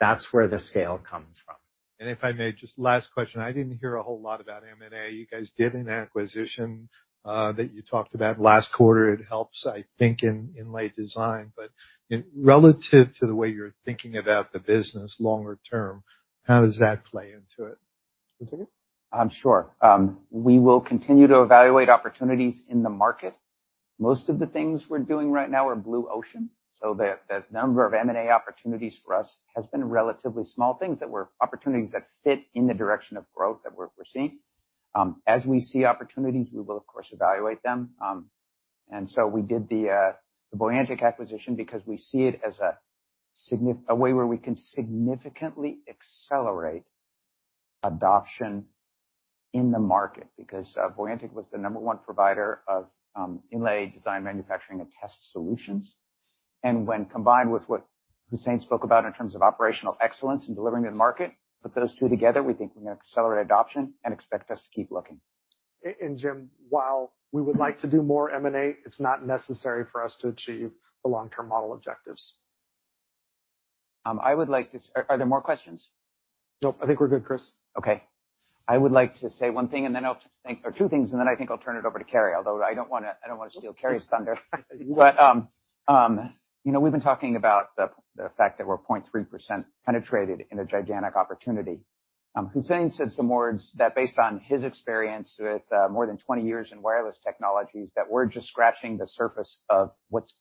That's where the scale comes from. If I may, just last question, I didn't hear a whole lot about M&A. You guys did an acquisition, that you talked about last quarter. It helps, I think, in lay design, but in relative to the way you're thinking about the business longer term, how does that play into it? Hussein? Sure. We will continue to evaluate opportunities in the market. Most of the things we're doing right now are blue ocean, so the number of M&A opportunities for us has been relatively small, things that were opportunities that fit in the direction of growth that we're seeing. As we see opportunities, we will, of course, evaluate them. We did the Voyantic acquisition because we see it as a way where we can significantly accelerate adoption in the market, because Voyantic was the number one provider of inlay design, manufacturing, and test solutions. When combined with what Hussein spoke about in terms of operational excellence and delivering the market, put those two together, we think we're going to accelerate adoption and expect us to keep looking. Jim, while we would like to do more M&A, it's not necessary for us to achieve the long-term model objectives. Are there more questions? Nope. I think we're good, Chris. Okay. I would like to say one thing, or two things, and then I think I'll turn it over to Cary Booth, although I don't wanna steal Cary Booth's thunder. You know, we've been talking about the fact that we're 0.3% penetrated in a gigantic opportunity. Hussein Mecklai said some words that based on his experience with more than 20 years in wireless technologies, that we're just scratching the surface of what's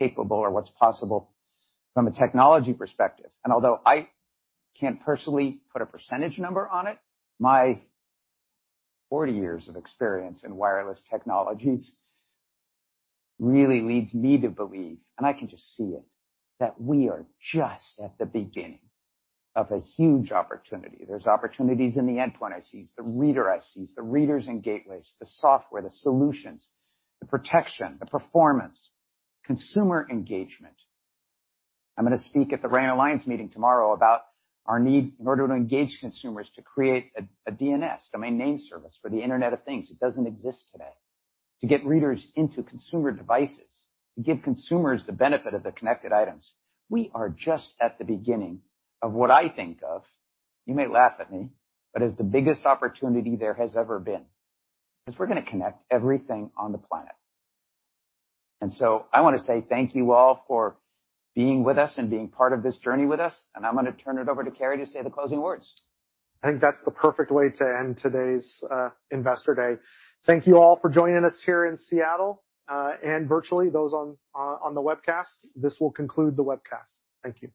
capable or what's possible from a technology perspective. Although I can't personally put a percentage number on it, my 40 years of experience in wireless technologies really leads me to believe, and I can just see it, that we are just at the beginning of a huge opportunity. There's opportunities in the endpoint ICs, the reader ICs, the readers and gateways, the software, the solutions, the protection, the performance, consumer engagement. I'm gonna speak at the RAIN Alliance meeting tomorrow about our need, in order to engage consumers, to create a DNS, Domain Name Service, for the Internet of Things. It doesn't exist today. To get readers into consumer devices, to give consumers the benefit of the connected items. We are just at the beginning of what I think of, you may laugh at me, but as the biggest opportunity there has ever been, 'cause we're gonna connect everything on the planet. I wanna say thank you all for being with us and being part of this journey with us, and I'm gonna turn it over to Cary to say the closing words. I think that's the perfect way to end today's Investor Day. Thank you all for joining us here in Seattle, and virtually, those on the webcast. This will conclude the webcast. Thank you.